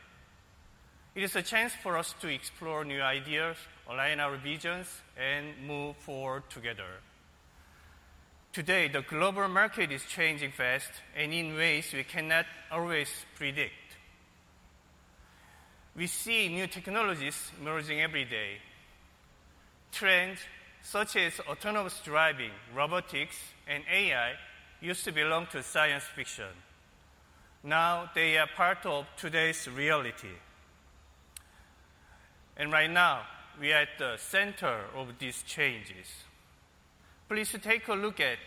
It is a chance for us to explore new ideas, align our visions, and move forward together. Today, the global market is changing fast in ways we cannot always predict in ways. We see new technologies emerging every day. Trends such as autonomous driving, robotics, and AI used to belong to science fiction. Now they are part of today's reality. Right now, we are at the center of these changes. Please take a look at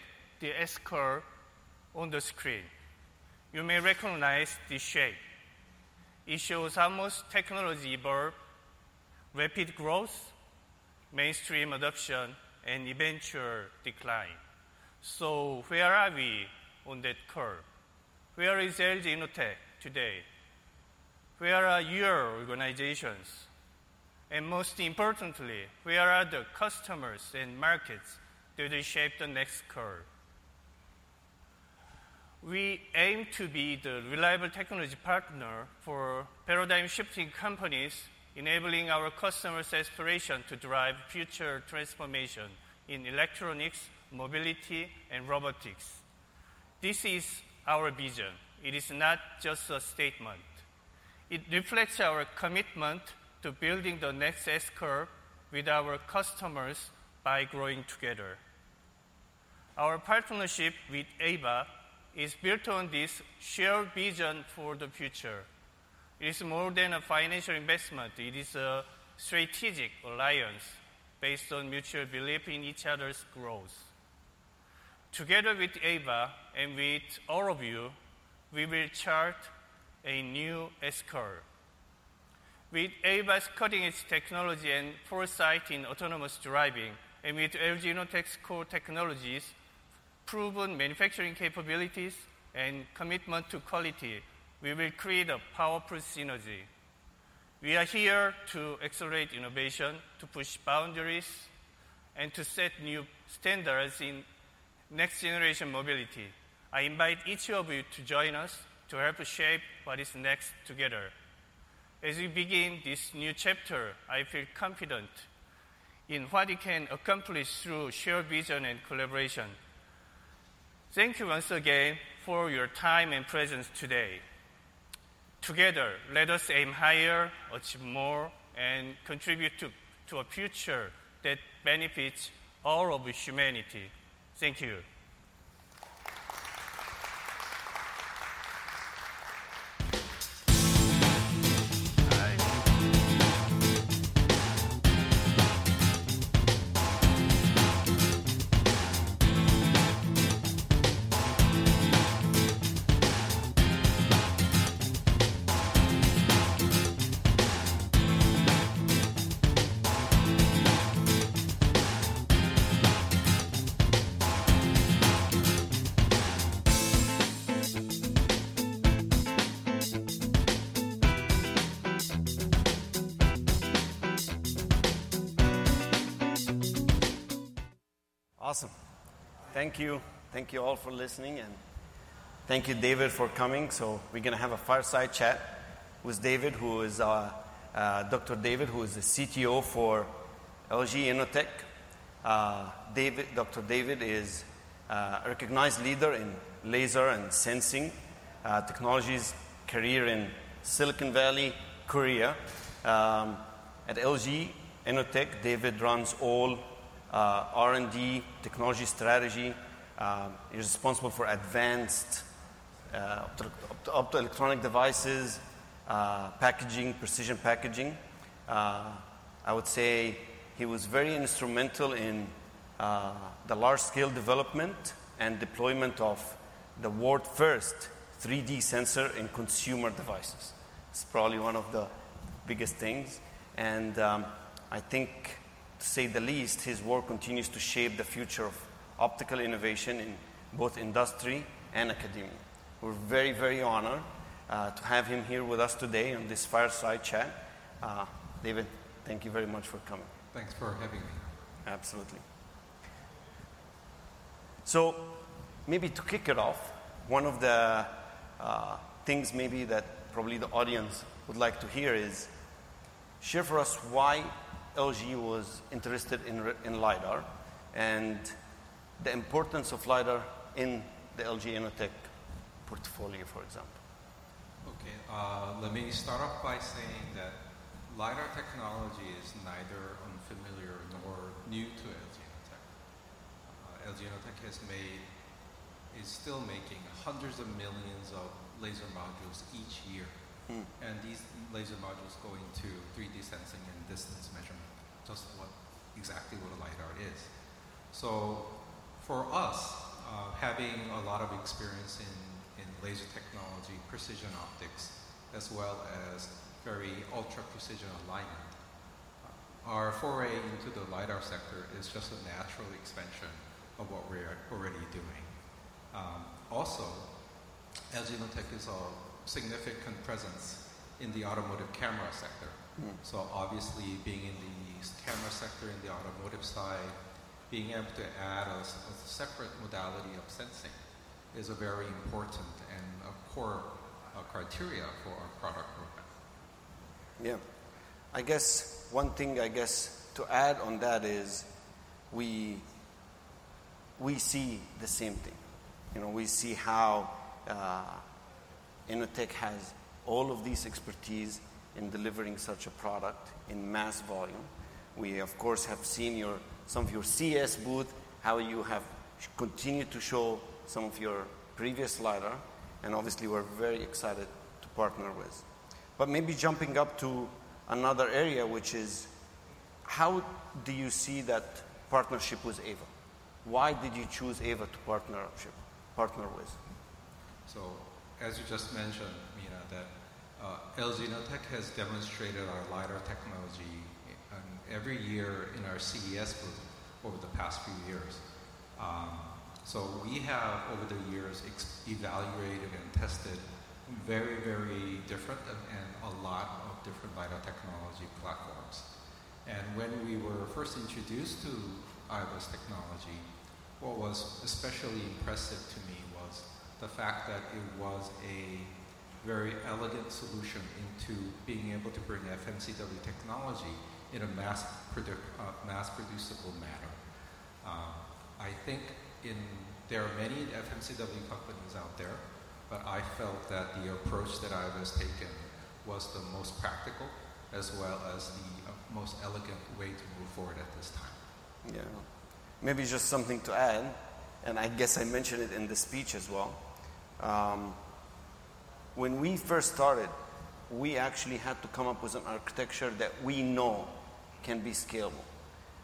the S curve on the screen. You may recognize this shape. It shows almost technology evolve, rapid growth, mainstream adoption, and eventual decline. Where are we on that curve? Where is LG Innotek today? Where are your organizations? Most importantly, where are the customers and markets that shape the next curve? We aim to be the reliable technology partner for paradigm-shifting companies, enabling our customers' aspiration to drive future transformation in electronics, mobility, and robotics. This is our vision. It is not just a statement. It reflects our commitment to building the Nexus curve with our customers by growing together. Our partnership with Aeva is built on this shared vision for the future. It's more than a financial investment. It is a strategic alliance based on mutual belief in each other's growth. Together with Aeva and with all of we will chart a new S curve. With Aeva's cutting edge technology and foresight in autonomous driving, and with LG Innotek's core technologies, proven manufacturing capabilities, and commitment to quality, we will create a powerful synergy. We are here to accelerate innovation, to push boundaries, and to set new standards in next generation mobility. I invite each of you to join us to help shape what is next together. As we begin this new chapter, I feel confident in what you can accomplish through shared vision and collaboration. Thank you once again for your time and presence today. Together, let us aim higher, achieve more, and contribute to a future that benefits all of humanity. Thank you. Awesome. Thank you. Thank you all for listening and thank you, David, for coming. We're going to have a fireside chat with David, who is, Dr. David, who is the CTO for LG Innotek. Dr. David is a recognized leader in laser and sensing technologies, career in Silicon Valley, Korea. At LG Innotek, David runs all R&D technology strategy. He's responsible for advanced optoelectronic devices, packaging, precision packaging. I would say he was very instrumental in the large-scale development and deployment of the world's first 3D sensor in consumer devices. It's probably one of the biggest things, and I think, to say the least, his work continues to shape the future of optical innovation in both industry and academia. We're very, very honored to have him here with us today on this fireside chat. David, thank you very much for coming. Thanks for having me. Absolutely. Maybe to kick it off, one of the things that probably the audience would like to hear is share for us why LG was interested in LiDAR and the importance of LiDAR in the LG Innotek portfolio. For example. Let me start off by saying that LiDAR technology is neither unfamiliar nor new to LG Innotek as LG Innotek has made and is still making hundreds of millions of laser modules each year. These laser modules go into 3D sensing and distance measurement, which is exactly what a LiDAR is. For us, having a lot of experience in laser technology, precision optics, as well as very ultra-precision alignment, our foray into the LiDAR sector is just a natural expansion of what we are already doing. Also, LG Innotek has a significant presence in the automotive camera sector. Obviously, being in the camera sector on the automotive side, being able to add a separate modality of sensing is a very important and core criteria for a product. Yeah, I guess one thing to add on that is we see the same thing. We see how LG Innotek has all of this expertise in delivering such a product in mass volume. We of course have seen some of your CES booth, how you have continued to show some of your previous LiDAR and obviously we're very excited to partner with, but maybe jumping up to another area, which is how do you see that partnership with Aeva? Why did you choose Aeva to partner with? As you just mentioned, Mina, LMI Technologies has demonstrated our LiDAR technology every year in our CES booth over the past few years. We have over the years evaluated and tested very, very different and a lot of different vital technology platforms. When we were first introduced to Aeva's technology, what was especially impressive to me was the fact that it was a very elegant solution to being able to bring FMCW technology in a mass product, mass producible manner. I think there are many FMCW companies out there, but I felt that the approach that Aeva was taking was the most practical as well as the most elegant way to move forward at this time. Yeah, maybe just something to add, and I guess I mentioned it in the speech as well. When we first started, we actually had to come up with an architecture that we know can be scalable,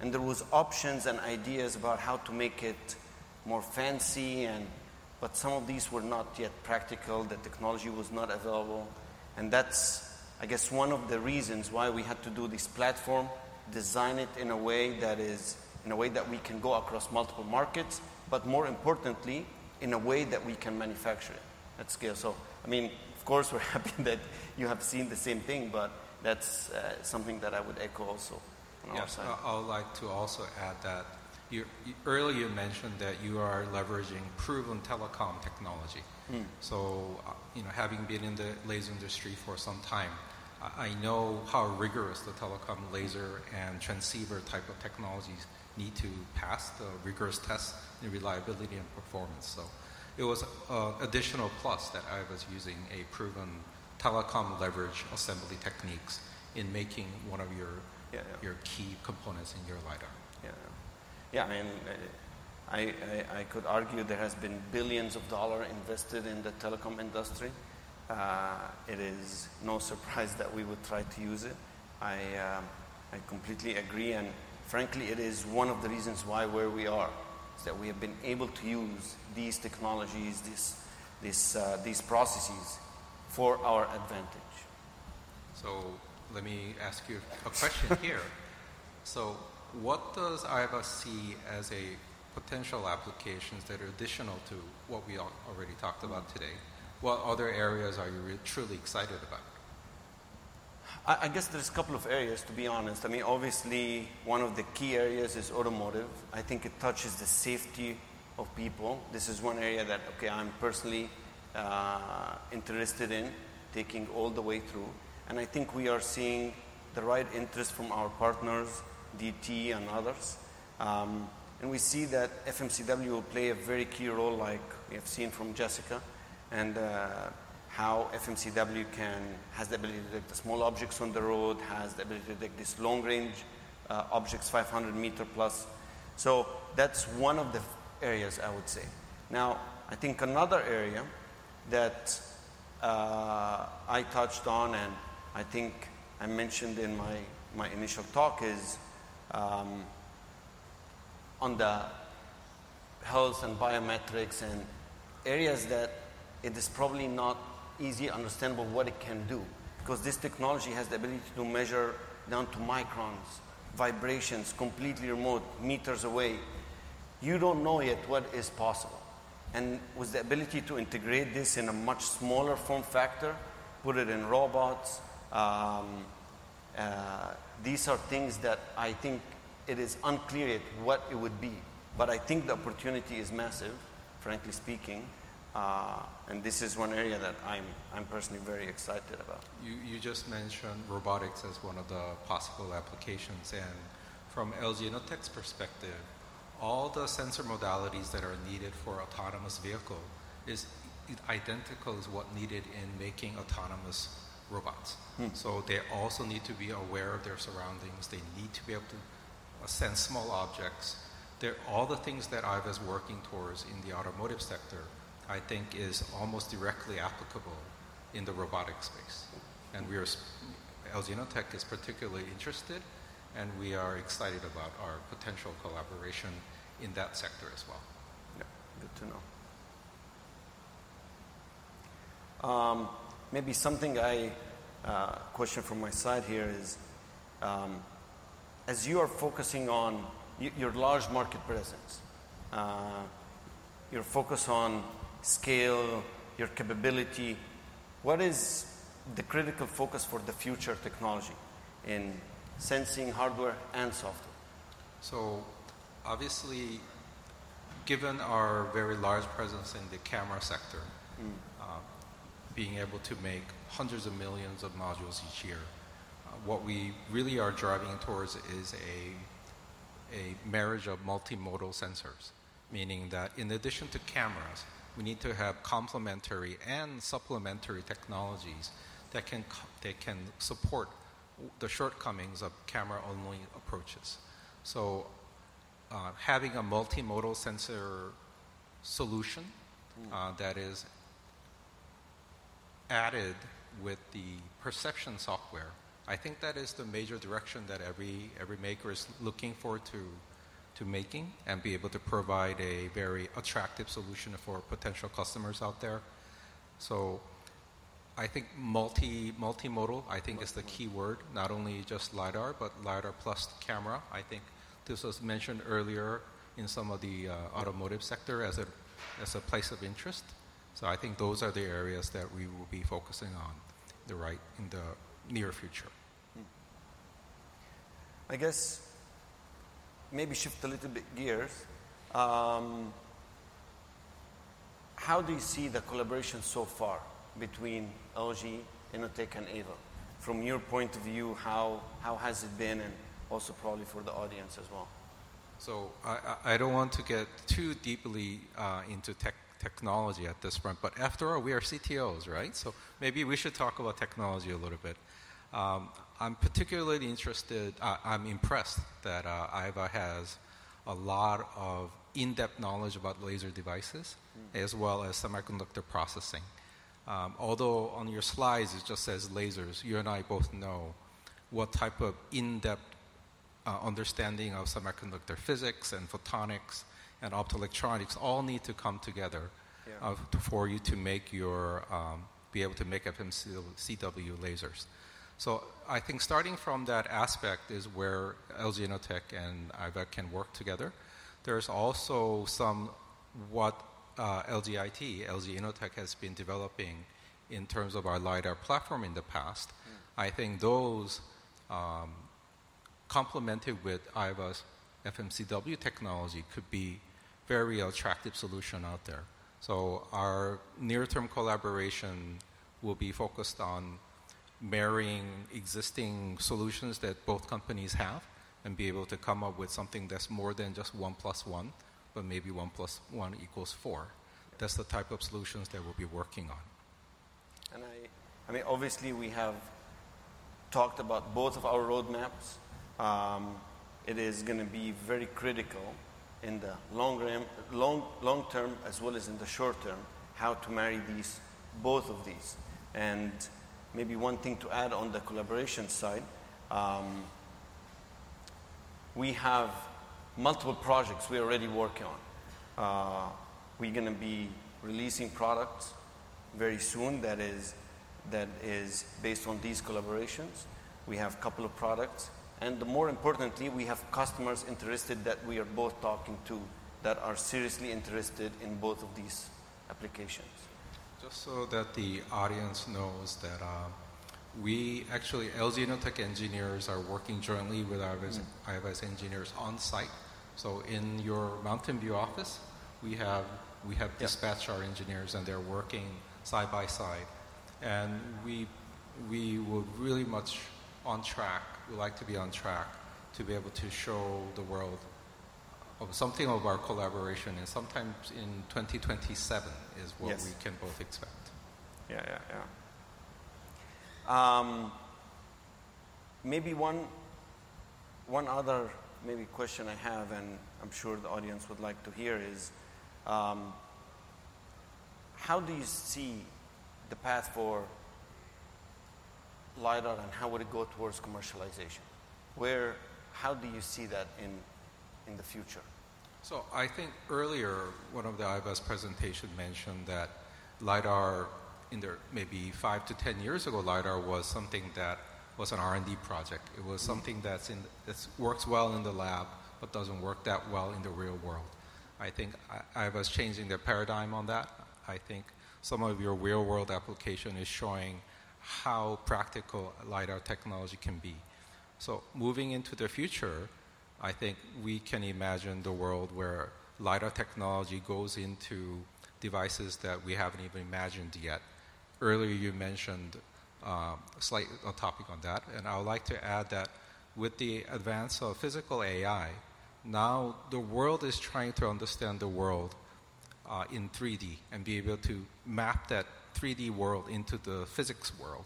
and there were options and ideas about how to make it more fancy and some of these were not yet practical. The technology was not available. That's, I guess, one of the reasons why we had to do this platform, design it in a way that is, in a way that we can go across multiple markets, but more importantly, in a way that we can manufacture it at scale. I mean, of course, we're happy that you have seen the same thing, but that's something that I would echo also on our side. I would like to also add that earlier you mentioned that you are leveraging proven telecom technology. Having been in the laser industry for some time, I know how rigorous the telecom laser and transceiver type of technologies need to pass the rigorous tests in reliability and performance. It was an additional plus that Aeva was using a proven telecom leverage assembly techniques in making one of your key components in your LiDAR. I could argue there has been billions of dollars invested in the telecom industry. It is no surprise that we would try to use it. I completely agree and frankly it is one of the reasons why where we are is that we have been able to use these technologies, these processes for our advantage. Let me ask you a question here. What does Aeva see as potential applications that are additional to what we already talked about today? What other areas are you truly excited about? I guess there's a couple of areas to be honest. I mean obviously one of the key areas is automotive. I think it touches the safety of people. This is one area that I'm personally interested in taking all the way through and I think we are seeing the right interest from our partners, DT and others, and we see that FMCW will play a very key role like we have seen from Jessica and how FMCW has the ability to take the small objects on the road, has the ability to take these long range objects, 500 m plus. That's one of the areas I would say. I think another area that I touched on and I think I mentioned in my initial talk is on the health and biometrics and areas that it is probably not easily understandable what it can do. This technology has the ability to measure down to microns vibrations completely remote meters away. You don't know yet what is possible. With the ability to integrate this in a much smaller form factor, put it in robots, these are things that I think it is unclear what it would be, but I think the opportunity is massive, frankly speaking. This is one area that I'm personally very excited about. You just mentioned robotics as one of the possible applications. From LG Innotek's perspective, all the sensor modalities that are needed for autonomous vehicles are identical to what is needed in making autonomous robots. They also need to be aware of their surroundings, they need to be able to sense small objects. All the things that Aeva is working towards in the automotive sector I think are almost directly applicable in the robotics space. LG Innotek is particularly interested and we are excited about our potential collaboration in that sector as well. Good to know. Maybe something I question from my side here is as you are focusing on your large market presence, your focus on scale, your capability, what is the critical focus for the future technology in sensing hardware and software. Obviously, given our very large presence in the camera sector, being able to make hundreds of millions of modules each year, what we really are driving it towards is a marriage of multimodal sensors. Meaning that in addition to cameras, we need to have complementary and supplementary technologies that can support the shortcomings of camera-only approaches. Having a multimodal sensor solution that is added with the perception software, I think that is the major direction that every maker is looking forward to making and be able to provide a very attractive solution for potential customers out there. I think multimodal is the key word. Not only just LiDAR but LiDAR plus camera. I think this was mentioned earlier in some of the automotive sector as a place of interest. I think those are the areas that we will be focusing on in the near future. I guess maybe shift a little bit gears. How do you see the collaboration so far between LG Innotek and Aeva from your point of view, how has it been? Also, probably for the audience as well. I don't want to get too deeply into technology at this front, but after all we are CTOs, right? Maybe we should talk about technology a little bit. I'm particularly interested. I'm impressed that Aeva has a lot of in-depth knowledge about laser devices as well as semiconductor processing. Although on your slides it just says lasers, you and I both know what type of in-depth understanding of semiconductor physics and photonics and optoelectronics all need to come together for you to be able to make FMCW lasers. I think starting from that aspect is where LG Innotek and Aeva can work together. There's also some of what LG Innotek has been developing in terms of our LiDAR platform in the past. I think those complemented with Aeva's FMCW technology could be a very attractive solution out there. Our near-term collaboration will be focused on marrying existing solutions that both companies have and be able to come up with something that's more than just one plus one, but maybe one plus one equals four. That's the type of solutions that we'll be working on. Obviously, we have talked about both of our roadmaps. It is going to be very critical in the long run, long term as well as in the short term. How to marry both of these. Maybe one thing to add on the collaboration side, we have multiple projects we already work on. We're going to be releasing products very soon that are based on these collaborations. We have a couple of products, and more importantly, we have customers interested that we are both talking to that are seriously interested in both of these applications. Just so that the audience knows, we actually have, LG Innotek engineers are working jointly with iOS engineers on site. In your Mountain View office, we have dispatched our engineers and they're working side by side, and we are really very much on track. We like to be on track to be able to show the world something of our collaboration, and sometime in 2027 is what we can both expect. Yeah, yeah. Maybe one other question I have, and I'm sure the audience would like to hear, is how do you see the path for LiDAR and how would it go towards commercialization? How do you see that in the future? I think earlier one of Aeva's presentations mentioned that LiDAR, maybe five to 10 years ago, was something that was an R&D project. It was something that works well in the lab but doesn't work that well in the real world. I think Aeva is changing the paradigm on that. I think some of your real world application is showing how practical LiDAR technology can be. Moving into the future, I think we can imagine a world where LiDAR technology goes into devices that we haven't even imagined yet. Earlier you mentioned a topic on that and I would like to add that with the advance of physical AI, now the world is trying to understand the world in 3D and be able to map that 3D world into the physics world.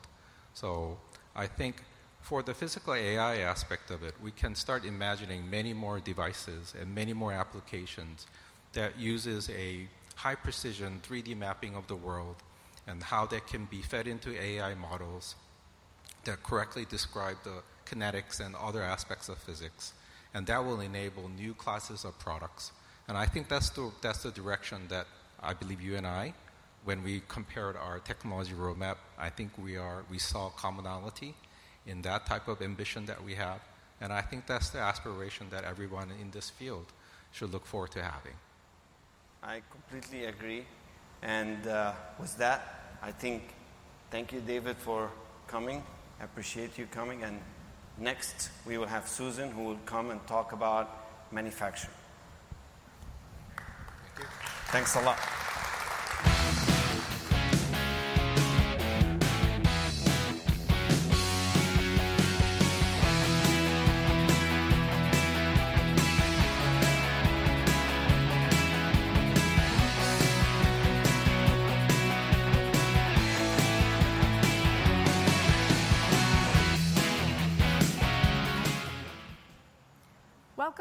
For the physical AI aspect of it, we can start imagining many more devices and many more applications that use a high precision 3D mapping of the world and how that can be fed into AI models that correctly describe the kinetics and other aspects of physics, and that will enable new classes of products. I think that's the direction that I believe you and I, when we compared our technology roadmap, saw commonality in that type of ambition that we have. I think that's the aspiration that everyone in this field should look forward to having. I completely agree. With that, I think thank you, David, for coming. I appreciate you coming. Next, we will have Susan, who will come and talk about manufacturing. Thank you. Thanks a lot.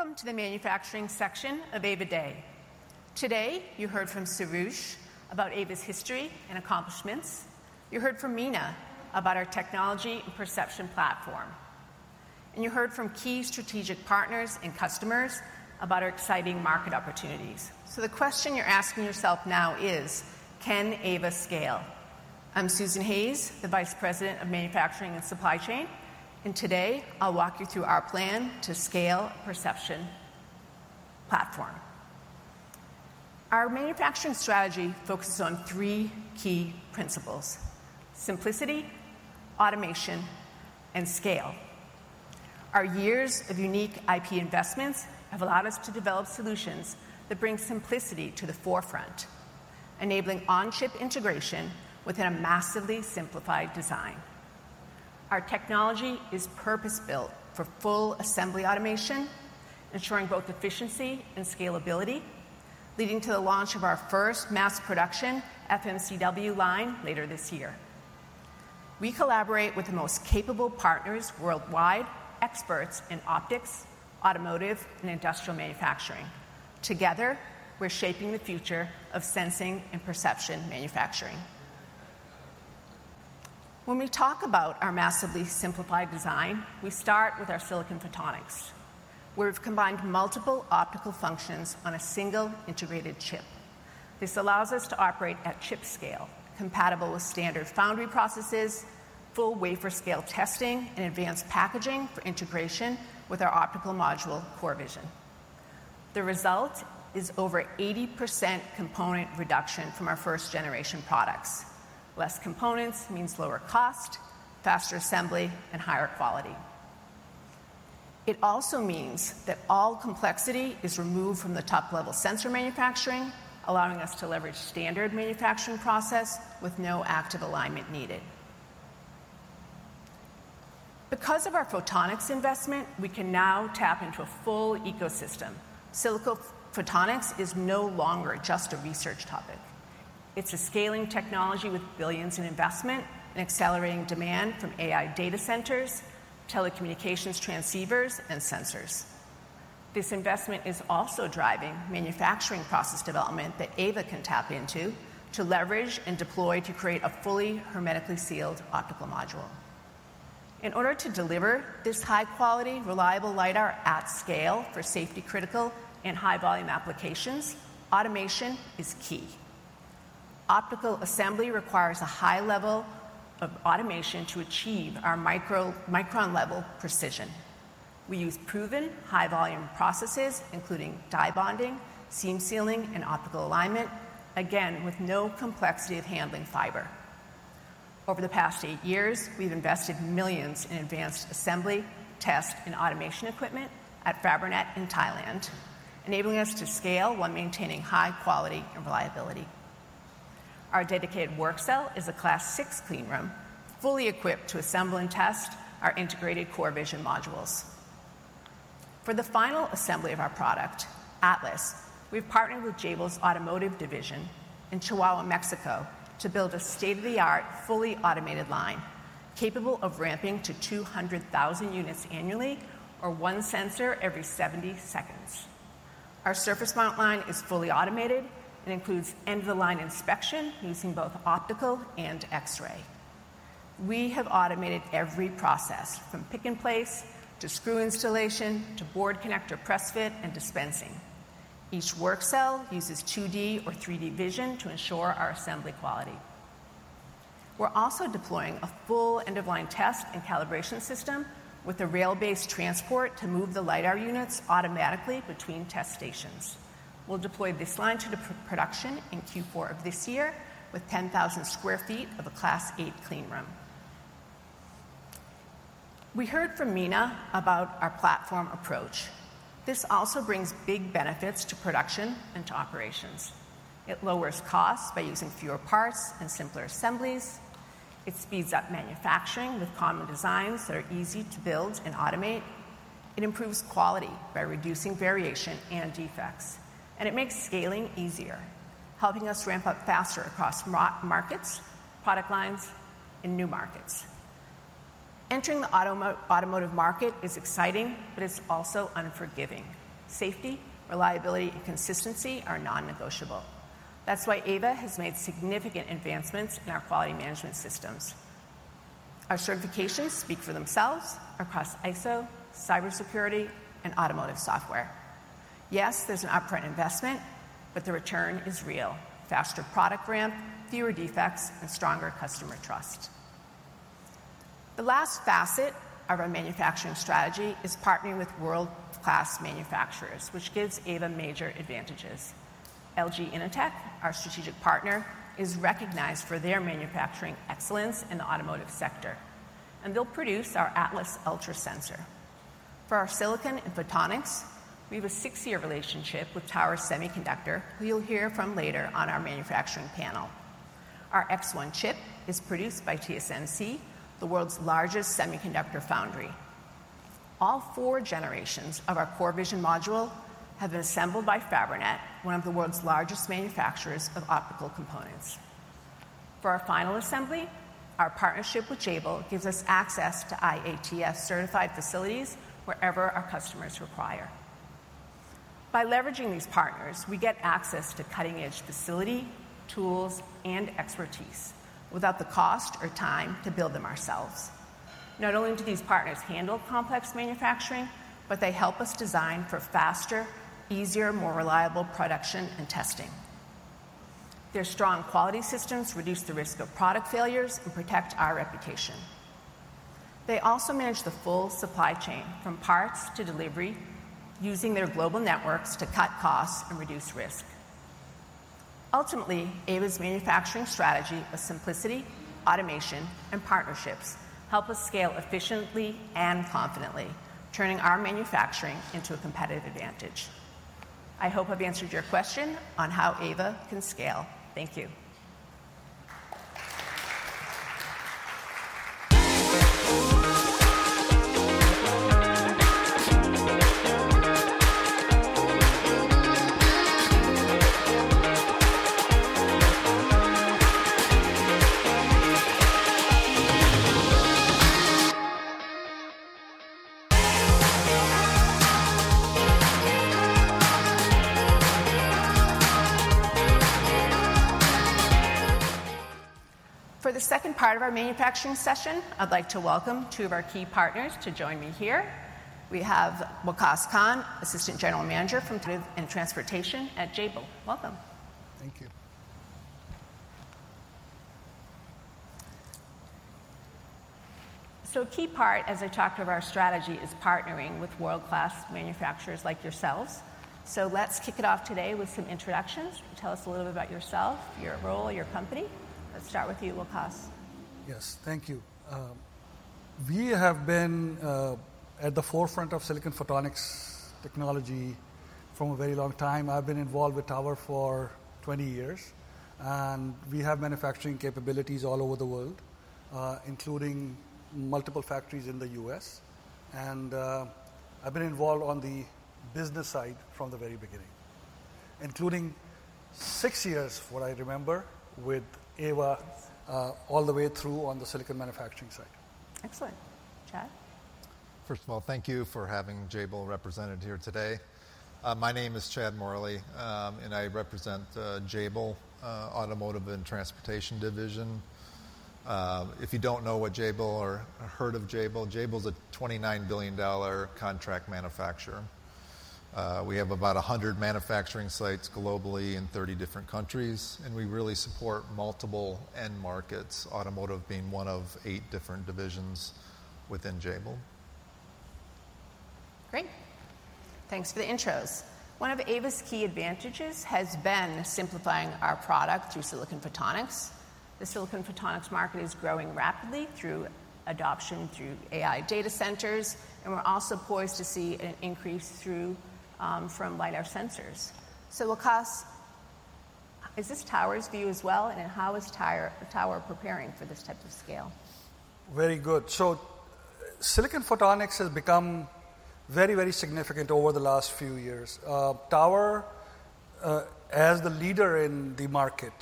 Welcome to the manufacturing section of Aeva Day. Today you heard from Soroush about Aeva's history and accomplishments. You heard from Mina about our technology and perception platform, and you heard from key strategic partners and customers about our exciting market opportunities. The question you're asking yourself now is can Aeva scale? I'm Susan Hayes, the Vice President of Manufacturing and Supply Chain, and today I'll walk you through our plan to scale perception platform. Our manufacturing strategy focuses on three key areas: simplicity, automation, and scale. Our years of unique IP investments have allowed us to develop solutions that bring simplicity to the forefront, enabling on-chip integration within a massively simplified design. Our technology is purpose-built for full assembly automation, ensuring both efficiency and scalability, leading to the launch of our first mass production FMCW line later this year. We collaborate with the most capable partners worldwide, experts in optics, automotive, and industrial manufacturing. Together we're shaping the future of sensing and perception manufacturing. When we talk about our massively simplified design, we start with our silicon photonics, where we've combined multiple optical functions on a single integrated chip. This allows us to operate at chip scale, compatible with standard foundry processes, full wafer scale testing, and advanced packaging for integration with our optical module of CoreVision. The result is over 80% component reduction from our first generation products. Less components means lower cost, faster assembly, and higher quality. It also means that all complexity is removed from the top-level sensor manufacturing, allowing us to leverage standard manufacturing process with no active alignment needed. Because of our photonics investment, we can now tap into a full ecosystem. Silicon photonics is no longer just a research topic. It's a scaling technology with billions in investment and accelerating demand from AI data centers, telecommunications, transceivers, and sensors. This investment is also driving manufacturing process development that Aeva can tap into to leverage and deploy to create a fully hermetically sealed optical module. In order to deliver this high-quality, reliable LiDAR at scale for safety-critical and high-volume applications, automation is key. Optical assembly requires a high level of automation. To achieve our micron level precision, we use proven high volume processes including die bonding, seam sealing, and optical alignment, again with no complexity of handling fiber. Over the past eight years, we've invested millions in advanced assembly, test, and automation equipment at Fabrinet in Thailand, enabling us to scale while maintaining high quality and reliability. Our dedicated work cell is a Class 6 clean room, fully equipped to assemble and test our integrated CoreVision modules. For the final assembly of our product Atlas, we've partnered with Jabil's automotive division in Chihuahua, Mexico to build a state-of-the-art fully automated line capable of ramping to 200,000 units annually, or one sensor every 70 seconds. Our surface mount line is fully automated and includes end of the line inspection using both optical and X-ray. We have automated every process from pick and place to screw installation to board connector press fit and dispensing. Each work cell uses 2D or 3D vision to ensure our assembly quality. We're also deploying a full end of line test and calibration system with a rail-based transport to move the LiDAR units automatically between test stations. We'll deploy this line to the production in Q4 of this year with 10,000 square feet of a Class 8 clean room. We heard from Mina about our platform approach. This also brings big benefits to production and to operations. It lowers costs by using fewer parts and simpler assemblies. It speeds up manufacturing with common designs that are easy to build and automate. It improves quality by reducing variation and defect, and it makes scaling easier, helping us ramp up faster across markets, product lines, and new markets. Entering the automotive market is exciting, but it's also unforgiving. Safety, reliability, and consistency are non-negotiable. That's why Aeva has made significant advancements in our quality management systems. Our certifications speak for themselves across ISO, cybersecurity, and automotive software. Yes, there's an upfront investment, but the return is real. Faster product ramp, fewer defects, and stronger customer trust. The last facet of our manufacturing strategy is partnering with world-class manufacturers, which gives Aeva major advantages. LG Innotek, our strategic partner, is recognized for their manufacturing excellence in the automotive sector, and they'll produce our Atlas Ultra sensor for our silicon and photonics. We have a six year relationship with Tower Semiconductor who you'll hear from later on our manufacturing panel. Our X1 chip is produced by TSMC, the world's largest semiconductor foundry. All four generations of our CoreVision module have been assembled by Fabrinet, one of the world's largest manufacturers of optical components. For our final assembly, our partnership with Jabil gives us access to IATF certified facilities wherever our customers require. By leveraging these partners, we get access to cutting edge facility tools and expertise without the cost or time to build them ourselves. Not only do these partners handle complex manufacturing, but they help us design for faster, easier, more reliable production and testing. Their strong quality systems reduce the risk of product failures and protect our reputation. They also manage the full supply chain from parts to delivery, using their global networks to cut costs and reduce risk. Ultimately, Aeva's manufacturing strategy of simplicity, automation, and partnerships helps us scale efficiently and confidently, turning our manufacturing into a competitive advantage. I hope I've answered your question on how Aeva can scale. Thank you. For the second part of our manufacturing session, I'd like to welcome two of our key partners to join me here. We have Moosa Khan, Assistant General Manager from Drive and Transportation at Jabil. Welcome. Thank you. A key part as I talked about our strategy is partnering with world class manufacturers like yourselves. Let's kick it off today with some introductions. Tell us a little bit about yourself, your role, your company. Let's start with you, Moosa. Yes, thank you. We have been at the forefront of silicon photonics technology from a very long time. I've been involved with Tower for 20 years, and we have manufacturing capabilities all over the world, including multiple factories in the U.S. I've been involved on the business side from the very beginning, including six years, what I remember with Aeva, all the way through on the silicon manufacturing side. Excellent. Chad. First of all, thank you for having Jabil represented here today. Hi, my name is Chad Morley and I represent Jabil Automotive and Transportation division. If you don't know what Jabil or heard of Jabil, Jabil is a $29 billion contract manufacturer. We have about 100 manufacturing sites globally in 30 different countries, and we really support multiple end markets. Automotive being one of eight different divisions within Jabil. Great, thanks for the intros. One of Aeva's key advantages has been simplifying our product through silicon photonics. The silicon photonics market is growing rapidly through adoption through AI data centers, and we're also poised to see an increase from LiDAR sensors. Is this Tower's view as well? How is Tower preparing for this type of scale? Very good. Silicon photonics has become very, very significant over the last few years. Tower, as the leader in the market,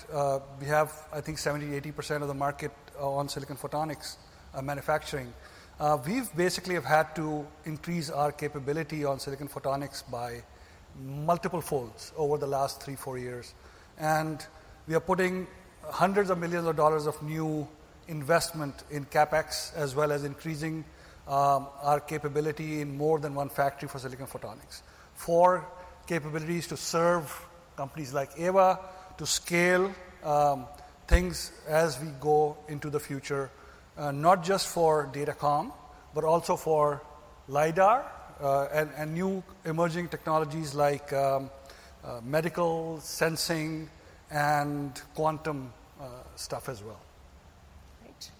we have, I think, 70%, 80% of the market on silicon photonics manufacturing. We have had to increase our capability on silicon photonics by multiple folds over the last three, four years. We are putting hundreds of millions of dollars of new investment in CapEx as well as increasing our capability in more than one factory for silicon photonics for capabilities to serve companies like Aeva to scale things as we go into the future. Not just for Datacom, but also for LiDAR and new emerging technologies like medical sensing and quantum stuff as well. Right.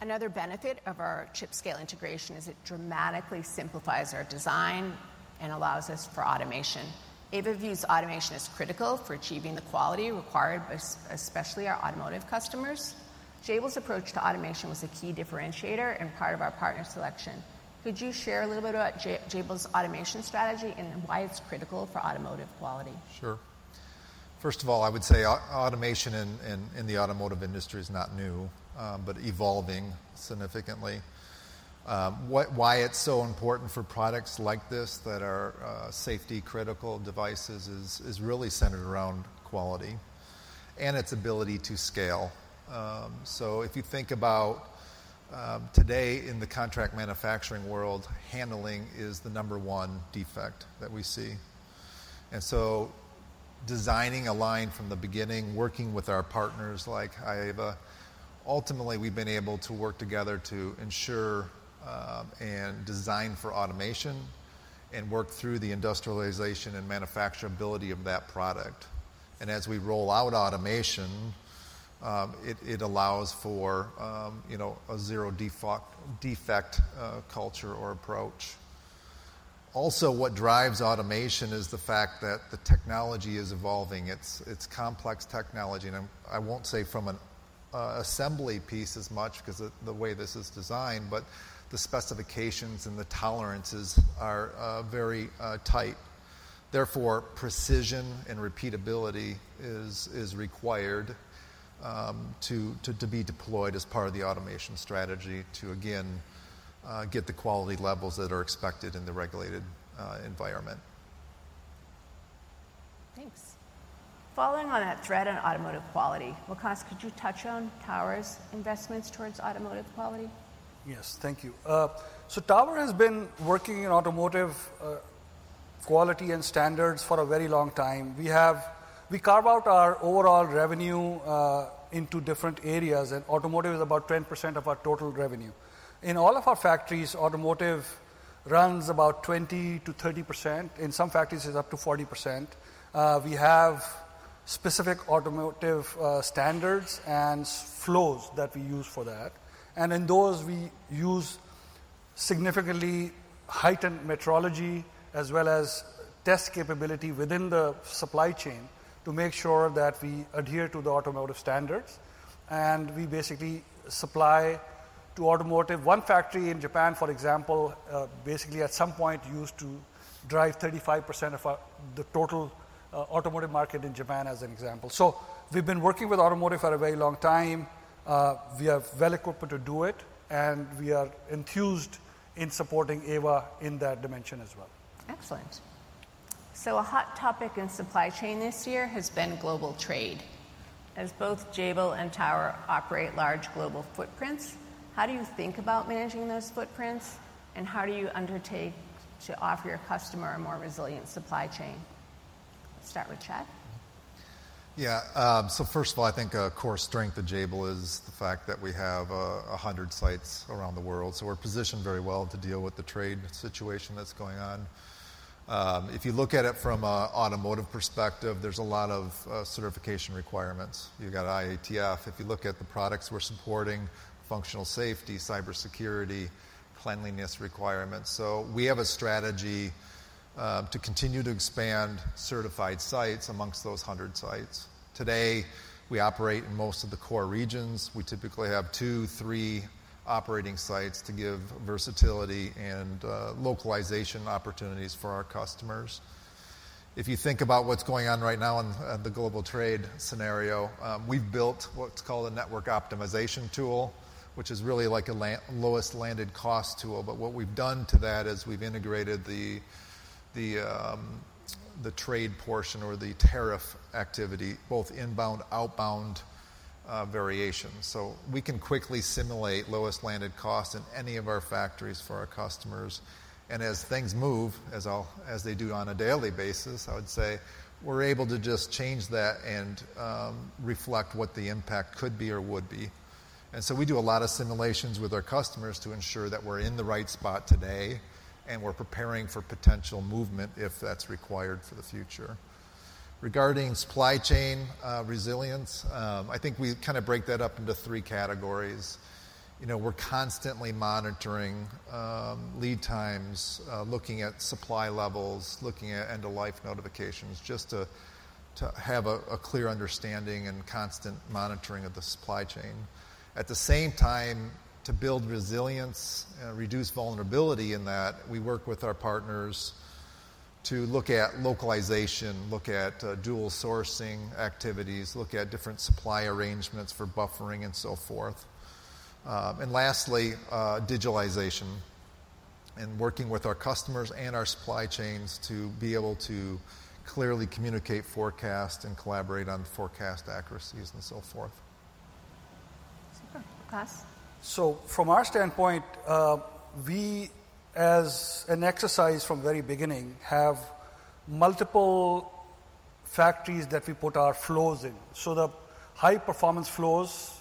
Another benefit of our chip-scale integration is it dramatically simplifies our design and allows us for automation. Aeva's automation is critical for achieving the quality required, especially for our automotive customers. Jabil's approach to automation was a key differentiator and part of our partner selection. Could you share a little bit about Jabil's automation strategy and why it's critical for automotive quality? Sure. First of all, I would say automation in the automotive industry is not new, but evolving significantly. Why it's so important for products like this that are safety critical devices is really centered around quality and its ability to scale. If you think about today in the contract manufacturing world, handling is the number one defect that we see. Designing a line from the beginning, working with our partners like Aeva, ultimately we've been able to work together to ensure and design for automation and work through the industrialization and manufacturability of that product. As we roll out automation, it allows for, you know, a zero defect culture or approach. Also, what drives automation is the fact that the technology is evolving. It's complex technology and I won't say from an assembly piece as much because the way this is designed, but the specifications and the tolerances are very tight. Therefore, precision and repeatability is required to be deployed as part of the automation strategy to again get the quality levels that are expected in the regulated environment. Thanks. Following on that thread on automotive quality, Moosa, could you touch on Tower's investments towards automotive quality? Yes, thank you. Tower has been working in automotive quality and standards for a very long time. We carve out our overall revenue into different areas, and automotive is about 10% of our total revenue. In all of our factories, automotive runs about 20%-30%. In some factories it's up to 40%. We have specific automotive standards and flows that we use for that, and in those we use significantly heightened metrology as well as test capability within the supply chain to make sure that we adhere to the automotive standards. We basically supply to automotive. One factory in Japan, for example, at some point used to drive 35% of the total automotive market in Japan as an example. We have been working with automotive for a very long time. We are well equipped to do it, and we are enthused in supporting Aeva in that dimension as well. Excellent. A hot topic in supply chain this year has been global trade. As both Jabil and Tower operate large global footprints, how do you think about managing those footprints, and how do you undertake to offer your customer a more resilient supply chain? Start with Chad. Yeah, so first of all, I think a core strength of Jabil is the fact that we have 100 sites around the world. We're positioned very well to deal with the trade situation that's going on. If you look at it from an automotive perspective, there's a lot of certification requirements. You've got IATF. If you look at the products, we're supporting functional safety, cybersecurity, cleanliness requirements. We have a strategy to continue to expand certified sites amongst those 100 sites. Today, we operate in most of the core regions. We typically have two, three operating sites to give versatility and localization opportunities for our customers. If you think about what's going on right now in the global trade scenario, we've built what's called a network optimization tool, which is really like a lowest landed cost tool. What we've done to that is we've integrated the trade portion or the tariff activity, both inbound, outbound variations, so we can quickly simulate lowest landed cost in any of our factories for our customers. As things move as they do on a daily basis, I would say we're able to just change that and reflect what the impact could be or would be. We do a lot of simulations with our customers to ensure that we're in the right spot today, and we're preparing for potential movement if that's required for the future. Regarding supply chain resilience, I think we kind of break that up into three categories. We're constantly monitoring lead times, looking at supply levels, looking at end of life notifications, just to have a clear understanding and constant monitoring of the supply chain. At the same time, to build resilience, reduce vulnerability in that, we work with our partners to look at localization, look at dual sourcing activities, look at different supply arrangements for buffering and so forth. Lastly, digitalization and working with our customers and our supply chains to be able to clearly communicate, forecast, and collaborate on forecast accuracies and so forth. Super, pass. From our standpoint, we as an exercise from the very beginning have multiple factories that we put our flows in. The high performance flows,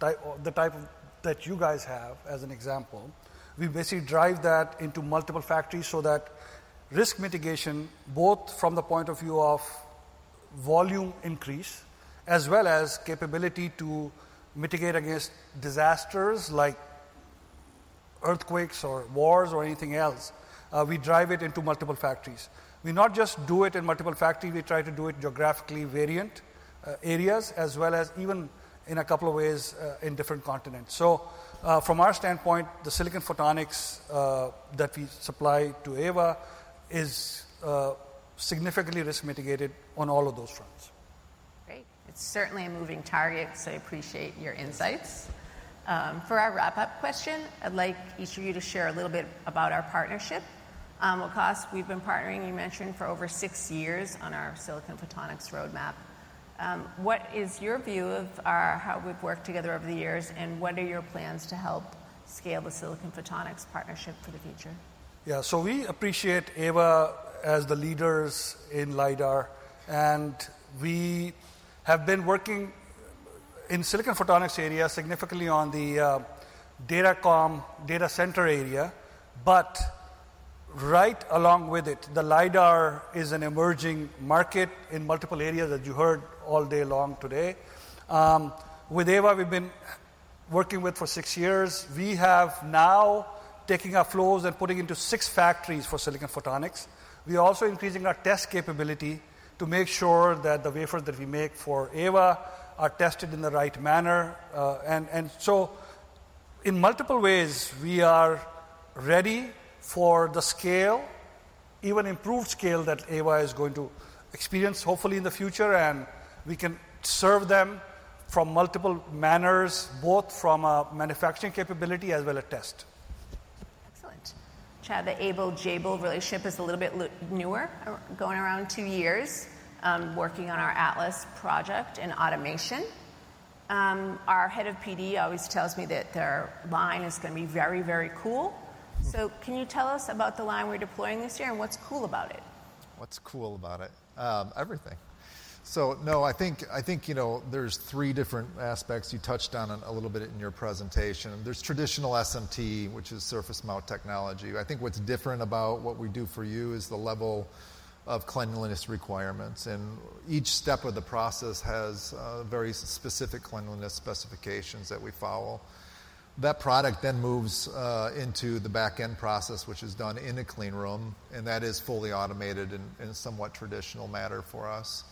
the type that you guys have as an example, we basically drive that into multiple factories for risk mitigation, both from the point of view of volume increase as well as capability to mitigate against disasters like earthquakes or wars or anything. Else, we drive it into multiple factories. We not just do it in multiple factories, we try to do it in geographically variant areas as well as even in a couple of ways in different continents. From our standpoint, the silicon photonics. That we supply to Aeva is significant. Risk mitigated on all of those fronts. Great. It's certainly a moving target. I appreciate your insights. For our wrap up question, I'd like each of you to share a little bit about our partnership. As we've been partnering, you mentioned for over six years on our silicon photonics roadmap. What is your view of how we've worked together over the years, and what are your plans to help scale the silicon photonics partnership for the future? Yeah, we appreciate Aeva as the leaders in LiDAR and we have been working in silicon photonics area significantly on. The datacom data center area. Right along with it, the LiDAR. Is an emerging market in multiple areas that you heard all day long today. With Aeva we've been working with for six years, we have now taken our flows and putting into six factories for silicon photonics. We are also increasing our test capability to make sure that the wafers that we make for Aeva are tested in the right manner. In multiple ways we are ready for the scale, even improved scale that Aeva is going to experience hopefully in the future and we can serve them from multiple manners, both from a manufacturing capability as well as test. Excellent, Chad. The Aeva Jabil relationship is a little bit newer. Going around two years working on our ATLAS project and automation. Our Head of PD always tells me that their line is going to be very, very cool. Can you tell us about the line we're deploying this year and what's cool about it? What's cool about it? Everything. I think, you know, there's three different aspects you touched on a little bit in your presentation. There's traditional SMT, which is surface mount technology. I think what's different about what we do for you is the level of cleanliness requirements, and each step of the process has very specific cleanliness specifications that we follow. That product then moves into the back end process, which is done in a clean room, and that is fully automated in a somewhat traditional manner for us.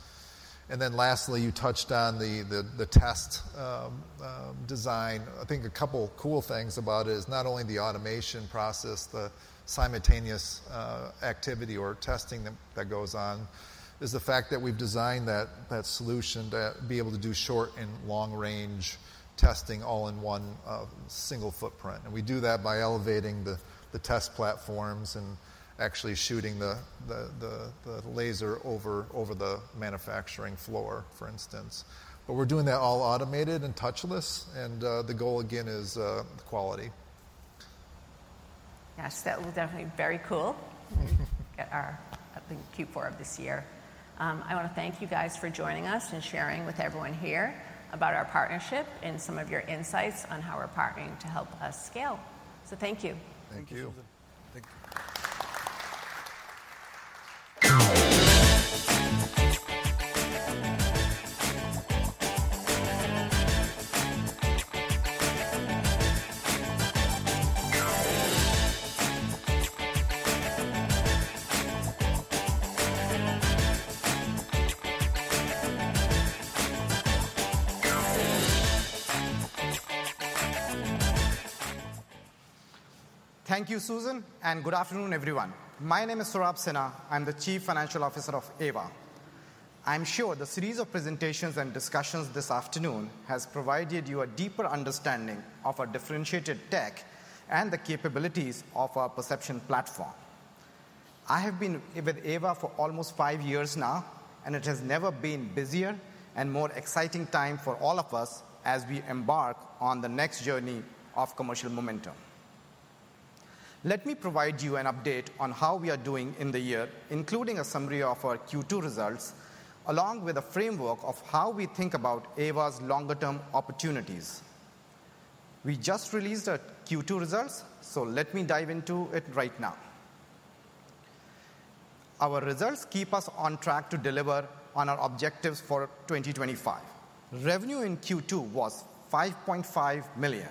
Lastly, you touched on the test design. I think a couple cool things about it is not only the automation process, the simultaneous activity or testing that goes on, it's the fact that we've designed that solution to be able to do short and long range testing all in one single footprint. We do that by elevating the test platforms and actually shooting the laser over the manufacturing floor, for instance. We're doing that all automated and touchless, and the goal again is quality. Yes, that was definitely very cool. I think Q4 of this year. I want to thank you guys for joining us and sharing with everyone here about our partnership and some of your insights on how we're partnering to help us scale. Thank you, Thank you. Thank you. Thank you Susan and good afternoon everyone. My name is Soroush Sinha. I'm the Chief Financial Officer of Aeva. I'm sure the series of presentations and discussions this afternoon has provided you a deeper understanding of our differentiated tech and the capabilities of our perception platform. I have been with Aeva for almost five years now and it has never been a busier and more exciting time for all of us as we embark on the next journey of commercial momentum. Let me provide you an update on how we are doing in the year including a summary of our Q2 results along with a framework of how we think about Aeva's longer term opportunities. We just released our Q2 results so let me dive into it right now. Our results keep us on track to deliver on our objectives for 2025. Revenue in Q2 was $5.5 million.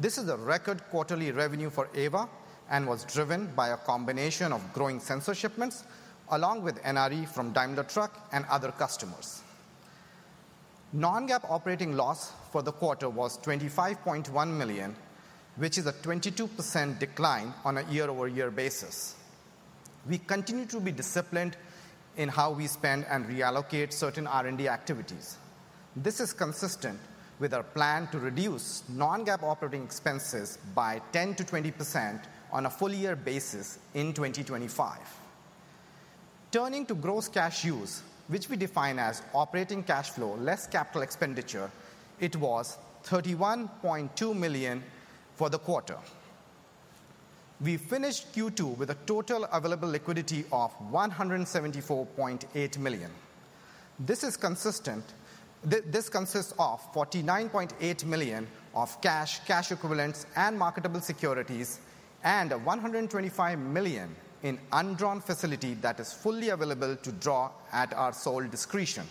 This is a record quarterly revenue for Aeva and was driven by a combination of growing sensor shipments along with NRE from Daimler Truck and other customers. Non-GAAP operating loss for the quarter was $25.1 million, which is a 22% decline on a year-over-year basis. We continue to be disciplined in how we spend and reallocate certain R&D activities. This is consistent with our plan to reduce non-GAAP operating expenses by 10%-20% on a full year basis in 2025. Turning to gross cash use, which we define as operating cash flow less capital expenditure, it was $31.2 million for the quarter. We finished Q2 with a total available liquidity of $174.8 million. This consists of $49.8 million of cash, cash equivalents and marketable securities and $125 million in undrawn facility that is fully available to draw at our sole discretion.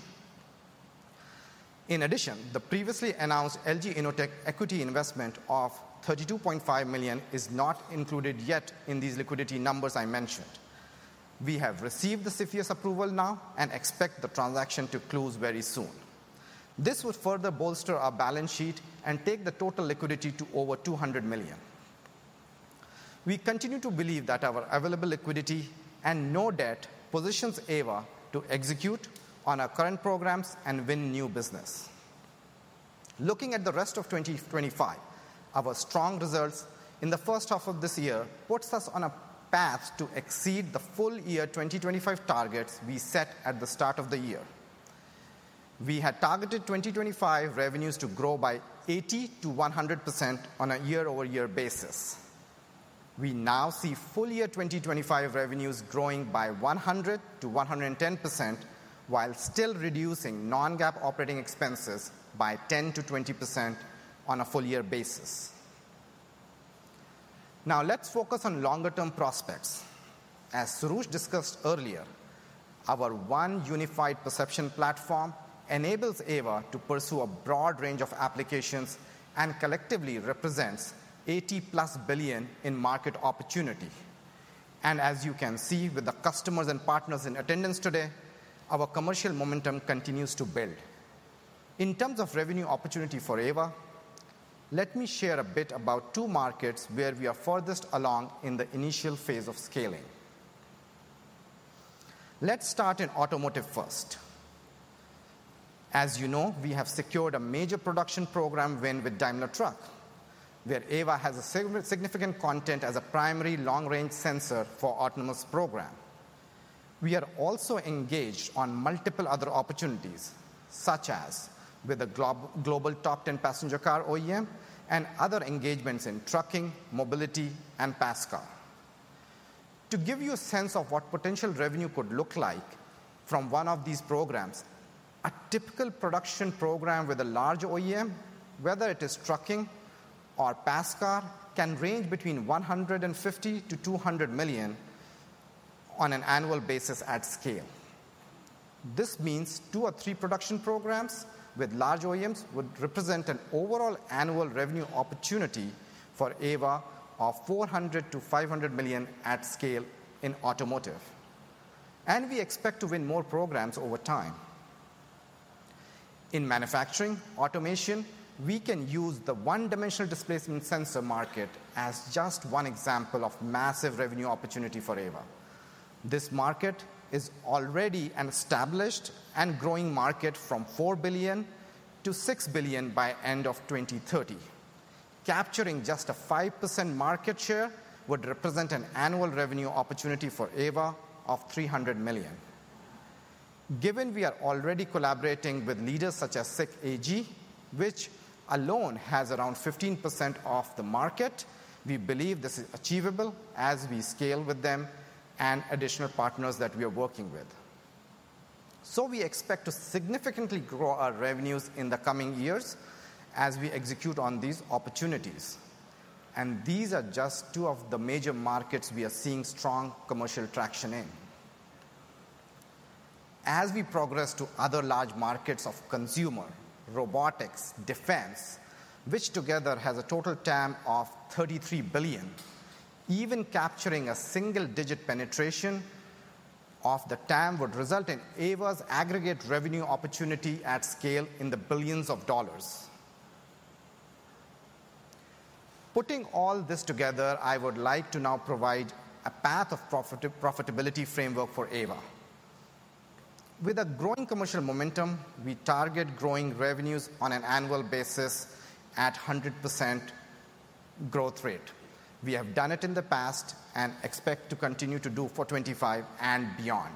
In addition, the previously announced LG Innotek equity investment of $32.5 million is not included yet in these liquidity numbers I mentioned. We have received the CFIUS approval now and expect the transaction to close very soon. This would further bolster our balance sheet and take the total liquidity to over $200 million. We continue to believe that our available liquidity and no debt positions Aeva to execute on our current programs and win new business. Looking at the rest of 2025, our strong results in the first half of this year put us on a path to exceed the full year 2025 targets we set at the start of the year. We had targeted 2025 revenues to grow by 80%-100% on a year-over-year basis. We now see full year 2025 revenues growing by 100%-110% while still reducing non-GAAP operating expenses by 10%-20% on a full year basis. Now let's focus on longer term prospects. As Soroush discussed earlier, our one unified perception platform enables Aeva to pursue a broad range of applications and collectively represents $80+ billion in market opportunity. As you can see with the customers and partners in attendance today, our commercial momentum continues to buil. In terms of revenue opportunity for Aeva, let me share a bit about two markets where we are furthest along in the initial phase of scaling. Let's start in automotive first. As you know, we have secured a major production program win with Daimler Truck, where Aeva has significant content as a primary long range sensor for the autonomous program. We are also engaged on multiple other opportunities such as with a global top 10 passenger car OEM and other engagements in trucking, mobility, and passenger car. To give you a sense of what potential revenue could look like from one of these programs, a typical production program with a large OEM, whether it is trucking or passenger car, can range between $150 million-$200 million on an annual basis at scale. This means two or three production programs with large OEMs would represent an overall annual revenue opportunity for Aeva of $400 million-$500 million at scale in automotive, and we expect to win more programs over time. In manufacturing automation, we can use the one dimensional displacement sensor market as just one example of massive revenue opportunity for Aeva. This market is already an established and growing market from $4 billion-$6 billion by end of 2030, capturing just a 5% market share would represent an annual revenue opportunity for Aeva of $300 million. Given we are already collaborating with leaders such as SICK AG, which alone has around 15% of the market, we believe this is achievable as we scale with them and additional partners that we are working with. We expect to significantly grow our revenues in the coming years as we execute on these opportunities. These are just two of the major markets we are seeing strong commercial traction in as we progress to other large markets of consumer, robotics, and defense, which together has a total TAM of $33 billion. Even capturing a single digit penetration of the TAM would result in Aeva's aggregate revenue opportunity at scale in the billions of dollars. Putting all this together, I would like to now provide a path of profitability framework for Aeva. With a growing commercial momentum, we target growing revenues on an annual basis at 100% growth rate. We have done it in the past and expect to continue to do 4.25% and beyond.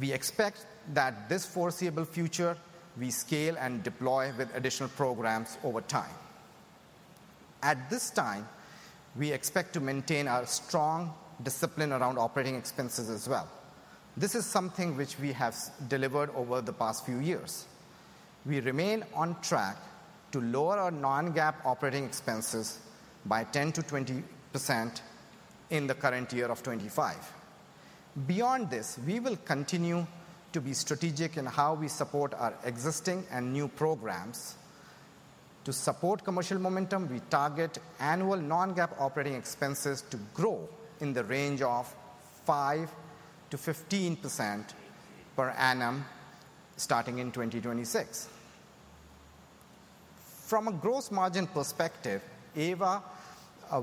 We expect that this foreseeable future we scale and deploy with additional programs over time. At this time we expect to maintain our strong discipline around operating expenses as well. This is something which we have delivered over the past few years. We remain on track to lower our non-GAAP operating expenses by 10%-20% in the current year of 2025. Beyond this, we will continue to be strategic in how we support our existing and new programs. To support commercial momentum, we target annual non-GAAP operating expenses to grow in the range of 5%-15% per annum starting in 2026. From a gross margin perspective, Aeva,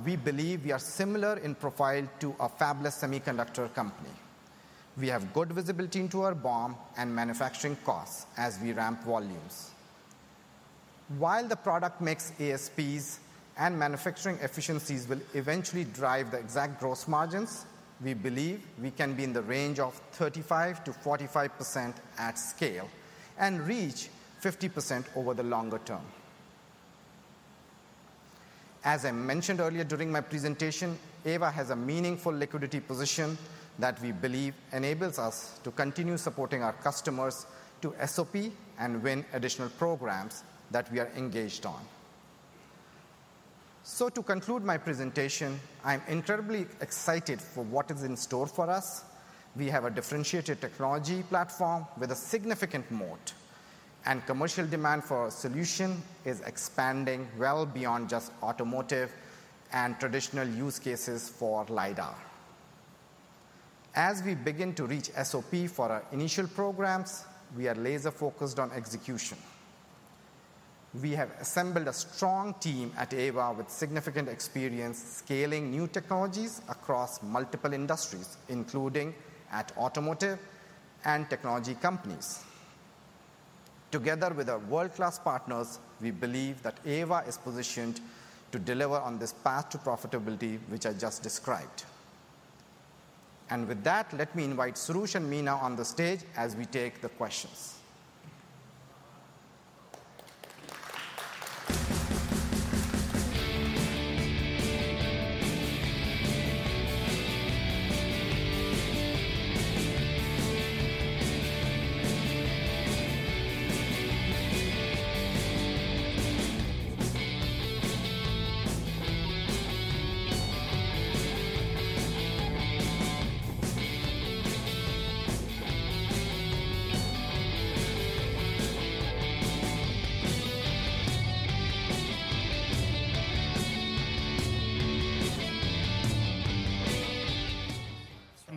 we believe we are similar in profile to a fabless semiconductor company. We have good visibility into our BOM and manufacturing costs as we ramp volumes while the product mix, ASPs and manufacturing efficiencies will eventually drive the exact gross margins. We believe we can be in the range of 35%-45% at scale and reach 50% over the longer term. As I mentioned earlier during my presentation, Aeva has a meaningful liquidity position that we believe enables us to continue supporting our customers to SOP and win additional programs that we are engaged on. To conclude my presentation, I'm incredibly excited for what is in store for us. We have a differentiated technology platform with a significant moat and commercial demand for solution is expanding well beyond just automotive and traditional use cases for LiDAR. As we begin to reach SOP for our initial programs, we are laser focused on execution. We have assembled a strong team at Aeva with significant experience scaling new technologies across multiple industries including at automotive and technology companies. Together with our world class partners, we believe that Aeva is positioned to deliver on this path to profitability which I just described. With that let me invite Soroush and Mina on the stage as we take the questions.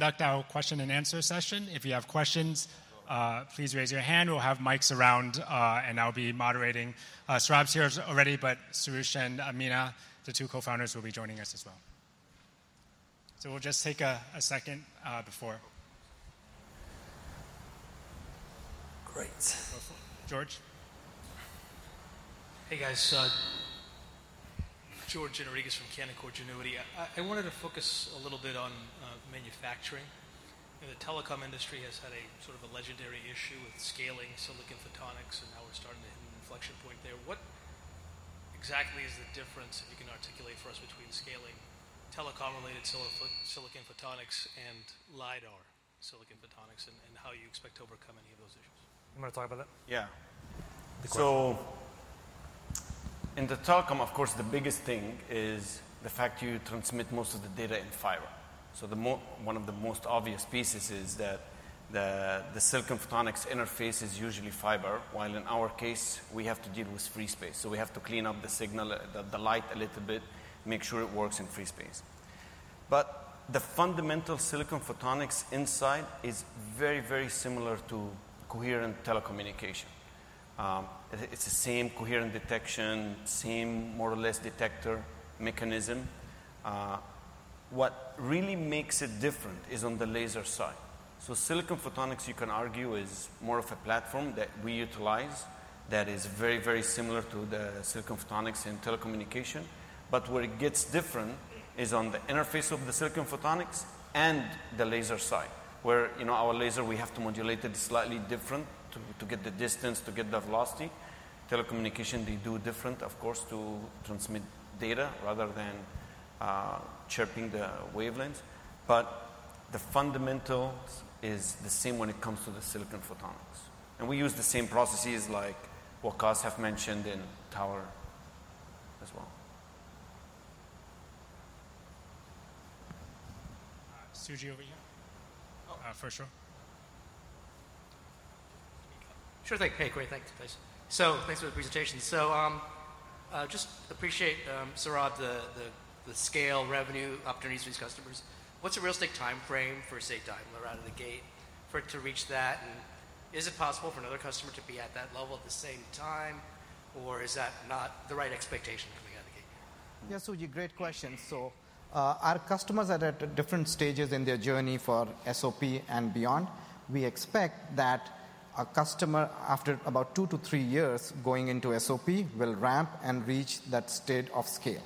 We'll conduct our question and answer session. If you have questions, please raise your hand. We'll have mics around, and I'll be moderating. Soroush's here already, but Soroush and Mina, the two Co-Founders, will be joining us as well. We'll just take a second before. Great. George. Hey guys. George Gianarikas from Canaccord Genuity. I wanted to focus a little bit on manufacturing. The telecom industry has had a sort of a legendary issue with scaling silicon photonics and now we're starting to hit an inflection point there. What exactly is the difference, if you can articulate for us, between scaling telecom related silicon photonics and LiDAR silicon photonics and how you expect to overcome any of those issues? You want to talk about that? Yeah. In telecom, of course, the biggest thing is the fact you transmit most of the data in fiber. One of the most obvious pieces is that the silicon photonics interface is usually fiber, while in our case we have to deal with free space. We have to clean up the signal, the light a little bit, make sure it works in free space. The fundamental silicon photonics inside is very, very similar to coherent telecommunication. It's the same coherent detection, same more or less detector mechanism. What really makes it different is on the laser side. Silicon photonics, you can argue, is more of a platform that we utilize that is very, very similar to the silicon photonics in telecommunication, but where it gets different is on the interface of the silicon photonics and the laser side, where, you know, our laser, we have to modulate it slightly different to get the distance, to get the velocity. Telecommunication, they do different, of course, to transmit data rather than chirping the wavelength, but the fundamentals is the same when it comes to the silicon photonics, and we use the same processes like what Kaz have mentioned in Tower as well. Sergi over here. Oh, for sure. Sure. Thank you. Great, thanks. Thanks for the presentation. Just appreciate, Soroush, the scale revenue opportunities for these customers. What's the realistic time frame for, say, time they're out of the gate for it to reach that? Is it possible for another customer to be at that level at the same time, or is that not the right expectation coming out of Aeva? Yeah, Suji, great question. Our customers are at different stages in their journey for SOP and beyond. We expect that a customer, after about two to three years going into SOP, will ramp and reach that state of scale.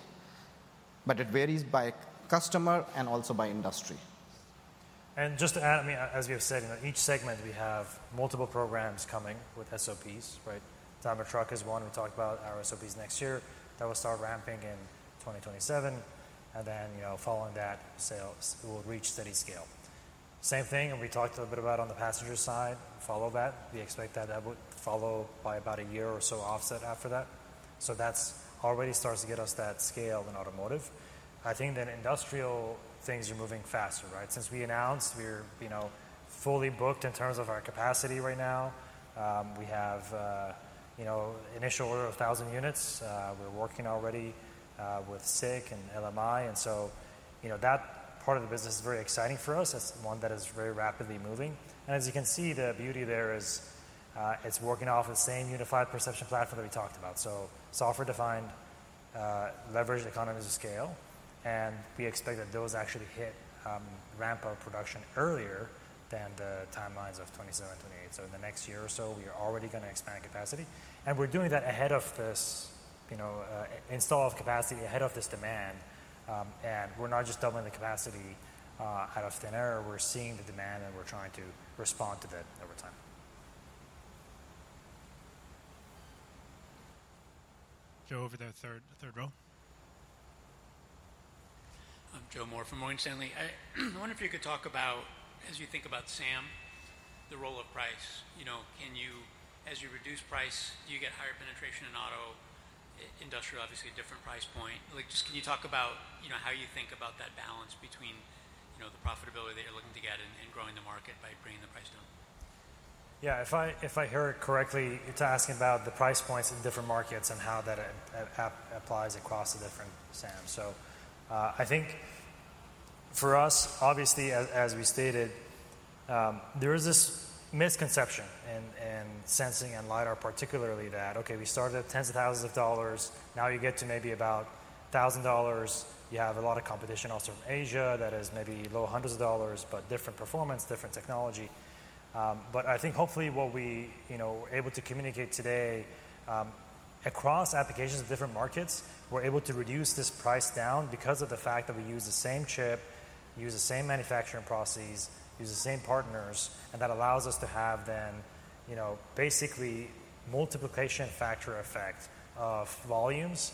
It varies by customer and also by industry. Just to add, as you're saying, each segment, we have multiple programs coming with SOPs, right? Daimler Truck is one we talked about our SOPs next year that will start ramping in 2027, and then, following that, sales will reach steady scale. Same thing, we talked a little bit about on the passenger side, follow that, we expect that would follow by about a year or so offset after that. That already starts to get us that scale in automotive. I think in industrial, things are moving faster, right? Since we announced we're fully booked in terms of our capacity right now, we have initial order of 1,000 units. We're working already with SICK AG and LMI, and that part of the business is very exciting for us. It's one that is very rapidly moving, and as you can see, the beauty there is it's working off the same unified perception platform that we talked about. Software-defined, leveraged economies of scale, and we expect that those actually hit ramp-up production earlier than the timelines of 2027, 2028. In the next year or so, we are already going to expand capacity, and we're doing that ahead of this install of capacity, ahead of this demand. We're not just doubling the capacity out of thin air. We're seeing the demand, and we're trying to respond to that over time. Go over the third row. I'm Joseph Moore from Morgan Stanley. I wonder if you could talk about, as you think about, same, the role of price. Can you, as you reduce price, do you get higher penetration in auto, industrial, obviously a different price point? Can you talk about how you think about that balance between, you know, the. Profitability that you're looking to get in. Growing the market by bringing the price down? If I heard correctly, it's asking about the price points in different markets and how that applies across the different SAM. For us, obviously as we stated, there is this misconception in sensing and LiDAR particularly that, okay, we started at tens of thousands of dollars, now you get to maybe about $1,000, you have a lot of competition also from Asia that is maybe low hundreds of dollars, but different performance, different technology. I think hopefully what we're able to communicate today across applications of different markets, we're able to reduce this price down because of the fact that we use the same chip, use the same manufacturing processes, use the same partners, and that allows us to have basically a multiplication factor effect of volumes.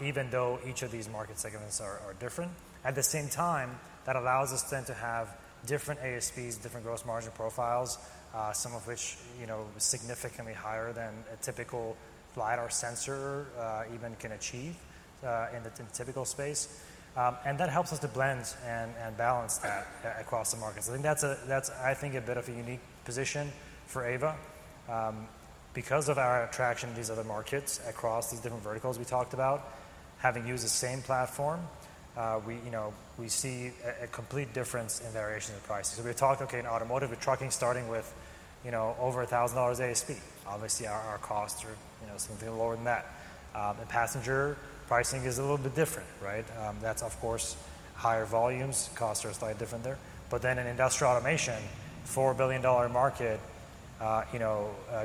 Even though each of these market segments are different, at the same time, that allows us to have different ASPs, different gross margin profiles, some of which are significantly higher than a typical LiDAR sensor even can achieve in the typical space. That helps us to blend and balance that across the markets. I think that's a bit of a unique position for Aeva because of our traction in these other markets across these different verticals. We talked about having used the same platform. We see a complete difference in variations of prices. We talked, okay, in automotive, with trucking, starting with over $1,000 ASP, obviously our costs are something lower than that. The passenger pricing is a little bit different. That's of course higher volumes, costs are slightly different there. In industrial automation, $4 billion market,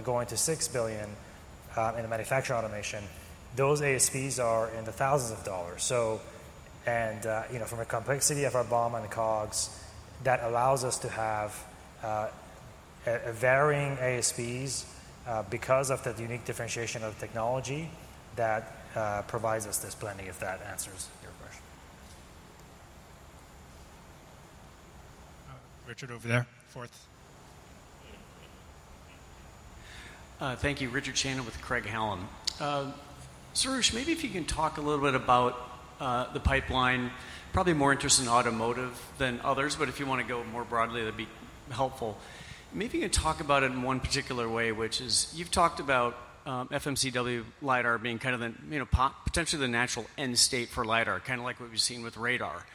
going to $6 billion in the manufacturing automation, those ASPs are in the thousands of dollars. From a complexity of our BOM and COGS, that allows us to have varying ASPs because of the unique differentiation of technology that provides us this plenty. If that answers your question. Richard over there. Fourth. Thank you. Richard Shannon with Craig-Hallum Capital Group LLC. Soroush, maybe if you can talk a little bit about the pipeline, probably more interested in automotive than others, but if you want to go more broadly, that'd be helpful. Maybe you can talk about it in one particular way, which is you've talked about FMCW LiDAR being kind of the, you know, potentially the natural end state for LiDAR, kind of like what we've seen with radar.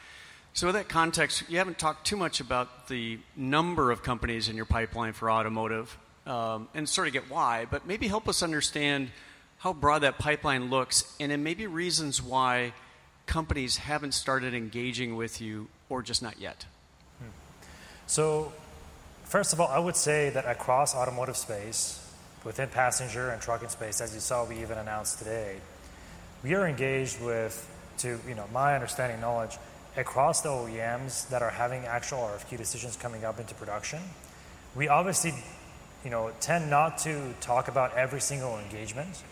With that context, you haven't talked too much about the number of companies in your pipeline for automotive and sort of get why, but maybe help us understand how broad that pipeline looks and then maybe reasons why companies haven't started engaging with you or just not yet. First of all, I would say that across automotive space, within passenger and trucking space, as you saw, we even announced today, we are engaged with, to my understanding, knowledge, across the OEMs that are having actual RFQ decisions coming up into production. We obviously tend not to talk about every single engagement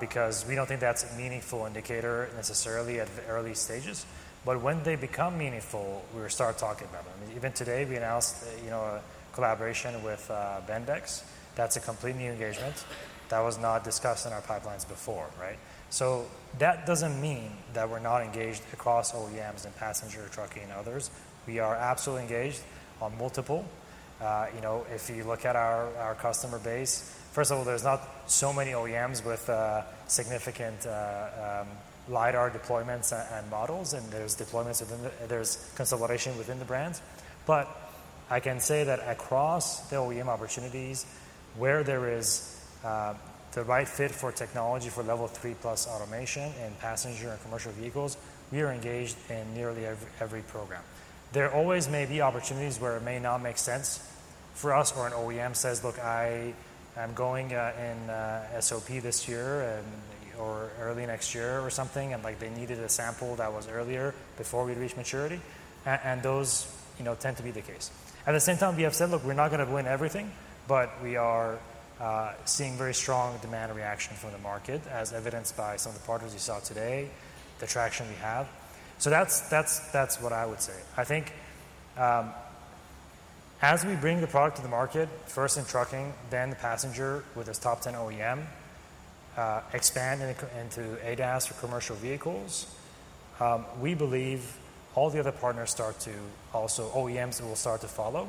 because we don't think that's a meaningful indicator necessarily at the early stages. When they become meaningful, we start talking about them. Even today we announced a collaboration with Bendix, that's a complete new engagement that was not discussed in our pipelines before, right? That doesn't mean that we're not engaged across OEMs and passenger trucking and others. We are absolutely engaged on multiple, you know, if you look at our customer base, first of all, there's not so many OEMs with significant LiDAR deployments and models and there's deployments within, there's consolidation within the brands, but I can say that across the OEM opportunities where there is the right fit for technology, for level three plus automation and passenger and commercial vehicles, we are engaged in nearly every program. There always may be opportunities where it may not make sense for us, where an OEM says look, I am going in SOP this year or early next year or something and they needed a sample that was earlier before we reach maturity. Those tend to be the case. At the same time we have said look we're not going to win everything but we are seeing very strong demand reaction from the market as evidenced by some of the partners you saw today, the traction we have. That's what I would say. I think as we bring the product to the market, first in trucking, then the passenger with this top 10 OEM expand into ADAS or commercial vehicles, we believe all the other partners start to also OEMs will start to follow.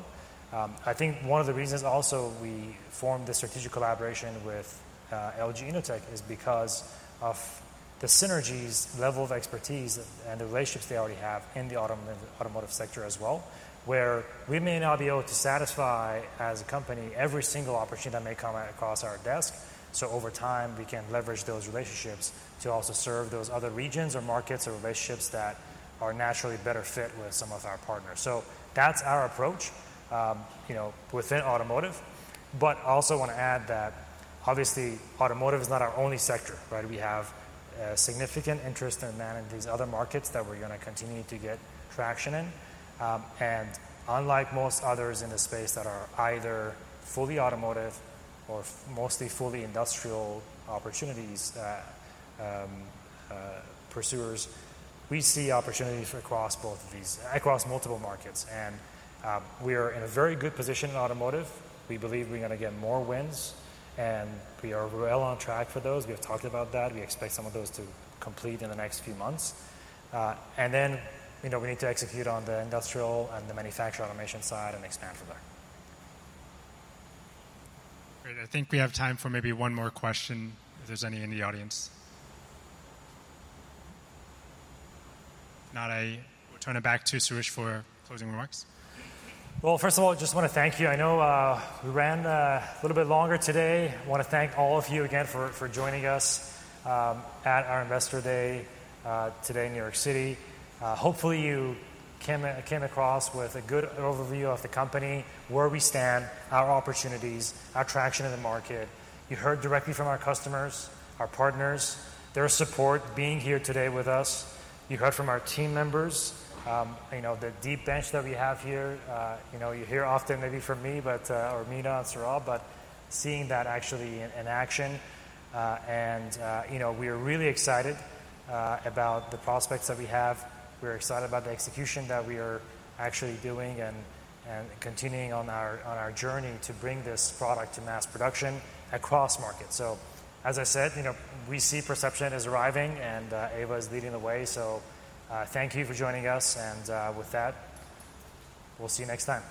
I think one of the reasons also we formed the strategic collaboration with LG Innotek is because of the synergies, level of expertise and the relationships they already have in the automotive sector as well, where we may not be able to satisfy as a company every single opportunity that may come across our desk. Over time we can leverage those relationships to also serve those other regions or markets or relationships that are naturally better fit with some of our partners. That is our approach within automotive. I also want to add that obviously automotive is not our only sector. We have significant interest in these other markets that we're going to continue to get traction in. Unlike most others in the space that are either fully automotive or mostly fully industrial opportunities pursuers, we see opportunities across both of these, across multiple markets, and we are in a very good position in automotive. We believe we're going to get more wins and we are well on track for those. We have talked about that we expect some of those to complete in the next few months, and then we need to execute on the industrial and the manufacturing automation side and expand for that. Great. I think we have time for maybe one more question if there's any in the audience. Non. We'll turn it back to Soroush for closing remarks. First of all, I just want to thank you. I know we ran a little bit longer today. I want to thank all of you again for joining us at our Investor Day today in New York City. Hopefully you came across with a good overview of the company, where we stand, our opportunities, our traction in the market. You heard directly from our customers, our partners, their support being here today with us. You heard from our team members, the deep bench that we have here. You hear often, maybe from me or Mina Rezk, all. Seeing that actually in action. We are really excited about the prospects that we have. We're excited about the execution that we are actually doing and continuing on our journey to bring this product to mass production across market. As I said, we see perception is arriving and Aeva is leading the way. Thank you for joining us. With that, we'll see you next time.